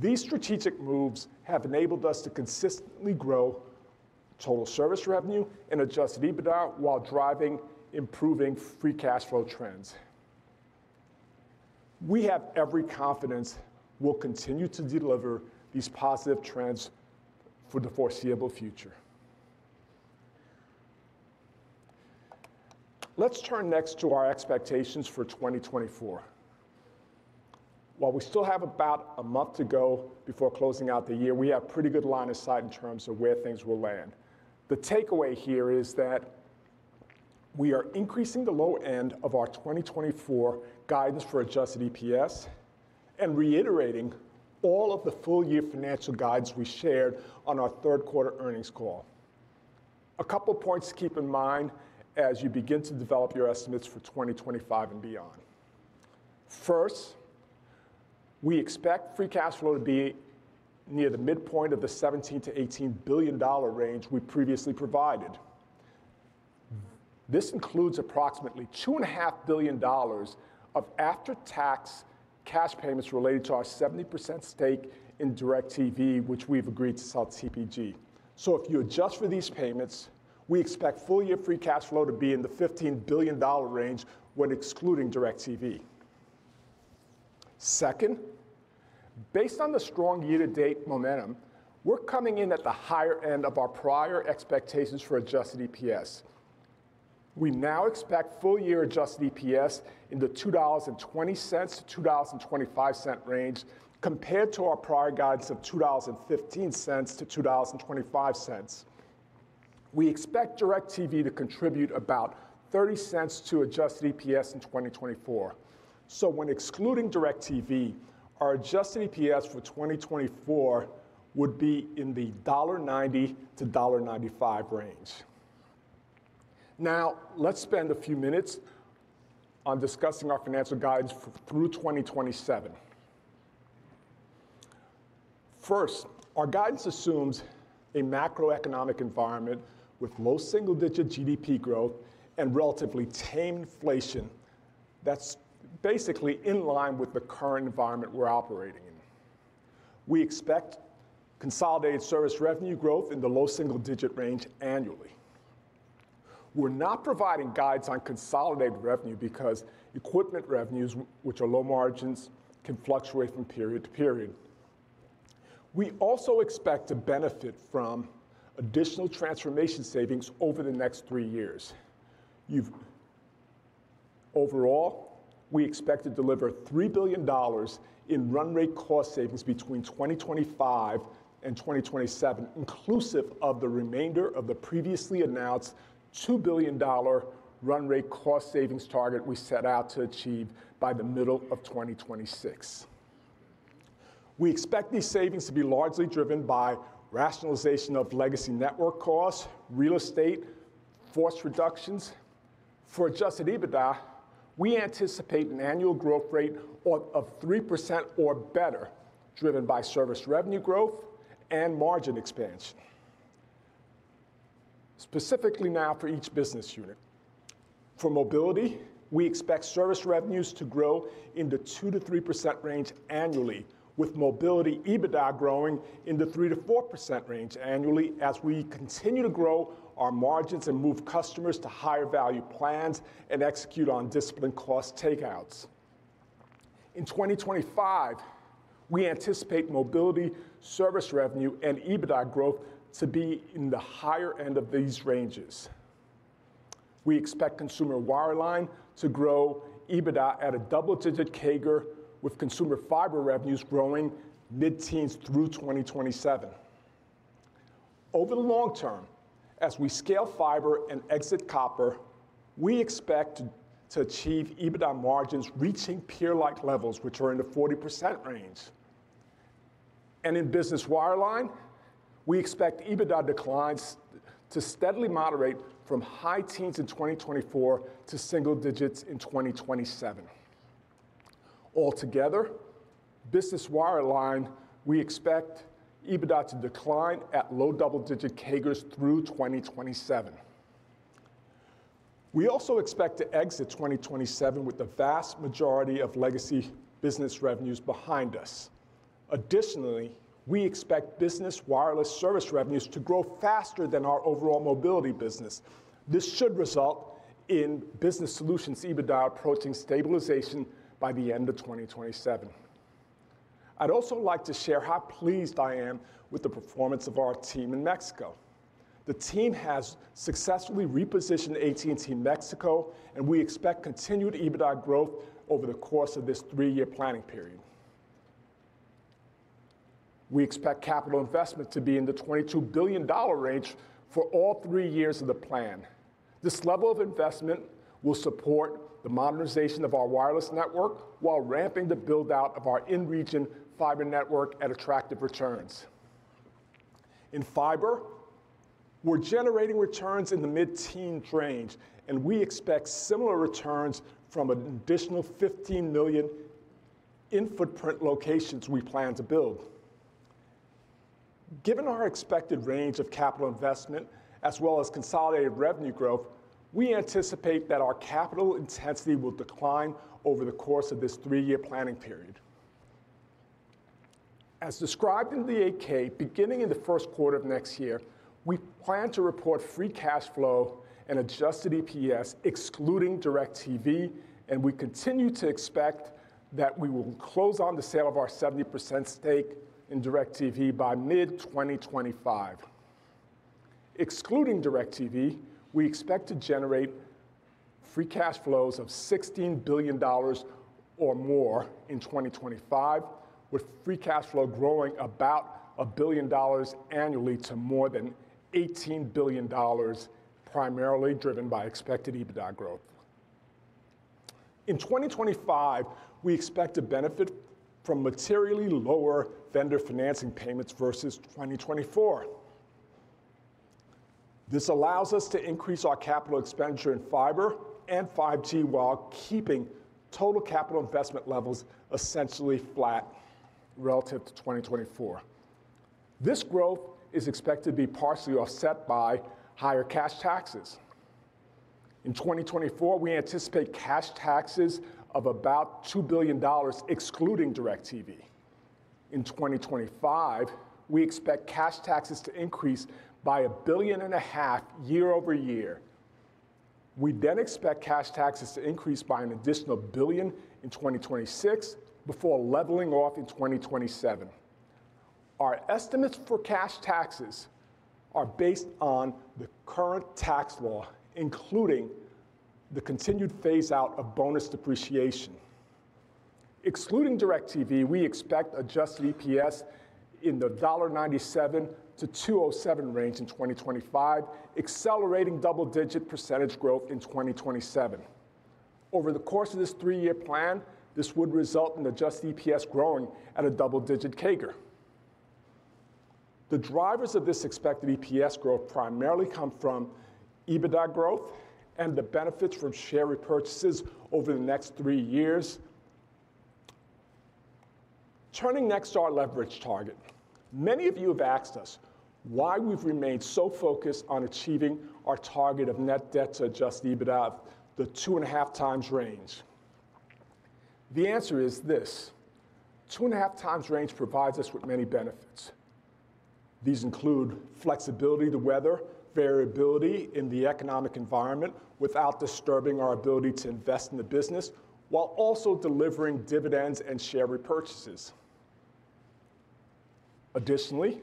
These strategic moves have enabled us to consistently grow total service revenue and adjusted EBITDA while driving improving free cash flow trends. We have every confidence we'll continue to deliver these positive trends for the foreseeable future. Let's turn next to our expectations for 2024. While we still have about a month to go before closing out the year, we have a pretty good line of sight in terms of where things will land. The takeaway here is that we are increasing the low end of our 2024 guidance for adjusted EPS and reiterating all of the full-year financial guidance we shared on our third quarter earnings call. A couple of points to keep in mind as you begin to develop your estimates for 2025 and beyond. First, we expect free cash flow to be near the midpoint of the $17 billion-$18 billion range we previously provided. This includes approximately $2.5 billion of after-tax cash payments related to our 70% stake in DIRECTV, which we've agreed to sell TPG. So if you adjust for these payments, we expect full-year free cash flow to be in the $15 billion range when excluding DIRECTV. Second, based on the strong year-to-date momentum, we're coming in at the higher end of our prior expectations for adjusted EPS. We now expect full-year adjusted EPS in the $2.20-$2.25 range compared to our prior guidance of $2.15-$2.25. We expect DIRECTV to contribute about $0.30 to adjusted EPS in 2024. So when excluding DIRECTV, our adjusted EPS for 2024 would be in the $1.90-$1.95 range. Now, let's spend a few minutes on discussing our financial guidance through 2027. First, our guidance assumes a macroeconomic environment with low single-digit GDP growth and relatively tame inflation that's basically in line with the current environment we're operating in. We expect consolidated service revenue growth in the low single-digit range annually. We're not providing guidance on consolidated revenue because equipment revenues, which are low margins, can fluctuate from period to period. We also expect to benefit from additional transformation savings over the next three years. Overall, we expect to deliver $3 billion in run rate cost savings between 2025 and 2027, inclusive of the remainder of the previously announced $2 billion run rate cost savings target we set out to achieve by the middle of 2026. We expect these savings to be largely driven by rationalization of legacy network costs, real estate, force reductions. For adjusted EBITDA, we anticipate an annual growth rate of 3% or better, driven by service revenue growth and margin expansion. Specifically now for each business unit. For mobility, we expect service revenues to grow in the 2%-3% range annually, with mobility EBITDA growing in the 3%-4% range annually as we continue to grow our margins and move customers to higher value plans and execute on disciplined cost takeouts. In 2025, we anticipate mobility service revenue and EBITDA growth to be in the higher end of these ranges. We expect consumer wireline to grow EBITDA at a double-digit CAGR, with consumer fiber revenues growing mid-teens through 2027. Over the long term, as we scale fiber and exit copper, we expect to achieve EBITDA margins reaching peer-like levels, which are in the 40% range. And in business wireline, we expect EBITDA declines to steadily moderate from high teens in 2024 to single digits in 2027. Altogether, business wireline, we expect EBITDA to decline at low double-digit CAGRs through 2027. We also expect to exit 2027 with the vast majority of legacy business revenues behind us. Additionally, we expect business wireless service revenues to grow faster than our overall mobility business. This should result in business solutions EBITDA approaching stabilization by the end of 2027. I'd also like to share how pleased I am with the performance of our team in Mexico. The team has successfully repositioned AT&T Mexico, and we expect continued EBITDA growth over the course of this three-year planning period. We expect capital investment to be in the $22 billion range for all three years of the plan. This level of investment will support the modernization of our wireless network while ramping the build-out of our in-region fiber network at attractive returns. In fiber, we're generating returns in the mid-teens range, and we expect similar returns from an additional 15 million in-footprint locations we plan to build. Given our expected range of capital investment as well as consolidated revenue growth, we anticipate that our capital intensity will decline over the course of this three-year planning period. As described in the 8-K, beginning in the first quarter of next year, we plan to report free cash flow and adjusted EPS, excluding DIRECTV, and we continue to expect that we will close on the sale of our 70% stake in DIRECTV by mid-2025. Excluding DIRECTV, we expect to generate free cash flows of $16 billion or more in 2025, with free cash flow growing about $1 billion annually to more than $18 billion, primarily driven by expected EBITDA growth. In 2025, we expect to benefit from materially lower vendor financing payments versus 2024. This allows us to increase our capital expenditure in fiber and 5G while keeping total capital investment levels essentially flat relative to 2024. This growth is expected to be partially offset by higher cash taxes. In 2024, we anticipate cash taxes of about $2 billion, excluding DIRECTV. In 2025, we expect cash taxes to increase by $1.5 billion year-over-year. We then expect cash taxes to increase by an additional $1 billion in 2026 before leveling off in 2027. Our estimates for cash taxes are based on the current tax law, including the continued phase-out of bonus depreciation. Excluding DIRECTV, we expect adjusted EPS in the $1.97-$2.07 range in 2025, accelerating double-digit % growth in 2027. Over the course of this three-year plan, this would result in adjusted EPS growing at a double-digit CAGR. The drivers of this expected EPS growth primarily come from EBITDA growth and the benefits from share repurchases over the next three years. Turning next to our leverage target, many of you have asked us why we've remained so focused on achieving our target of net debt to adjusted EBITDA of the 2.5x range. The answer is this: 2.5x range provides us with many benefits. These include flexibility to weather variability in the economic environment without disturbing our ability to invest in the business, while also delivering dividends and share repurchases. Additionally,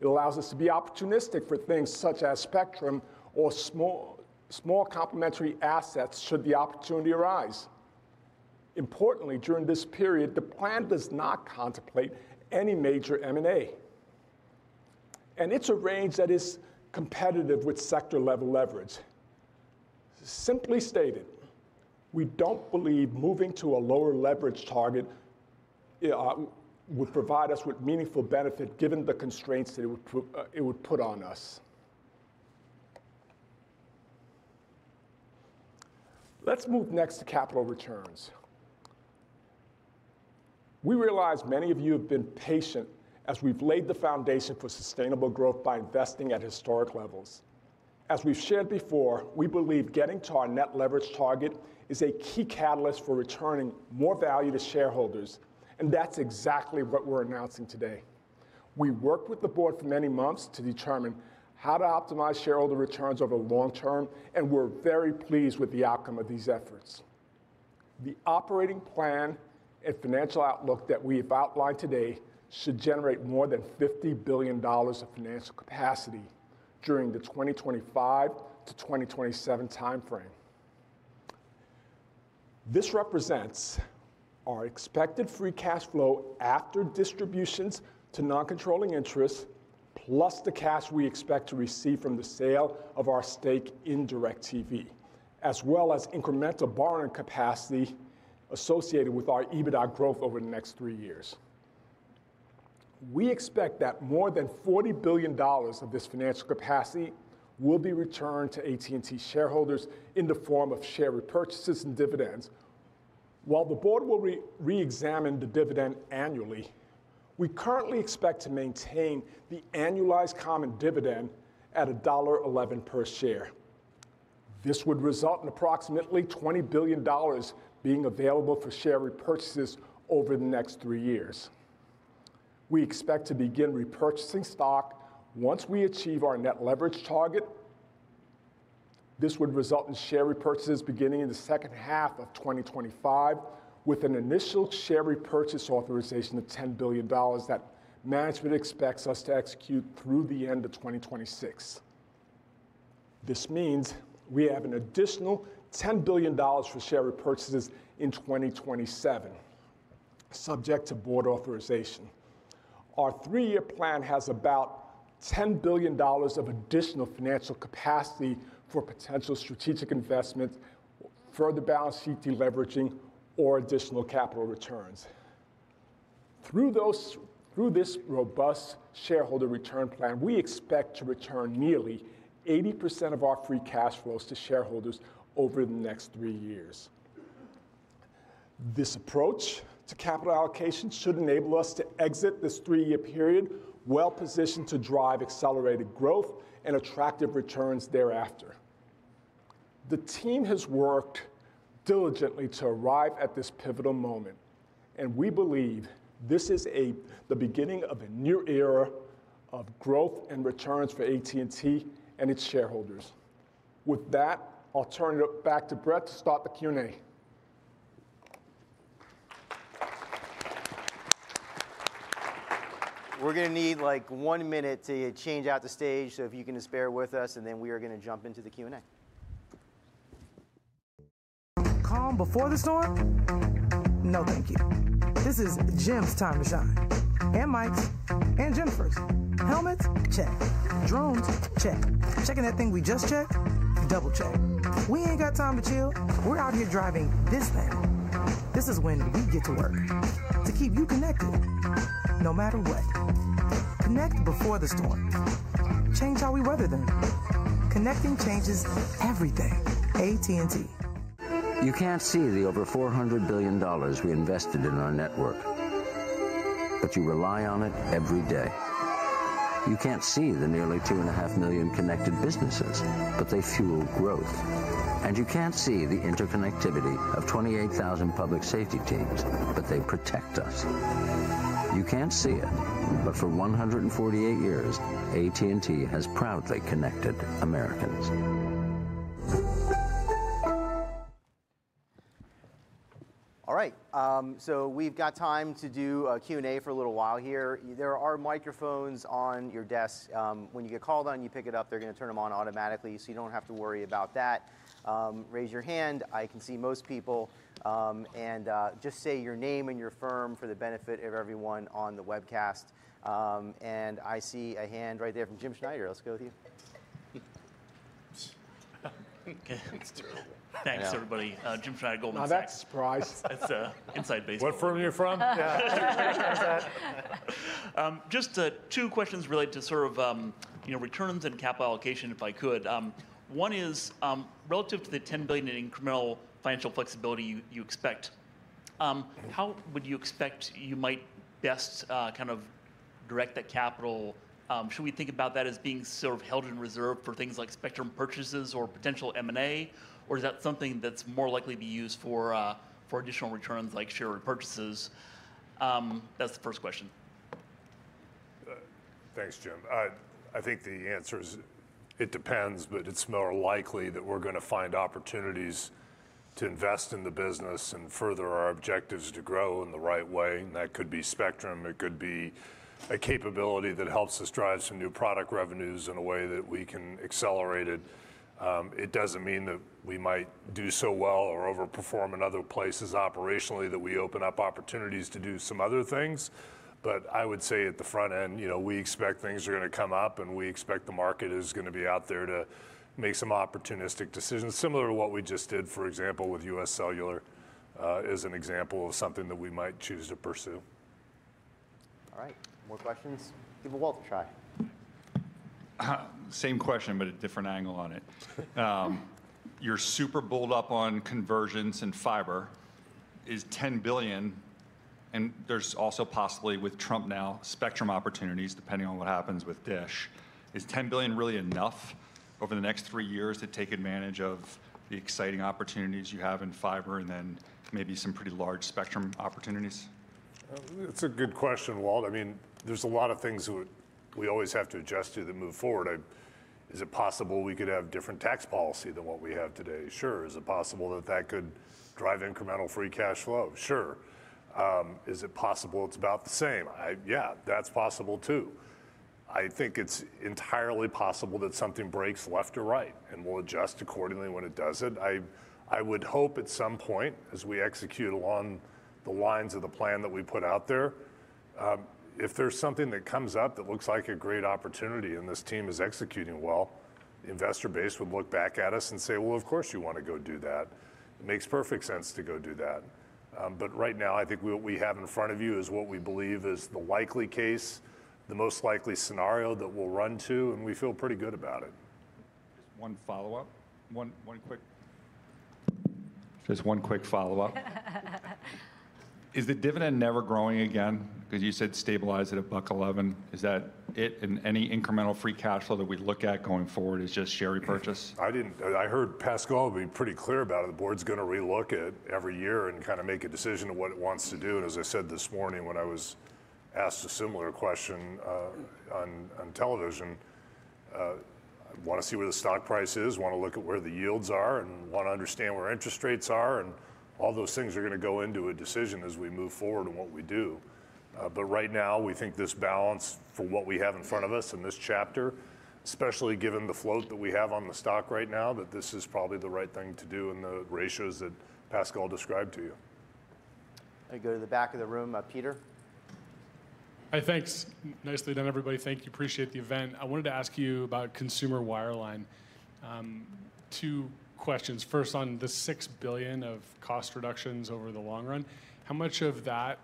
it allows us to be opportunistic for things such as spectrum or small complementary assets should the opportunity arise. Importantly, during this period, the plan does not contemplate any major M&A, and it's a range that is competitive with sector-level leverage. Simply stated, we don't believe moving to a lower leverage target would provide us with meaningful benefit given the constraints that it would put on us. Let's move next to capital returns. We realize many of you have been patient as we've laid the foundation for sustainable growth by investing at historic levels. As we've shared before, we believe getting to our net leverage target is a key catalyst for returning more value to shareholders, and that's exactly what we're announcing today. We worked with the board for many months to determine how to optimize shareholder returns over the long term, and we're very pleased with the outcome of these efforts. The operating plan and financial outlook that we have outlined today should generate more than $50 billion of financial capacity during the 2025 to 2027 timeframe. This represents our expected free cash flow after distributions to non-controlling interests, plus the cash we expect to receive from the sale of our stake in DIRECTV, as well as incremental borrowing capacity associated with our EBITDA growth over the next three years. We expect that more than $40 billion of this financial capacity will be returned to AT&T shareholders in the form of share repurchases and dividends. While the board will re-examine the dividend annually, we currently expect to maintain the annualized common dividend at $1.11 per share. This would result in approximately $20 billion being available for share repurchases over the next three years. We expect to begin repurchasing stock once we achieve our net leverage target. This would result in share repurchases beginning in the second half of 2025, with an initial share repurchase authorization of $10 billion that management expects us to execute through the end of 2026. This means we have an additional $10 billion for share repurchases in 2027, subject to board authorization. Our three-year plan has about $10 billion of additional financial capacity for potential strategic investments, further balance sheet deleveraging, or additional capital returns. Through this robust shareholder return plan, we expect to return nearly 80% of our free cash flows to shareholders over the next three years. This approach to capital allocation should enable us to exit this three-year period well-positioned to drive accelerated growth and attractive returns thereafter. The team has worked diligently to arrive at this pivotal moment, and we believe this is the beginning of a new era of growth and returns for AT&T and its shareholders. With that, I'll turn it back to Brett to start the Q&A. We're going to need like one minute to change out the stage, so if you can bear with us, and then we are going to jump into the Q&A. Calm before the storm? No, thank you. This is Jim's time to shine. And mics and jumpers. Helmets check. Drones check. Checking that thing we just checked? Double check. We ain't got time to chill. We're out here driving this thing. This is when we get to work. To keep you connected, no matter what. Connect before the storm. Change how we weather them. Connecting changes everything. AT&T. You can't see the over $400 billion we invested in our network, but you rely on it every day. You can't see the nearly 2.5 million connected businesses, but they fuel growth, and you can't see the interconnectivity of 28,000 public safety teams, but they protect us. You can't see it, but for 148 years, AT&T has proudly connected Americans. All right. So we've got time to do a Q&A for a little while here. There are microphones on your desk. When you get called on, you pick it up. They're going to turn them on automatically, so you don't have to worry about that. Raise your hand. I can see most people. And just say your name and your firm for the benefit of everyone on the webcast. And I see a hand right there from Jim Schneider. Let's go with you. Oops. Okay. It's terrible. Thanks, everybody. Jim Schneider, Goldman Sachs. I'm not surprised. That's inside baseball. What firm are you from? Yeah. Just two questions related to sort of returns and capital allocation, if I could. One is relative to the $10 billion in incremental financial flexibility you expect, how would you expect you might best kind of direct that capital? Should we think about that as being sort of held in reserve for things like spectrum purchases or potential M&A, or is that something that's more likely to be used for additional returns like share repurchases? That's the first question. Thanks, Jim. I think the answer is it depends, but it's more likely that we're going to find opportunities to invest in the business and further our objectives to grow in the right way. And that could be spectrum. It could be a capability that helps us drive some new product revenues in a way that we can accelerate it. It doesn't mean that we might do so well or overperform in other places operationally that we open up opportunities to do some other things. But I would say at the front end, we expect things are going to come up, and we expect the market is going to be out there to make some opportunistic decisions, similar to what we just did, for example, with UScellular as an example of something that we might choose to pursue. All right. More questions? Give the walt a try. Same question, but a different angle on it. You're super bold up on convergence and fiber. Is $10 billion, and there's also possibly, with Trump now, spectrum opportunities, depending on what happens with DISH, is $10 billion really enough over the next three years to take advantage of the exciting opportunities you have in fiber and then maybe some pretty large spectrum opportunities? That's a good question, Walt. I mean, there's a lot of things we always have to adjust to that move forward. Is it possible we could have different tax policy than what we have today? Sure. Is it possible that that could drive incremental free cash flow? Sure. Is it possible it's about the same? Yeah, that's possible too. I think it's entirely possible that something breaks left or right, and we'll adjust accordingly when it does it. I would hope at some point, as we execute along the lines of the plan that we put out there, if there's something that comes up that looks like a great opportunity and this team is executing well, investor base would look back at us and say, "Well, of course you want to go do that. It makes perfect sense to go do that," but right now, I think what we have in front of you is what we believe is the likely case, the most likely scenario that we'll run to, and we feel pretty good about it. Just one follow-up. One quick. Just one quick follow-up. Is the dividend never growing again? Because you said stabilize at $1.11. Is that it? And any incremental free cash flow that we look at going forward is just share repurchase? I heard Pascal be pretty clear about it. The board's going to relook it every year and kind of make a decision of what it wants to do. And as I said this morning when I was asked a similar question on television, I want to see where the stock price is, want to look at where the yields are, and want to understand where interest rates are. And all those things are going to go into a decision as we move forward in what we do. But right now, we think this balance for what we have in front of us in this chapter, especially given the float that we have on the stock right now, that this is probably the right thing to do in the ratios that Pascal described to you. I go to the back of the room. Peter? Hi. Thanks. Nicely done, everybody. Thank you. Appreciate the event. I wanted to ask you about consumer wireline. Two questions. First, on the $6 billion of cost reductions over the long run, how much of that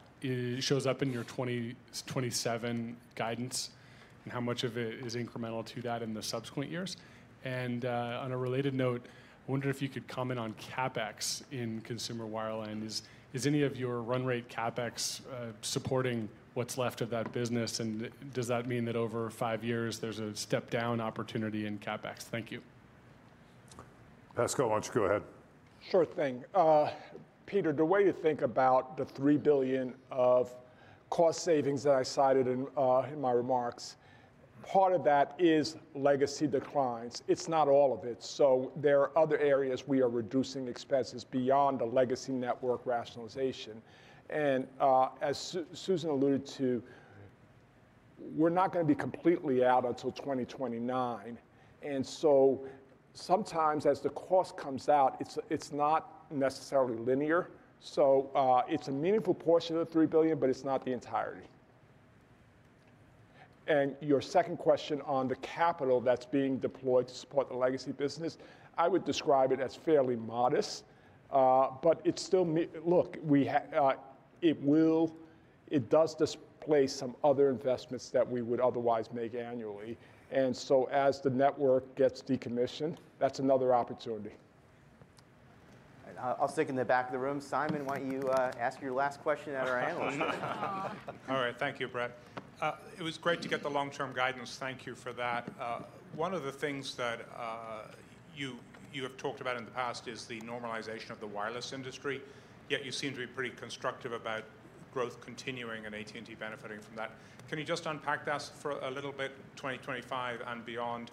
shows up in your 2027 guidance, and how much of it is incremental to that in the subsequent years? And on a related note, I wondered if you could comment on CapEx in consumer wireline. Is any of your run rate CapEx supporting what's left of that business, and does that mean that over five years there's a step-down opportunity in CapEx? Thank you. Pascal, why don't you go ahead? Sure thing. Peter, the way to think about the $3 billion of cost savings that I cited in my remarks, part of that is legacy declines. It's not all of it. So there are other areas we are reducing expenses beyond the legacy network rationalization. And as Susan alluded to, we're not going to be completely out until 2029. And so sometimes as the cost comes out, it's not necessarily linear. So it's a meaningful portion of the $3 billion, but it's not the entirety. And your second question on the capital that's being deployed to support the legacy business, I would describe it as fairly modest, but it's still, look, it does displace some other investments that we would otherwise make annually. And so as the network gets decommissioned, that's another opportunity. I'll stick in the back of the room. Simon, why don't you ask your last question at our panel? All right. Thank you, Brett. It was great to get the long-term guidance. Thank you for that. One of the things that you have talked about in the past is the normalization of the wireless industry, yet you seem to be pretty constructive about growth continuing and AT&T benefiting from that. Can you just unpack that for a little bit? 2025 and beyond,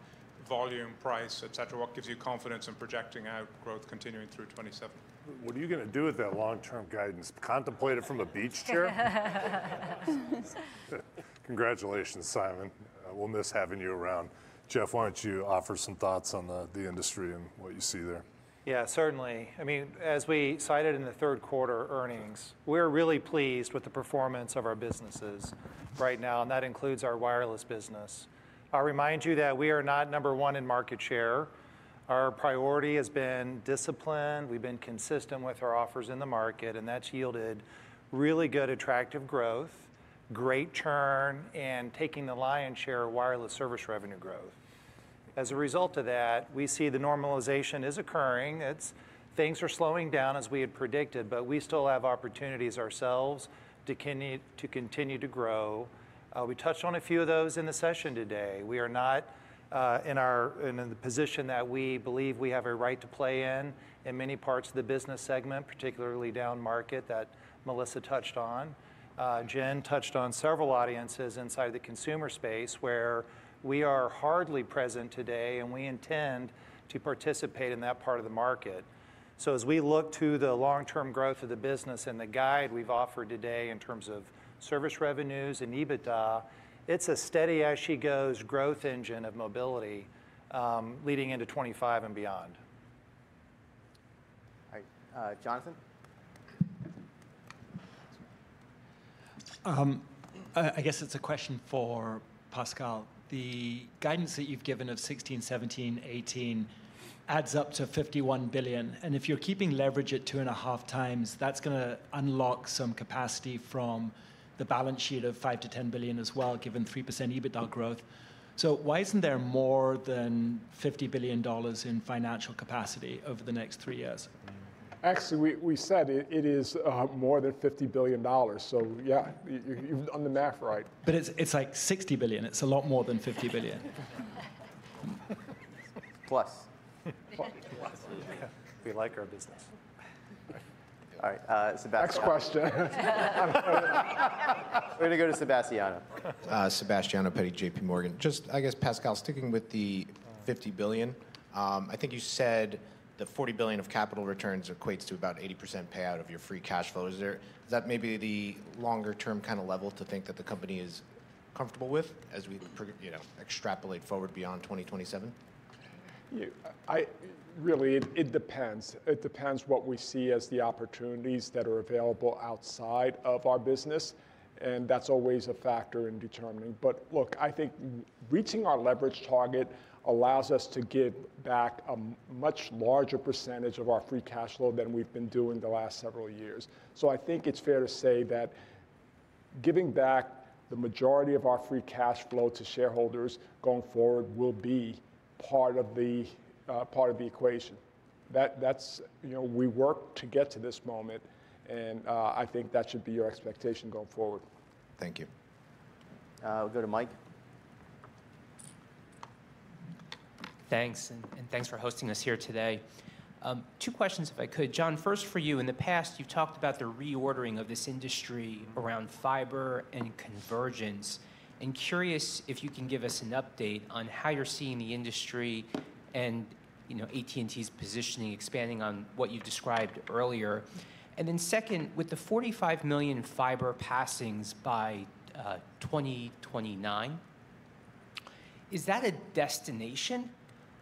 volume, price, et cetera. What gives you confidence in projecting out growth continuing through 2027? What are you going to do with that long-term guidance? Contemplate it from a beach chair? Congratulations, Simon. We'll miss having you around. Jeff, why don't you offer some thoughts on the industry and what you see there? Yeah, certainly. I mean, as we cited in the third quarter earnings, we're really pleased with the performance of our businesses right now, and that includes our wireless business. I'll remind you that we are not number one in market share. Our priority has been discipline. We've been consistent with our offers in the market, and that's yielded really good attractive growth, great churn, and taking the lion's share of wireless service revenue growth. As a result of that, we see the normalization is occurring. Things are slowing down as we had predicted, but we still have opportunities ourselves to continue to grow. We touched on a few of those in the session today. We are not in the position that we believe we have a right to play in many parts of the business segment, particularly down market that Melissa touched on. Jen touched on several audiences inside the consumer space where we are hardly present today, and we intend to participate in that part of the market. So as we look to the long-term growth of the business and the guide we've offered today in terms of service revenues and EBITDA, it's a steady as she goes growth engine of mobility leading into 2025 and beyond. All right. Jonathan? I guess it's a question for Pascal. The guidance that you've given of 2016, 2017, 2018 adds up to $51 billion. And if you're keeping leverage at 2.5x, that's going to unlock some capacity from the balance sheet of $5 billion-$10 billion as well, given 3% EBITDA growth. So why isn't there more than $50 billion in financial capacity over the next three years? Actually, we said it is more than $50 billion. So yeah, you've done the math right. But it's like $60 billion. It's a lot more than $50 billion. Plus. We like our business. All right. Sebastiano. Next question. We're going to go to Sebastiano. Sebastiano Petti, J.P. Morgan. Just, I guess, Pascal, sticking with the $50 billion, I think you said the $40 billion of capital returns equates to about 80% payout of your free cash flow. Is that maybe the longer-term kind of level to think that the company is comfortable with as we extrapolate forward beyond 2027? Really, it depends. It depends what we see as the opportunities that are available outside of our business, and that's always a factor in determining. But look, I think reaching our leverage target allows us to give back a much larger percentage of our free cash flow than we've been doing the last several years. So I think it's fair to say that giving back the majority of our free cash flow to shareholders going forward will be part of the equation. We worked to get to this moment, and I think that should be your expectation going forward. Thank you. We'll go to Mike. Thanks. And thanks for hosting us here today. Two questions, if I could. John, first for you. In the past, you've talked about the reordering of this industry around fiber and convergence. I'm curious if you can give us an update on how you're seeing the industry and AT&T's positioning expanding on what you described earlier. And then second, with the 45 million fiber passings by 2029, is that a destination,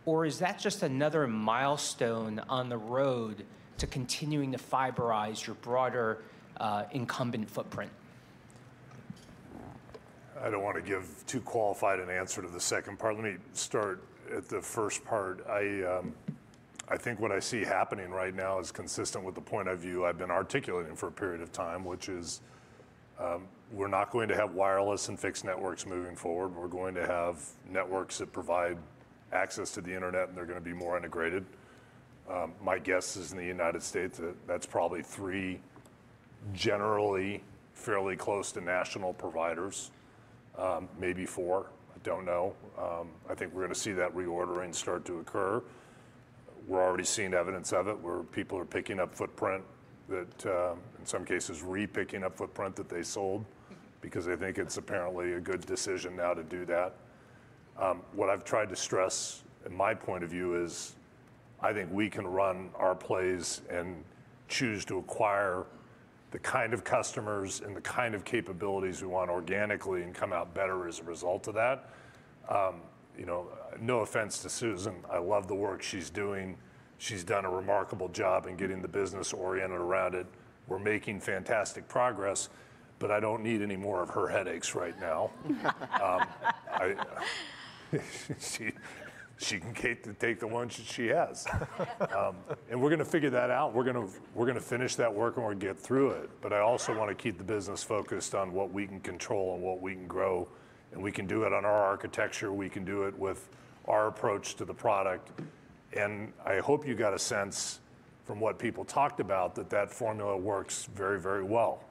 or is that just another milestone on the road to continuing to fiberize your broader incumbent footprint? I don't want to give too qualified an answer to the second part. Let me start at the first part. I think what I see happening right now is consistent with the point of view I've been articulating for a period of time, which is we're not going to have wireless and fixed networks moving forward. We're going to have networks that provide access to the internet, and they're going to be more integrated. My guess is in the United States that that's probably three generally fairly close to national providers, maybe four. I don't know. I think we're going to see that reordering start to occur. We're already seeing evidence of it where people are picking up footprint that, in some cases, repicking up footprint that they sold because they think it's apparently a good decision now to do that. What I've tried to stress, in my point of view, is I think we can run our plays and choose to acquire the kind of customers and the kind of capabilities we want organically and come out better as a result of that. No offense to Susan. I love the work she's doing. She's done a remarkable job in getting the business oriented around it. We're making fantastic progress, but I don't need any more of her headaches right now. She can take the lunch that she has, and we're going to figure that out. We're going to finish that work and we're going to get through it, but I also want to keep the business focused on what we can control and what we can grow, and we can do it on our architecture. We can do it with our approach to the product. And I hope you got a sense from what people talked about that that formula works very, very well.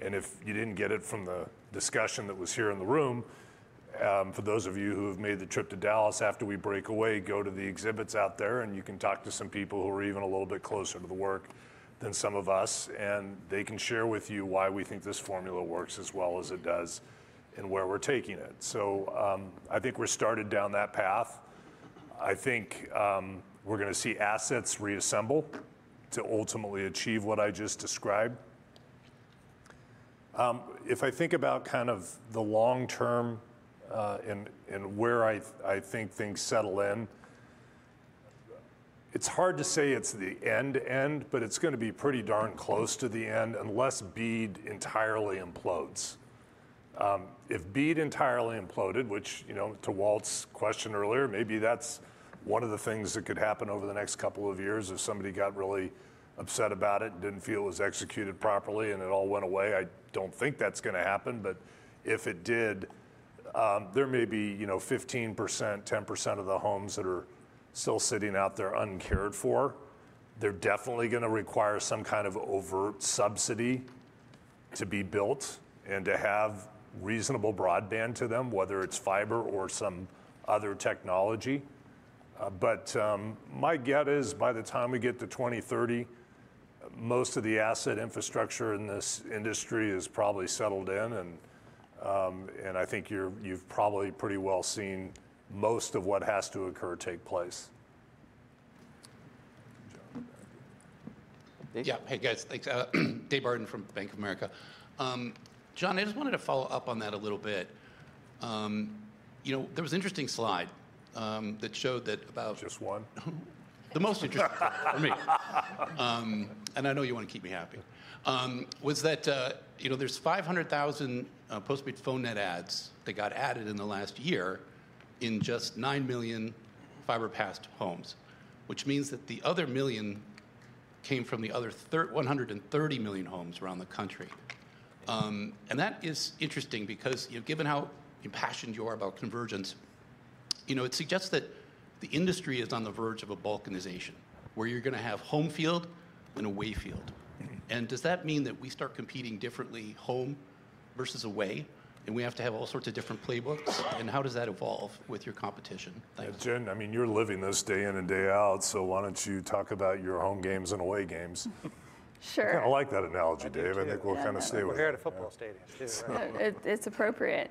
And if you didn't get it from the discussion that was here in the room, for those of you who have made the trip to Dallas after we break away, go to the exhibits out there, and you can talk to some people who are even a little bit closer to the work than some of us, and they can share with you why we think this formula works as well as it does and where we're taking it. So I think we're started down that path. I think we're going to see assets reassemble to ultimately achieve what I just described. If I think about kind of the long term and where I think things settle in, it's hard to say it's the end end, but it's going to be pretty darn close to the end unless BEAD entirely implodes. If BEAD entirely imploded, which to Walt's question earlier, maybe that's one of the things that could happen over the next couple of years if somebody got really upset about it and didn't feel it was executed properly and it all went away. I don't think that's going to happen, but if it did, there may be 15%, 10% of the homes that are still sitting out there uncared for. They're definitely going to require some kind of overt subsidy to be built and to have reasonable broadband to them, whether it's fiber or some other technology. But my guess is by the time we get to 2030, most of the asset infrastructure in this industry is probably settled in, and I think you've probably pretty well seen most of what has to occur take place. Yeah. Hey, guys. Thanks. David Barden from Bank of America. John, I just wanted to follow up on that a little bit. There was an interesting slide that showed that about. Just one. The most interesting for me. And I know you want to keep me happy. Was that there's 500,000 postpaid phone net adds that got added in the last year in just 9 million fiber passed homes, which means that the other million came from the other 130 million homes around the country. And that is interesting because given how impassioned you are about convergence, it suggests that the industry is on the verge of a balkanization where you're going to have home field and a way field. And does that mean that we start competing differently, home versus away, and we have to have all sorts of different playbooks? And how does that evolve with your competition? Yeah, Jen, I mean, you're living this day in and day out, so why don't you talk about your home games and away games? Sure. I kind of like that analogy, Dave. I think we'll kind of stay with it. We're here at a football stadium, too. It's appropriate.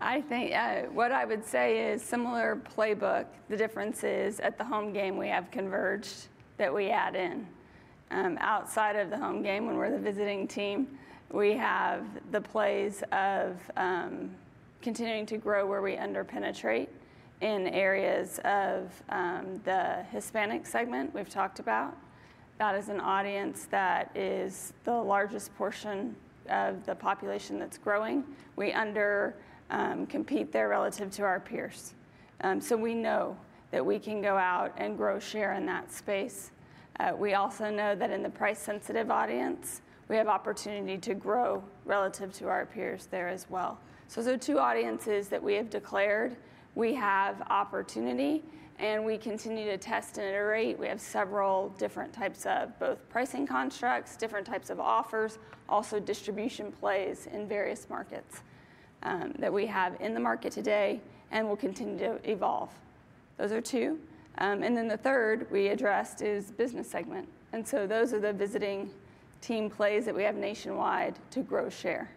I think what I would say is similar playbook. The difference is at the home game, we have converged that we add in. Outside of the home game, when we're the visiting team, we have the plays of continuing to grow where we underpenetrate in areas of the Hispanic segment we've talked about. That is an audience that is the largest portion of the population that's growing. We undercompete there relative to our peers. So we know that we can go out and grow share in that space. We also know that in the price-sensitive audience, we have opportunity to grow relative to our peers there as well. So those are two audiences that we have declared we have opportunity, and we continue to test and iterate. We have several different types of both pricing constructs, different types of offers, also distribution plays in various markets that we have in the market today and will continue to evolve. Those are two. And then the third we addressed is business segment. And so those are the visiting team plays that we have nationwide to grow share.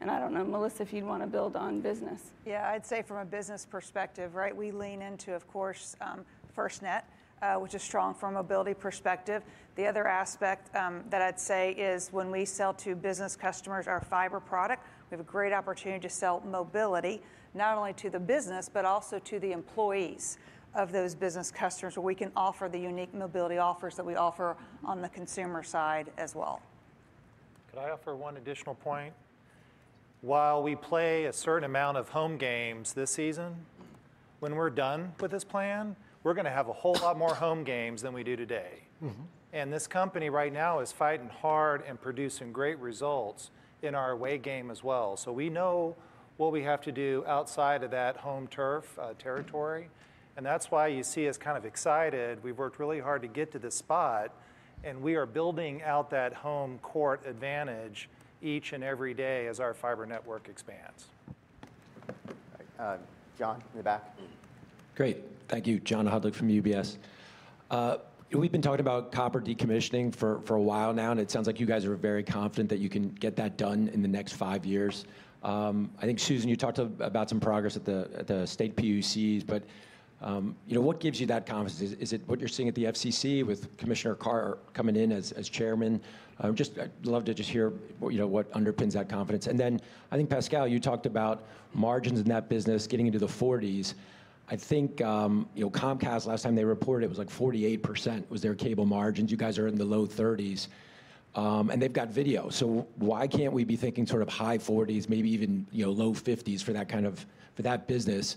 And I don't know, Melissa, if you'd want to build on business. Yeah, I'd say from a business perspective, right, we lean into, of course, FirstNet, which is strong from a mobility perspective. The other aspect that I'd say is when we sell to business customers our fiber product, we have a great opportunity to sell mobility not only to the business, but also to the employees of those business customers where we can offer the unique mobility offers that we offer on the consumer side as well. Could I offer one additional point? While we play a certain amount of home games this season, when we're done with this plan, we're going to have a whole lot more home games than we do today. And this company right now is fighting hard and producing great results in our away game as well. So we know what we have to do outside of that home turf territory. And that's why you see us kind of excited. We've worked really hard to get to the spot, and we are building out that home court advantage each and every day as our fiber network expands. John, in the back. Great. Thank you. John Hodulik from UBS. We've been talking about copper decommissioning for a while now, and it sounds like you guys are very confident that you can get that done in the next five years. I think, Susan, you talked about some progress at the state PUCs, but what gives you that confidence? Is it what you're seeing at the FCC with Commissioner Carr coming in as chairman? I'd love to just hear what underpins that confidence. And then I think, Pascal, you talked about margins in that business getting into the 40s. I think Comcast, last time they reported, it was like 48% was their cable margins. You guys are in the low 30s. And they've got video. So why can't we be thinking sort of high 40s, maybe even low 50s for that kind of business,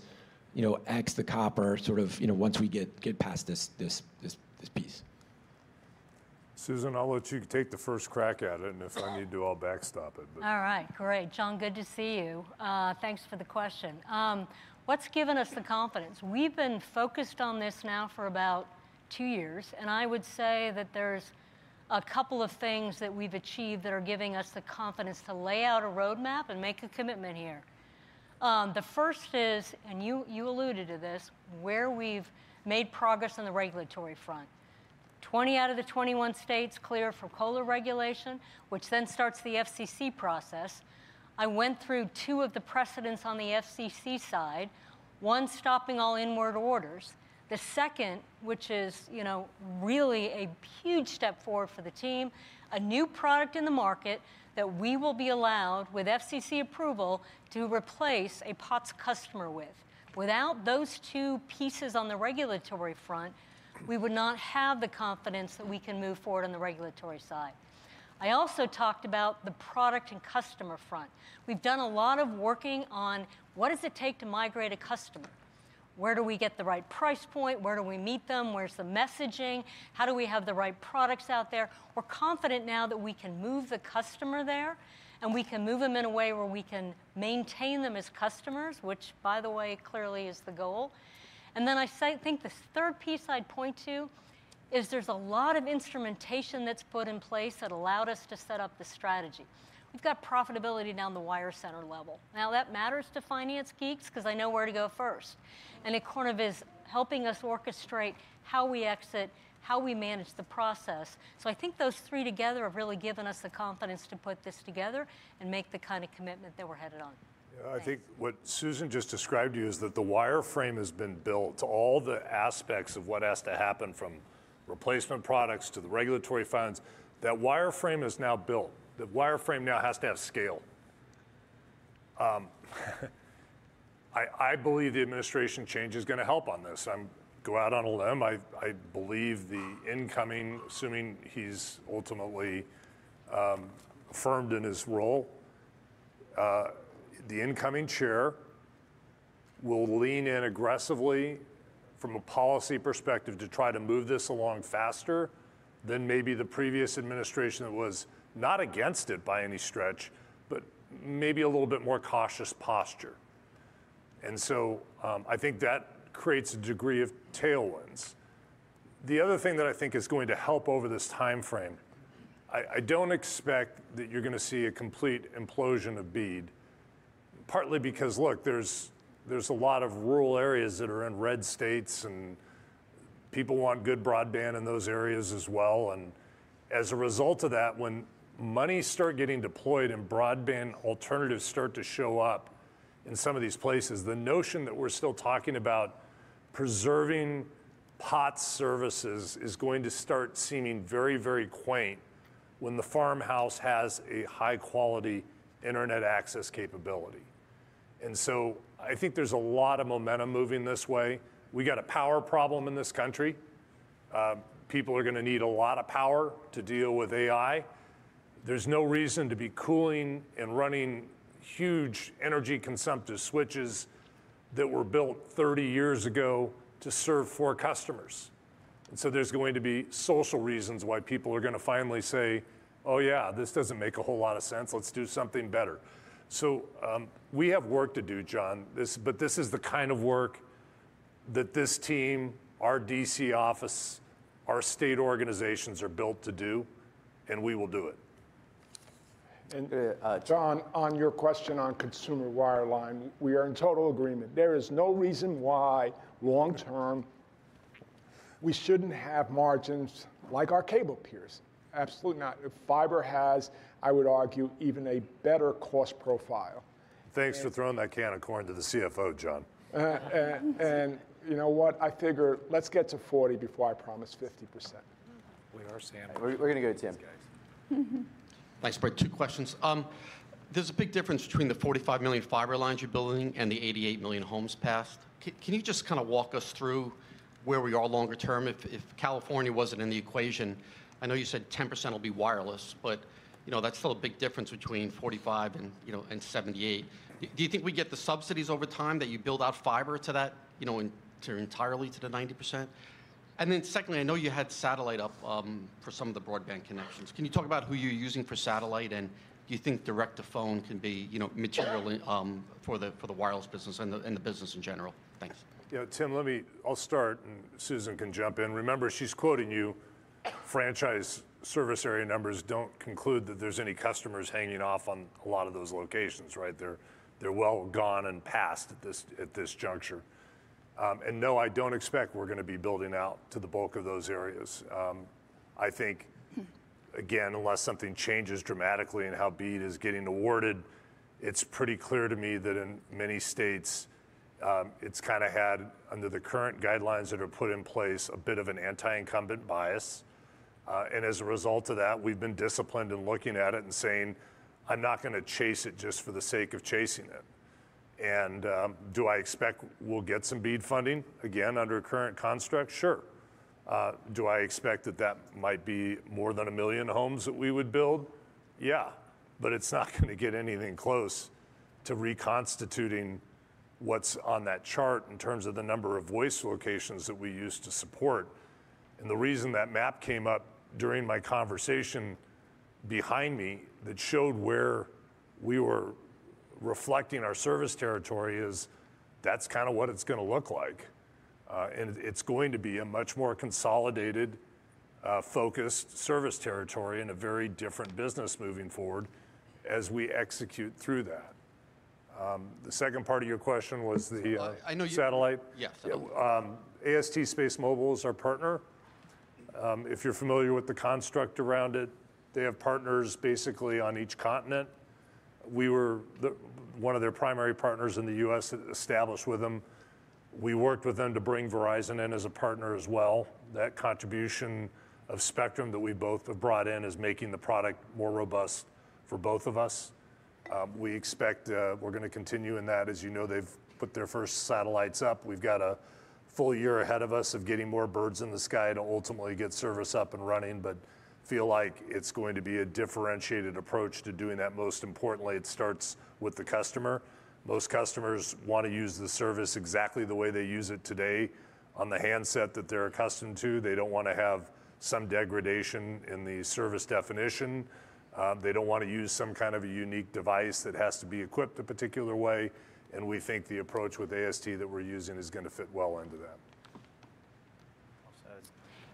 exit the copper sort of once we get past this piece? Susan, I'll let you take the first crack at it, and if I need to, I'll backstop it. All right. Great. John, good to see you. Thanks for the question. What's given us the confidence? We've been focused on this now for about two years, and I would say that there's a couple of things that we've achieved that are giving us the confidence to lay out a roadmap and make a commitment here. The first is, and you alluded to this, where we've made progress on the regulatory front. 20 out of the 21 states clear for COLR regulation, which then starts the FCC process. I went through two of the precedents on the FCC side, one stopping all inward orders. The second, which is really a huge step forward for the team, a new product in the market that we will be allowed, with FCC approval, to replace a POTS customer with. Without those two pieces on the regulatory front, we would not have the confidence that we can move forward on the regulatory side. I also talked about the product and customer front. We've done a lot of work on what does it take to migrate a customer? Where do we get the right price point? Where do we meet them? Where's the messaging? How do we have the right products out there? We're confident now that we can move the customer there, and we can move them in a way where we can maintain them as customers, which, by the way, clearly is the goal. And then I think the third piece I'd point to is there's a lot of instrumentation that's put in place that allowed us to set up the strategy. We've got profitability down the wire center level. Now, that matters to finance geeks because they know where to go first, and it kind of is helping us orchestrate how we exit, how we manage the process, so I think those three together have really given us the confidence to put this together and make the kind of commitment that we're headed on. Yeah, I think what Susan just described to you is that the wireline has been built. All the aspects of what has to happen from replacement products to the regulatory funds, that wireline is now built. The wireline now has to have scale. I believe the administration change is going to help on this. I'm going to go out on a limb. I believe the incoming, assuming he's ultimately affirmed in his role, the incoming chair will lean in aggressively from a policy perspective to try to move this along faster than maybe the previous administration that was not against it by any stretch, but maybe a little bit more cautious posture. And so I think that creates a degree of tailwinds. The other thing that I think is going to help over this time frame, I don't expect that you're going to see a complete implosion of BEAD, partly because, look, there's a lot of rural areas that are in red states, and people want good broadband in those areas as well. And as a result of that, when money starts getting deployed and broadband alternatives start to show up in some of these places, the notion that we're still talking about preserving POTS services is going to start seeming very, very quaint when the farmhouse has a high-quality internet access capability. And so I think there's a lot of momentum moving this way. We've got a power problem in this country. People are going to need a lot of power to deal with AI. There's no reason to be cooling and running huge energy-consumptive switches that were built 30 years ago to serve four customers. And so there's going to be social reasons why people are going to finally say, "Oh, yeah, this doesn't make a whole lot of sense. Let's do something better." So we have work to do, John, but this is the kind of work that this team, our DC office, our state organizations are built to do, and we will do it. John, on your question on consumer wireline, we are in total agreement. There is no reason why long term we shouldn't have margins like our cable peers. Absolutely not. Fiber has, I would argue, even a better cost profile. Thanks for throwing that can of corn to the CFO, John. You know what? I figure let's get to 40 before I promise 50%. We are sandwiched. We're going to go to Tim. Thanks, Brett. Two questions. There's a big difference between the 45 million fiber lines you're building and the 88 million homes passed. Can you just kind of walk us through where we are longer term? If California wasn't in the equation, I know you said 10% will be wireless, but that's still a big difference between 45 and 78. Do you think we get the subsidies over time that you build out fiber to that entirely to the 90%? And then secondly, I know you had satellite up for some of the broadband connections. Can you talk about who you're using for satellite, and do you think direct-to-phone can be material for the wireless business and the business in general? Thanks. Yeah, Tim, let me. I'll start, and Susan can jump in. Remember, she's quoting you. Franchise service area numbers don't conclude that there's any customers hanging off on a lot of those locations, right? They're well gone and past at this juncture. And no, I don't expect we're going to be building out to the bulk of those areas. I think, again, unless something changes dramatically in how BEAD is getting awarded, it's pretty clear to me that in many states, it's kind of had, under the current guidelines that are put in place, a bit of an anti-incumbent bias. And as a result of that, we've been disciplined in looking at it and saying, "I'm not going to chase it just for the sake of chasing it." And do I expect we'll get some BEAD funding again under a current construct? Sure. Do I expect that that might be more than a million homes that we would build? Yeah, but it's not going to get anything close to reconstituting what's on that chart in terms of the number of voice locations that we use to support. And the reason that map came up during my conversation, behind me, that showed where we were reflecting our service territory is that's kind of what it's going to look like. And it's going to be a much more consolidated, focused service territory and a very different business moving forward as we execute through that. The second part of your question was the satellite? Yeah. AST SpaceMobile is our partner. If you're familiar with the construct around it, they have partners basically on each continent. We were one of their primary partners in the U.S. that established with them. We worked with them to bring Verizon in as a partner as well. That contribution of spectrum that we both have brought in is making the product more robust for both of us. We expect we're going to continue in that. As you know, they've put their first satellites up. We've got a full year ahead of us of getting more birds in the sky to ultimately get service up and running, but feel like it's going to be a differentiated approach to doing that. Most importantly, it starts with the customer. Most customers want to use the service exactly the way they use it today on the handset that they're accustomed to. They don't want to have some degradation in the service definition. They don't want to use some kind of a unique device that has to be equipped a particular way, and we think the approach with AST that we're using is going to fit well into that.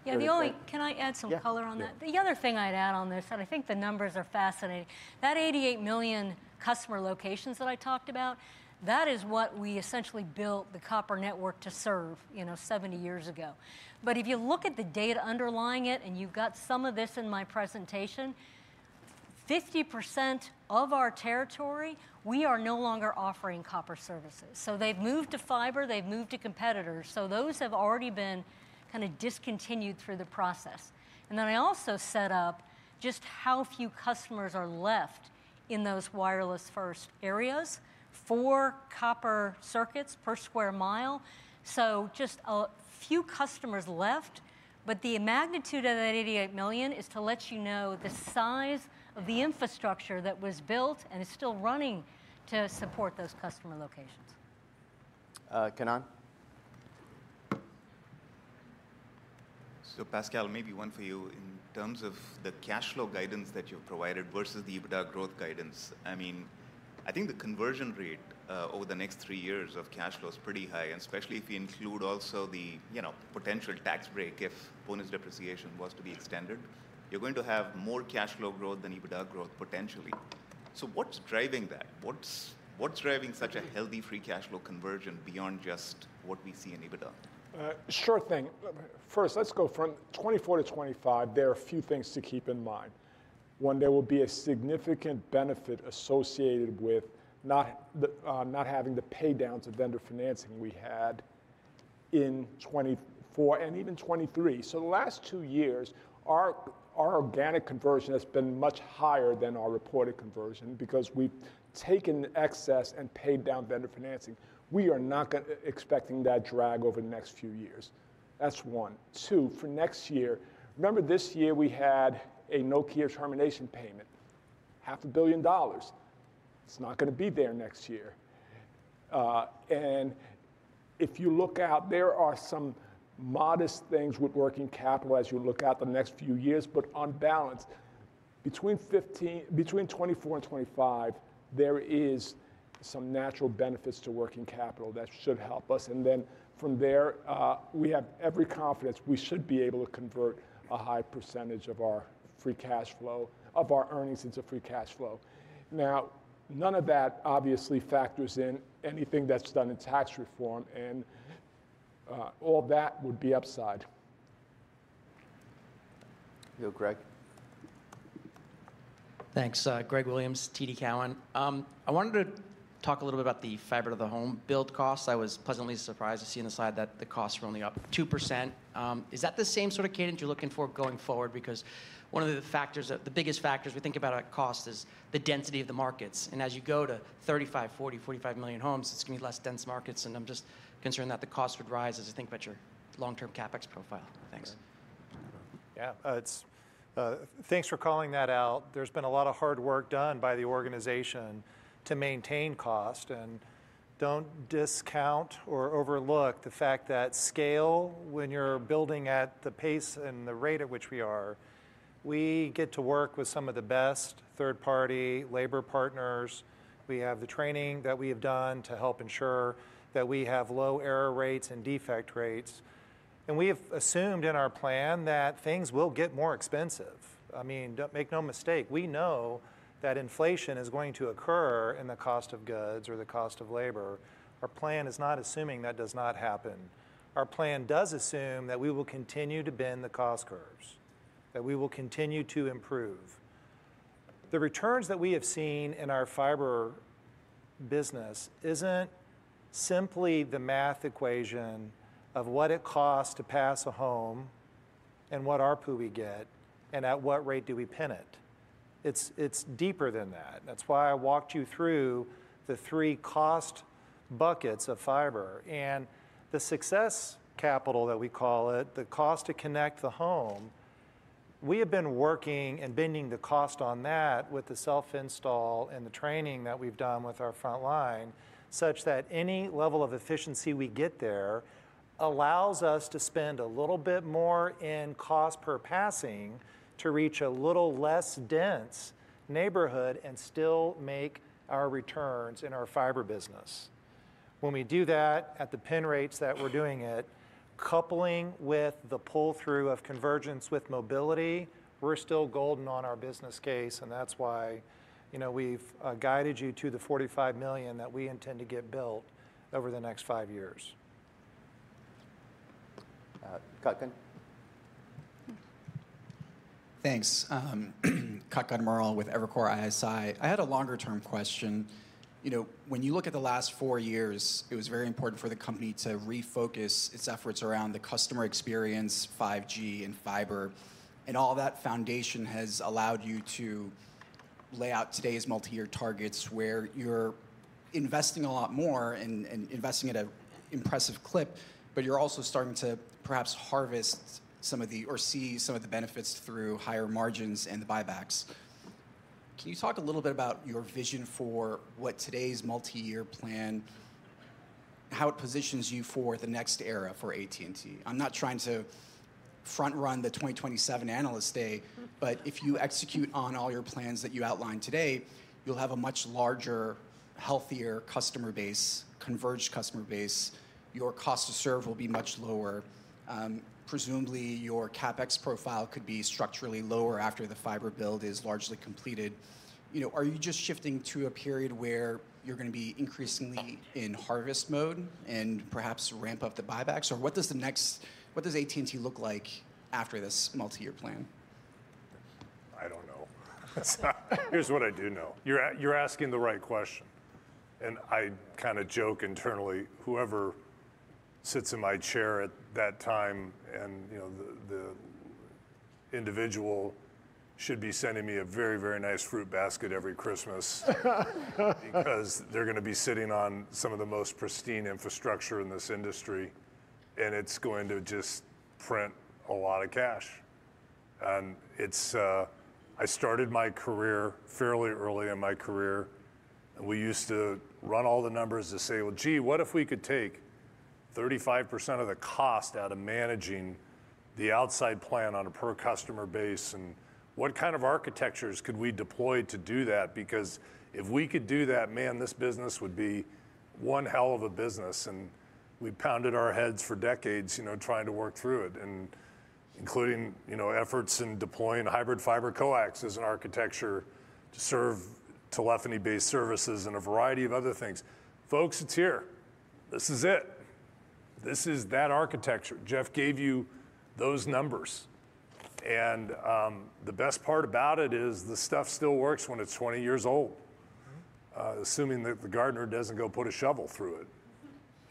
Yeah, can I add some color on that? The other thing I'd add on this, and I think the numbers are fascinating, that 88 million customer locations that I talked about, that is what we essentially built the copper network to serve 70 years ago. But if you look at the data underlying it, and you've got some of this in my presentation, 50% of our territory, we are no longer offering copper services. So they've moved to fiber. They've moved to competitors. So those have already been kind of discontinued through the process. And then I also set up just how few customers are left in those wireless-first areas for copper circuits per sq mi. So just a few customers left, but the magnitude of that 88 million is to let you know the size of the infrastructure that was built and is still running to support those customer locations. Kannan? So, Pascal, maybe one for you. In terms of the cash flow guidance that you've provided versus the EBITDA growth guidance, I mean, I think the conversion rate over the next three years of cash flow is pretty high, and especially if you include also the potential tax break if bonus depreciation was to be extended, you're going to have more cash flow growth than EBITDA growth potentially. So what's driving that? What's driving such a healthy free cash flow conversion beyond just what we see in EBITDA? Sure thing. First, let's go from 2024 to 2025. There are a few things to keep in mind. One, there will be a significant benefit associated with not having the paydown to vendor financing we had in 2024 and even 2023. So the last two years, our organic conversion has been much higher than our reported conversion because we've taken excess and paid down vendor financing. We are not expecting that drag over the next few years. That's one. Two, for next year, remember this year we had a DIRECTV termination payment, $500 million. It's not going to be there next year. And if you look out, there are some modest things with working capital as you look out the next few years, but on balance, between 2024 and 2025, there are some natural benefits to working capital that should help us. And then from there, we have every confidence we should be able to convert a high percentage of our free cash flow, of our earnings into free cash flow. Now, none of that obviously factors in anything that's done in tax reform, and all that would be upside. Here's Greg. Thanks. Greg Williams, TD Cowen. I wanted to talk a little bit about the fiber-to-the-home build costs. I was pleasantly surprised to see on the slide that the costs were only up 2%. Is that the same sort of cadence you're looking for going forward? Because one of the biggest factors we think about at cost is the density of the markets. And as you go to 35, 40, 45 million homes, it's going to be less dense markets. And I'm just concerned that the costs would rise as you think about your long-term CapEx profile. Thanks. Yeah. Thanks for calling that out. There's been a lot of hard work done by the organization to maintain cost. And don't discount or overlook the fact that scale, when you're building at the pace and the rate at which we are, we get to work with some of the best third-party labor partners. We have the training that we have done to help ensure that we have low error rates and defect rates. And we have assumed in our plan that things will get more expensive. I mean, make no mistake, we know that inflation is going to occur in the cost of goods or the cost of labor. Our plan is not assuming that does not happen. Our plan does assume that we will continue to bend the cost curves, that we will continue to improve. The returns that we have seen in our fiber business isn't simply the math equation of what it costs to pass a home and what our ARPU we get and at what rate do we penetrate it. It's deeper than that. That's why I walked you through the three cost buckets of fiber, and the second CapEx that we call it, the cost to connect the home, we have been working and bending the cost on that with the self-install and the training that we've done with our front line such that any level of efficiency we get there allows us to spend a little bit more in cost per passing to reach a little less dense neighborhood and still make our returns in our fiber business. When we do that at the penetration rates that we're doing it, coupled with the pull-through of convergence with mobility, we're still golden on our business case, and that's why we've guided you to the 45 million that we intend to get built over the next five years. Kutgun? Thanks. Kutgun Maral with Evercore ISI. I had a longer-term question. When you look at the last four years, it was very important for the company to refocus its efforts around the customer experience, 5G, and fiber. All that foundation has allowed you to lay out today's multi-year targets where you're investing a lot more and investing at an impressive clip, but you're also starting to perhaps harvest some of the or see some of the benefits through higher margins and the buybacks. Can you talk a little bit about your vision for what today's multi-year plan, how it positions you for the next era for AT&T? I'm not trying to front-run the 2027 Analyst Day, but if you execute on all your plans that you outlined today, you'll have a much larger, healthier customer base, converged customer base. Your cost to serve will be much lower. Presumably, your CapEx profile could be structurally lower after the fiber build is largely completed. Are you just shifting to a period where you're going to be increasingly in harvest mode and perhaps ramp up the buybacks? Or what does AT&T look like after this multi-year plan? I don't know. Here's what I do know. You're asking the right question. And I kind of joke internally, whoever sits in my chair at that time and the individual should be sending me a very, very nice fruit basket every Christmas because they're going to be sitting on some of the most pristine infrastructure in this industry, and it's going to just print a lot of cash. And I started my career fairly early in my career. We used to run all the numbers to say, "Well, gee, what if we could take 35% of the cost out of managing the outside plant on a per-customer basis? And what kind of architectures could we deploy to do that?" Because if we could do that, man, this business would be one hell of a business. And we pounded our heads for decades trying to work through it, including efforts in deploying hybrid fiber coax as an architecture to serve telephony-based services and a variety of other things. Folks, it's here. This is it. This is that architecture. Jeff gave you those numbers. And the best part about it is the stuff still works when it's 20 years old, assuming that the gardener doesn't go put a shovel through it.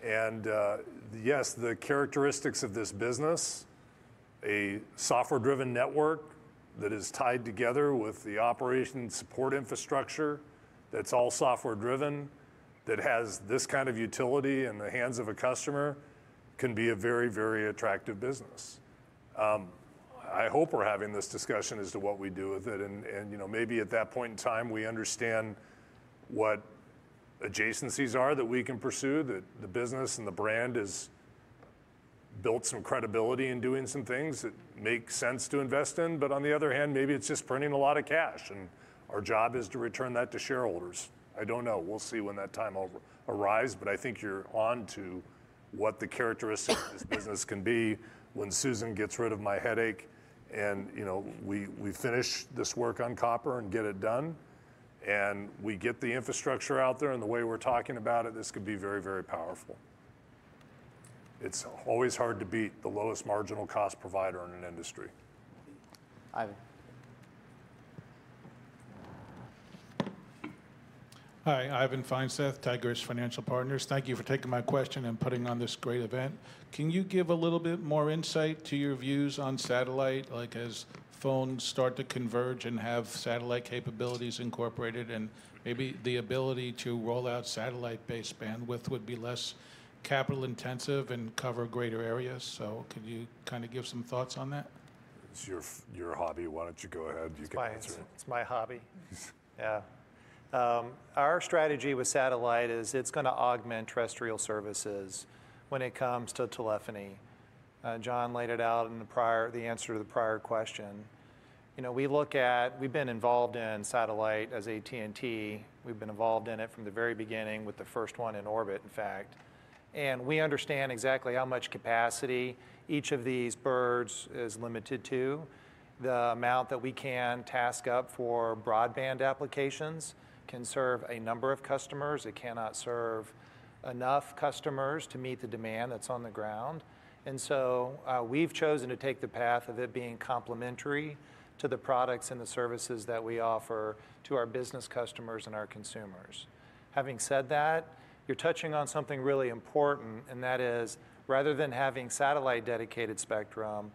And yes, the characteristics of this business, a software-driven network that is tied together with the operation support infrastructure that's all software-driven, that has this kind of utility in the hands of a customer, can be a very, very attractive business. I hope we're having this discussion as to what we do with it. Maybe at that point in time, we understand what adjacencies are that we can pursue, that the business and the brand has built some credibility in doing some things that make sense to invest in. But on the other hand, maybe it's just printing a lot of cash. And our job is to return that to shareholders. I don't know. We'll see when that time arrives, but I think you're on to what the characteristics of this business can be when Susan gets rid of my headache and we finish this work on copper and get it done, and we get the infrastructure out there in the way we're talking about it. This could be very, very powerful. It's always hard to beat the lowest marginal cost provider in an industry. Ivan. Hi, Ivan Feinseth, Tigress Financial Partners. Thank you for taking my question and putting on this great event. Can you give a little bit more insight to your views on satellite, like as phones start to converge and have satellite capabilities incorporated, and maybe the ability to roll out satellite-based bandwidth would be less capital-intensive and cover greater areas? So can you kind of give some thoughts on that? It's your hobby. Why don't you go ahead? You can answer it. It's my hobby. Yeah. Our strategy with satellite is it's going to augment terrestrial services when it comes to telephony. John laid it out in the answer to the prior question. We've been involved in satellite as AT&T. We've been involved in it from the very beginning with the first one in orbit, in fact. And we understand exactly how much capacity each of these birds is limited to. The amount that we can task up for broadband applications can serve a number of customers. It cannot serve enough customers to meet the demand that's on the ground. And so we've chosen to take the path of it being complementary to the products and the services that we offer to our business customers and our consumers. Having said that, you're touching on something really important, and that is rather than having satellite dedicated spectrum,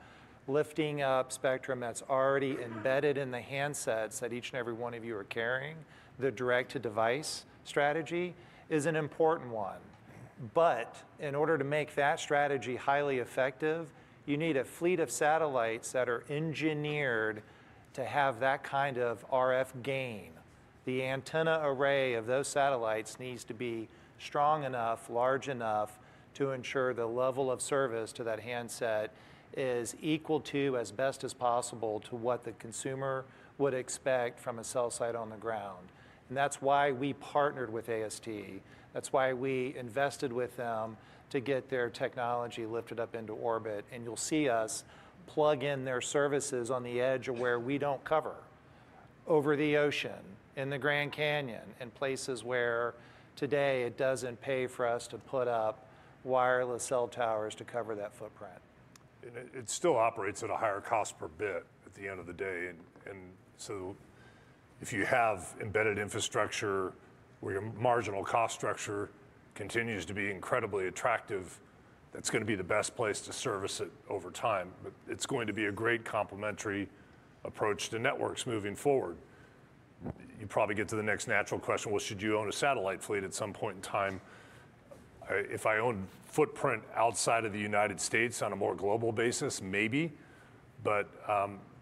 lifting up spectrum that's already embedded in the handsets that each and every one of you are carrying, the direct-to-device strategy is an important one. But in order to make that strategy highly effective, you need a fleet of satellites that are engineered to have that kind of RF gain. The antenna array of those satellites needs to be strong enough, large enough to ensure the level of service to that handset is equal to, as best as possible, to what the consumer would expect from a cell site on the ground, and that's why we partnered with AST. That's why we invested with them to get their technology lifted up into orbit. And you'll see us plug in their services on the edge of where we don't cover over the ocean in the Grand Canyon and places where today it doesn't pay for us to put up wireless cell towers to cover that footprint. It still operates at a higher cost per bit at the end of the day. And so if you have embedded infrastructure where your marginal cost structure continues to be incredibly attractive, that's going to be the best place to service it over time. But it's going to be a great complementary approach to networks moving forward. You probably get to the next natural question, well, should you own a satellite fleet at some point in time? If I owned footprint outside of the United States on a more global basis, maybe. But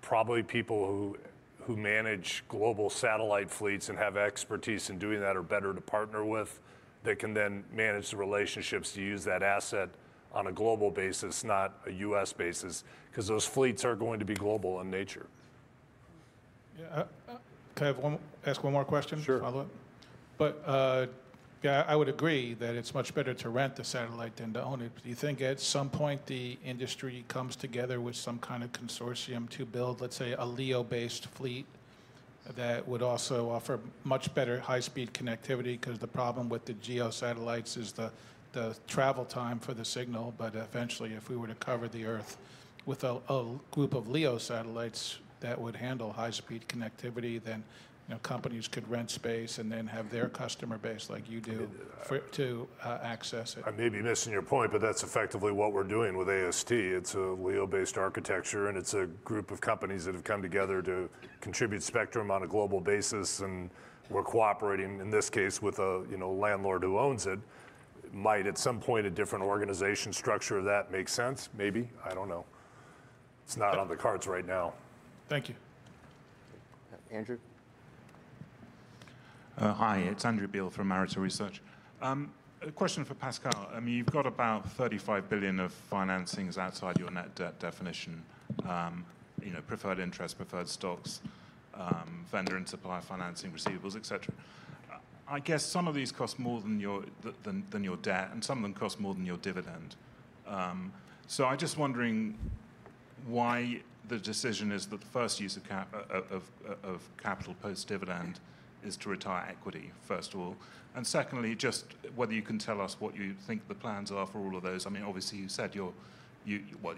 probably people who manage global satellite fleets and have expertise in doing that are better to partner with, that can then manage the relationships to use that asset on a global basis, not a U.S. basis, because those fleets are going to be global in nature. Yeah. Can I ask one more question? Sure. But I would agree that it's much better to rent the satellite than to own it. Do you think at some point the industry comes together with some kind of consortium to build, let's say, a LEO-based fleet that would also offer much better high-speed connectivity? Because the problem with the geosatellites is the travel time for the signal. But eventually, if we were to cover the Earth with a group of LEO satellites that would handle high-speed connectivity, then companies could rent space and then have their customer base like you do to access it. I may be missing your point, but that's effectively what we're doing with AST. It's a LEO-based architecture, and it's a group of companies that have come together to contribute spectrum on a global basis, and we're cooperating, in this case, with a landlord who owns it. It might at some point a different organization structure that makes sense. Maybe. I don't know. It's not on the cards right now. Thank you. Andrew. Hi. It's Andrew Beale from Arete Research. A question for Pascal. I mean, you've got about $35 billion of financings outside your net debt definition: preferred interest, preferred stocks, vendor and supply financing, receivables, et cetera. I guess some of these cost more than your debt, and some of them cost more than your dividend. So I'm just wondering why the decision is that the first use of capital post-dividend is to retire equity, first of all. And secondly, just whether you can tell us what you think the plans are for all of those. I mean, obviously, you said you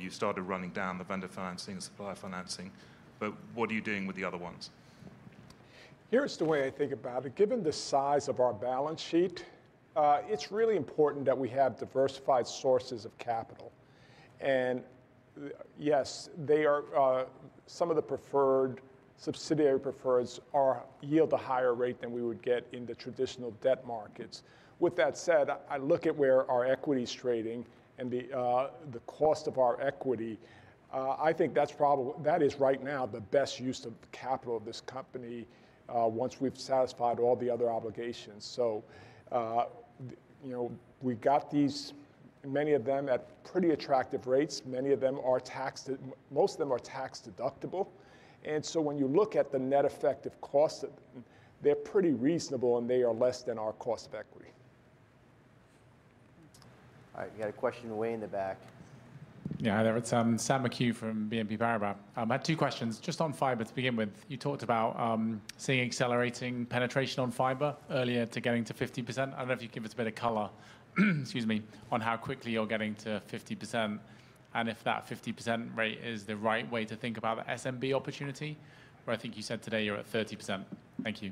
started running down the vendor financing and supply financing. But what are you doing with the other ones? Here's the way I think about it. Given the size of our balance sheet, it's really important that we have diversified sources of capital. And yes, some of the preferred subsidiary preferreds yield a higher rate than we would get in the traditional debt markets. With that said, I look at where our equity is trading and the cost of our equity. I think that is right now the best use of capital of this company once we've satisfied all the other obligations. So we've got many of them at pretty attractive rates. Many of them are taxed. Most of them are tax deductible. And so when you look at the net effective cost of them, they're pretty reasonable, and they are less than our cost of equity. All right. We had a question way in the back. Yeah. Hi there. It's Sam McHugh from BNP Paribas. I had two questions. Just on fiber to begin with, you talked about seeing accelerating penetration on fiber earlier to getting to 50%. I don't know if you can give us a bit of color, excuse me, on how quickly you're getting to 50% and if that 50% rate is the right way to think about the SMB opportunity, or I think you said today you're at 30%. Thank you.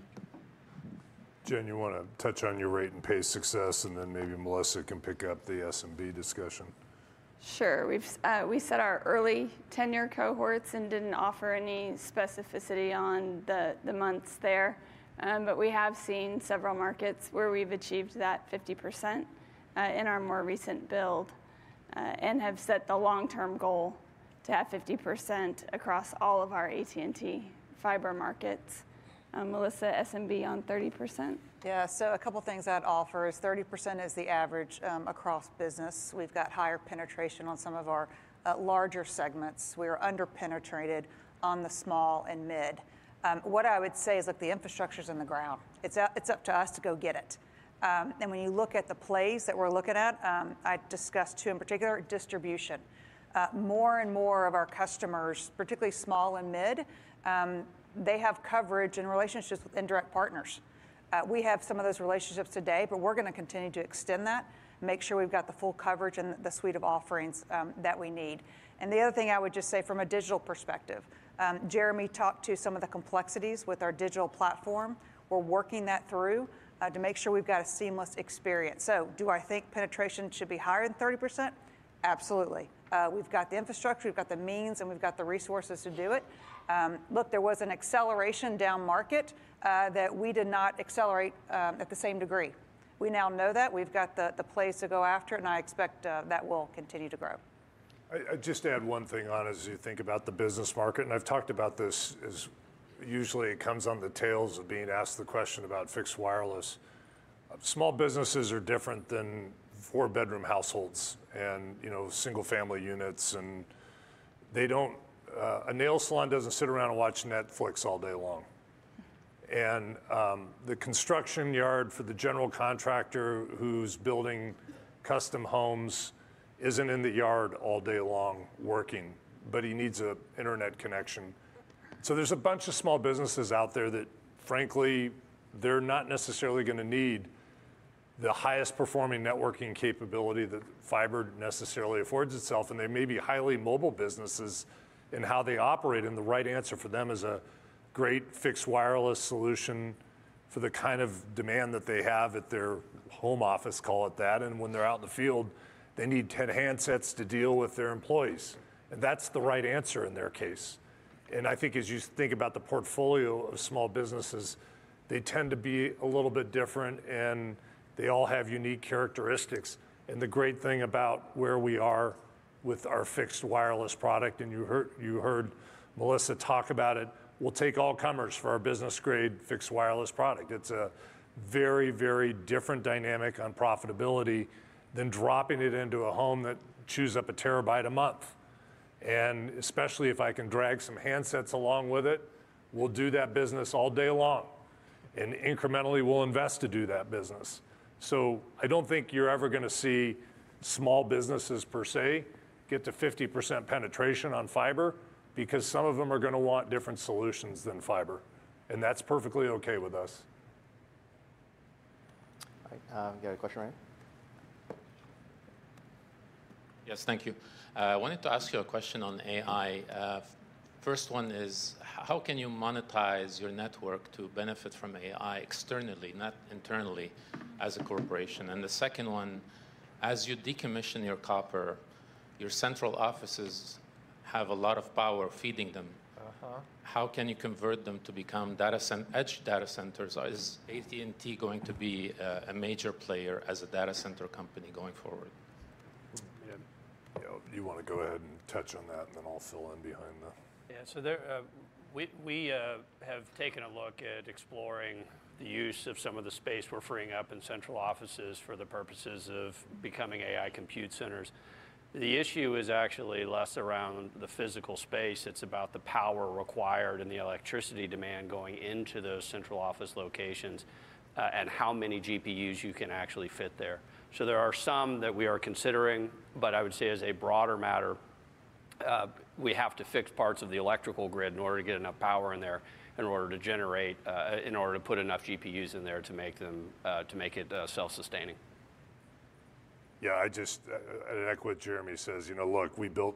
Jen, you want to touch on your rate and pace success, and then maybe Melissa can pick up the SMB discussion. Sure. We set our early tenure cohorts and didn't offer any specificity on the months there. But we have seen several markets where we've achieved that 50% in our more recent build and have set the long-term goal to have 50% across all of our AT&T Fiber markets. Melissa, SMB on 30%? Yeah. So a couple of things that offers. 30% is the average across business. We've got higher penetration on some of our larger segments. We are under-penetrated on the small and mid. What I would say is the infrastructure is in the ground. It's up to us to go get it. And when you look at the plays that we're looking at, I discussed two in particular: distribution. More and more of our customers, particularly small and mid, they have coverage and relationships with indirect partners. We have some of those relationships today, but we're going to continue to extend that, make sure we've got the full coverage and the suite of offerings that we need. And the other thing I would just say from a digital perspective, Jeremy talked to some of the complexities with our digital platform. We're working that through to make sure we've got a seamless experience. So do I think penetration should be higher than 30%? Absolutely. We've got the infrastructure, we've got the means, and we've got the resources to do it. Look, there was an acceleration down market that we did not accelerate at the same degree. We now know that. We've got the plays to go after, and I expect that will continue to grow. I'd just add one thing on as you think about the business market. And I've talked about this as usually it comes on the tails of being asked the question about fixed wireless. Small businesses are different than four-bedroom households and single-family units. And a nail salon doesn't sit around and watch Netflix all day long. And the construction yard for the general contractor who's building custom homes isn't in the yard all day long working, but he needs an internet connection. So there's a bunch of small businesses out there that, frankly, they're not necessarily going to need the highest-performing networking capability that fiber necessarily affords itself. And they may be highly mobile businesses, and how they operate and the right answer for them is a great fixed wireless solution for the kind of demand that they have at their home office, call it that. And when they're out in the field, they need 10 handsets to deal with their employees. And that's the right answer in their case. And I think as you think about the portfolio of small businesses, they tend to be a little bit different, and they all have unique characteristics. And the great thing about where we are with our fixed wireless product, and you heard Melissa talk about it, we'll take all comers for our business-grade fixed wireless product. It's a very, very different dynamic on profitability than dropping it into a home that chews up a terabyte a month. And especially if I can drag some handsets along with it, we'll do that business all day long. And incrementally, we'll invest to do that business. So I don't think you're ever going to see small businesses per se get to 50% penetration on fiber because some of them are going to want different solutions than fiber. And that's perfectly okay with us. All right. You got a question, Ryan? Yes. Thank you. I wanted to ask you a question on AI. First one is, how can you monetize your network to benefit from AI externally, not internally, as a corporation? And the second one, as you decommission your copper, your central offices have a lot of power feeding them. How can you convert them to become edge data centers? Is AT&T going to be a major player as a data center company going forward? Yeah. You want to go ahead and touch on that, and then I'll fill in behind the. Yeah. So we have taken a look at exploring the use of some of the space we're freeing up in central offices for the purposes of becoming AI compute centers. The issue is actually less around the physical space. It's about the power required and the electricity demand going into those central office locations and how many GPUs you can actually fit there. So there are some that we are considering, but I would say as a broader matter, we have to fix parts of the electrical grid in order to get enough power in there in order to generate, in order to put enough GPUs in there to make it self-sustaining. Yeah. I just, I think what Jeremy says, you know, look, we built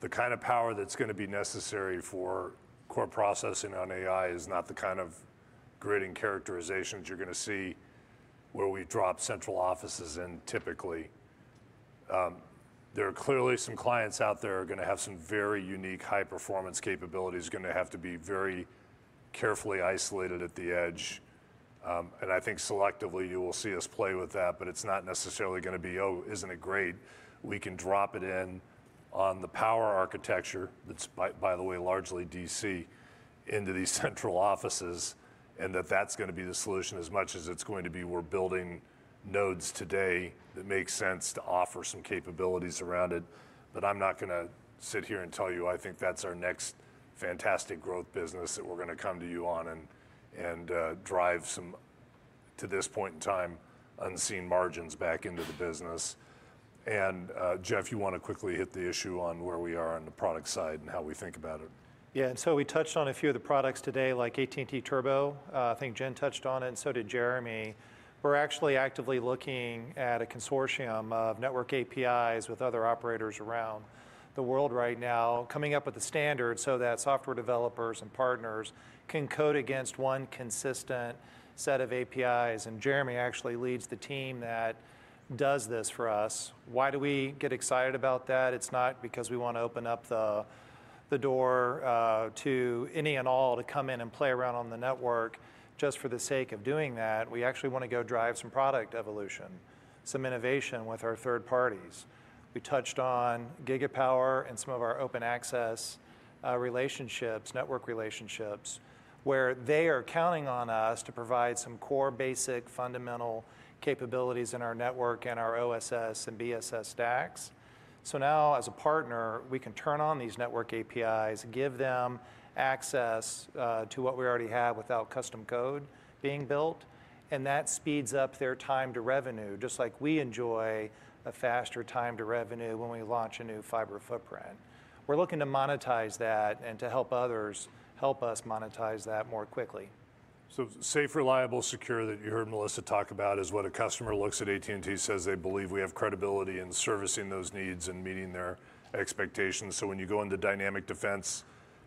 the kind of power that's going to be necessary for core processing on AI is not the kind of grid and characterizations you're going to see where we drop central offices in typically. There are clearly some clients out there who are going to have some very unique high-performance capabilities, going to have to be very carefully isolated at the edge. And I think selectively you will see us play with that, but it's not necessarily going to be, oh, isn't it great? We can drop it in on the power architecture, that's, by the way, largely DC, into these central offices, and that's going to be the solution as much as it's going to be we're building nodes today that make sense to offer some capabilities around it. But I'm not going to sit here and tell you I think that's our next fantastic growth business that we're going to come to you on and drive some, to this point in time, unseen margins back into the business. And Jeff, you want to quickly hit the issue on where we are on the product side and how we think about it. Yeah. And so we touched on a few of the products today, like AT&T Turbo. I think Jen touched on it, and so did Jeremy. We're actually actively looking at a consortium of network APIs with other operators around the world right now, coming up with a standard so that software developers and partners can code against one consistent set of APIs. And Jeremy actually leads the team that does this for us. Why do we get excited about that? It's not because we want to open up the door to any and all to come in and play around on the network just for the sake of doing that. We actually want to go drive some product evolution, some innovation with our third parties. We touched on Gigapower and some of our open access relationships, network relationships, where they are counting on us to provide some core basic fundamental capabilities in our network and our OSS and BSS stacks. So now, as a partner, we can turn on these network APIs, give them access to what we already have without custom code being built. And that speeds up their time to revenue, just like we enjoy a faster time to revenue when we launch a new fiber footprint. We're looking to monetize that and to help others help us monetize that more quickly. So, safe, reliable, secure that you heard Melissa talk about is what a customer looks at AT&T, says they believe we have credibility in servicing those needs and meeting their expectations. So when you go into Dynamic Defense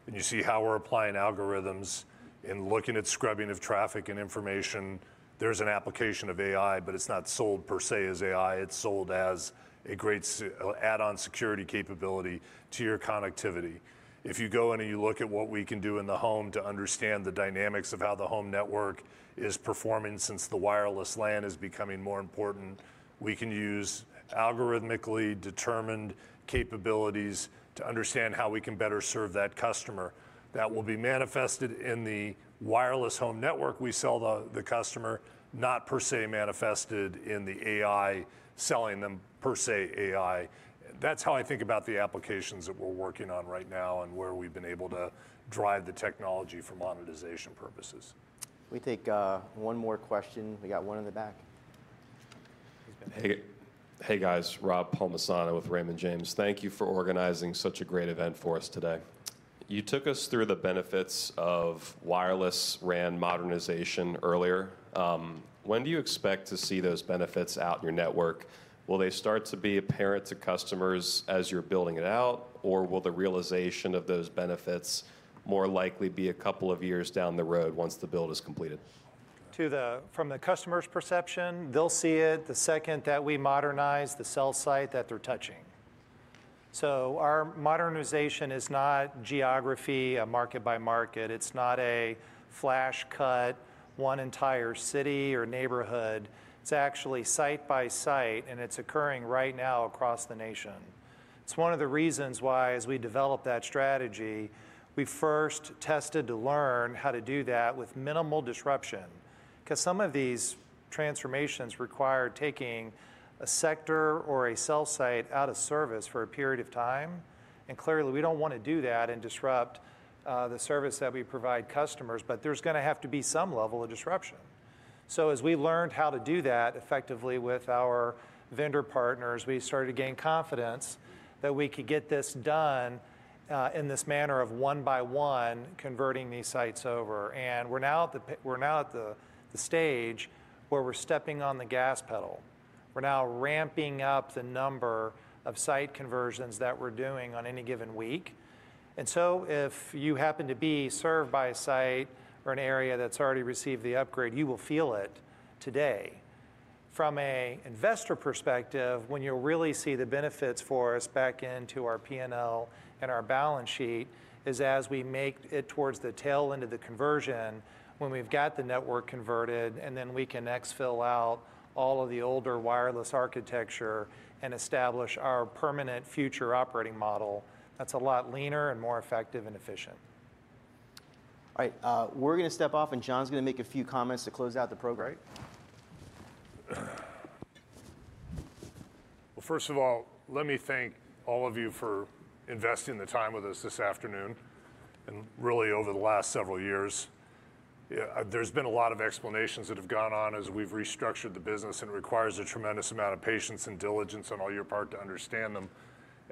and you see how we're applying algorithms and looking at scrubbing of traffic and information, there's an application of AI, but it's not sold per se as AI. It's sold as a great add-on security capability to your connectivity. If you go in and you look at what we can do in the home to understand the dynamics of how the home network is performing since the wireless LAN is becoming more important, we can use algorithmically determined capabilities to understand how we can better serve that customer. That will be manifested in the wireless home network we sell the customer, not per se manifested in the AI selling them per se as AI. That's how I think about the applications that we're working on right now and where we've been able to drive the technology for monetization purposes. We take one more question. We got one in the back. Hey, guys. Rob Palmisano with Raymond James. Thank you for organizing such a great event for us today. You took us through the benefits of wireless RAN modernization earlier. When do you expect to see those benefits out in your network? Will they start to be apparent to customers as you're building it out, or will the realization of those benefits more likely be a couple of years down the road once the build is completed? From the customer's perception, they'll see it the second that we modernize the cell site that they're touching. So our modernization is not geography market by market. It's not a flash cut, one entire city or neighborhood. It's actually site by site, and it's occurring right now across the nation. It's one of the reasons why, as we develop that strategy, we first tested to learn how to do that with minimal disruption because some of these transformations require taking a sector or a cell site out of service for a period of time, and clearly, we don't want to do that and disrupt the service that we provide customers, but there's going to have to be some level of disruption. So as we learned how to do that effectively with our vendor partners, we started to gain confidence that we could get this done in this manner of one by one converting these sites over. And we're now at the stage where we're stepping on the gas pedal. We're now ramping up the number of site conversions that we're doing on any given week. And so if you happen to be served by a site or an area that's already received the upgrade, you will feel it today. From an investor perspective, when you'll really see the benefits for us back into our P&L and our balance sheet is as we make it towards the tail end of the conversion when we've got the network converted, and then we can exfil out all of the older wireless architecture and establish our permanent future operating model. That's a lot leaner and more effective and efficient. All right. We're going to step off, and John's going to make a few comments to close out the program. Right? Well, first of all, let me thank all of you for investing the time with us this afternoon and really over the last several years. There's been a lot of explanations that have gone on as we've restructured the business, and it requires a tremendous amount of patience and diligence on all your part to understand them.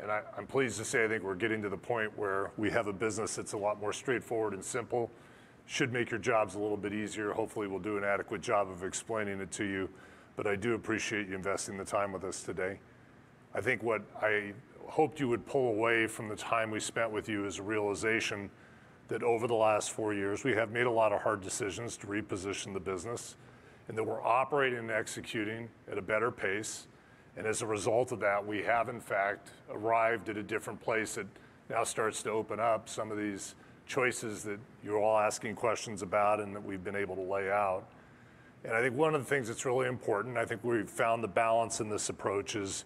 And I'm pleased to say I think we're getting to the point where we have a business that's a lot more straightforward and simple. It should make your jobs a little bit easier. Hopefully, we'll do an adequate job of explaining it to you. But I do appreciate you investing the time with us today. I think what I hoped you would pull away from the time we spent with you is a realization that over the last four years, we have made a lot of hard decisions to reposition the business and that we're operating and executing at a better pace, and as a result of that, we have in fact arrived at a different place that now starts to open up some of these choices that you're all asking questions about and that we've been able to lay out, and I think one of the things that's really important, I think we've found the balance in this approach is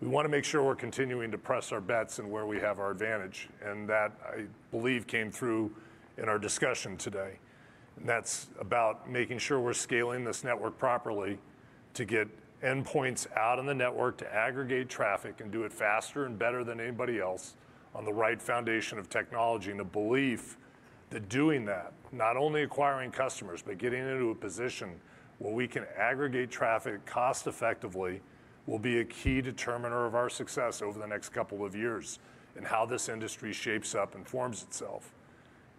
we want to make sure we're continuing to press our bets in where we have our advantage, and that I believe came through in our discussion today. And that's about making sure we're scaling this network properly to get endpoints out on the network to aggregate traffic and do it faster and better than anybody else on the right foundation of technology and a belief that doing that, not only acquiring customers, but getting into a position where we can aggregate traffic cost-effectively will be a key determiner of our success over the next couple of years in how this industry shapes up and forms itself.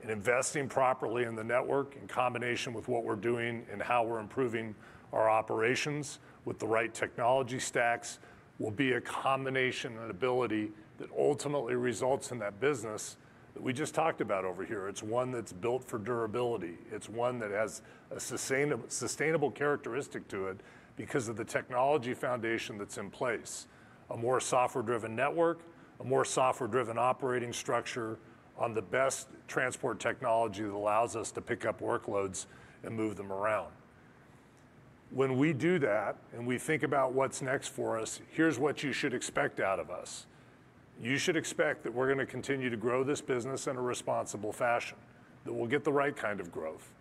And investing properly in the network in combination with what we're doing and how we're improving our operations with the right technology stacks will be a combination and ability that ultimately results in that business that we just talked about over here. It's one that's built for durability. It's one that has a sustainable characteristic to it because of the technology foundation that's in place, a more software-driven network, a more software-driven operating structure on the best transport technology that allows us to pick up workloads and move them around. When we do that and we think about what's next for us, here's what you should expect out of us. You should expect that we're going to continue to grow this business in a responsible fashion, that we'll get the right kind of growth.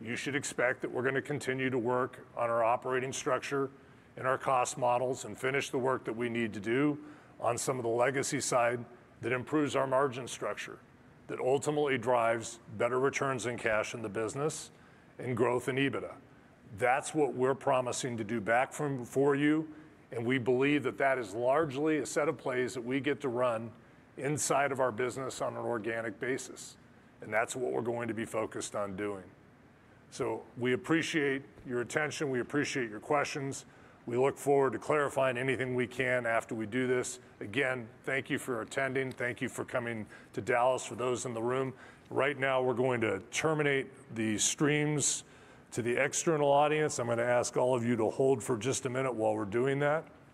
You should expect that we're going to continue to work on our operating structure and our cost models and finish the work that we need to do on some of the legacy side that improves our margin structure, that ultimately drives better returns in cash in the business and growth in EBITDA. That's what we're promising to do back for you. And we believe that that is largely a set of plays that we get to run inside of our business on an organic basis. And that's what we're going to be focused on doing. So we appreciate your attention. We appreciate your questions. We look forward to clarifying anything we can after we do this. Again, thank you for attending. Thank you for coming to Dallas. For those in the room, right now, we're going to terminate the streams to the external audience. I'm going to ask all of you to hold for just a minute while we're doing that.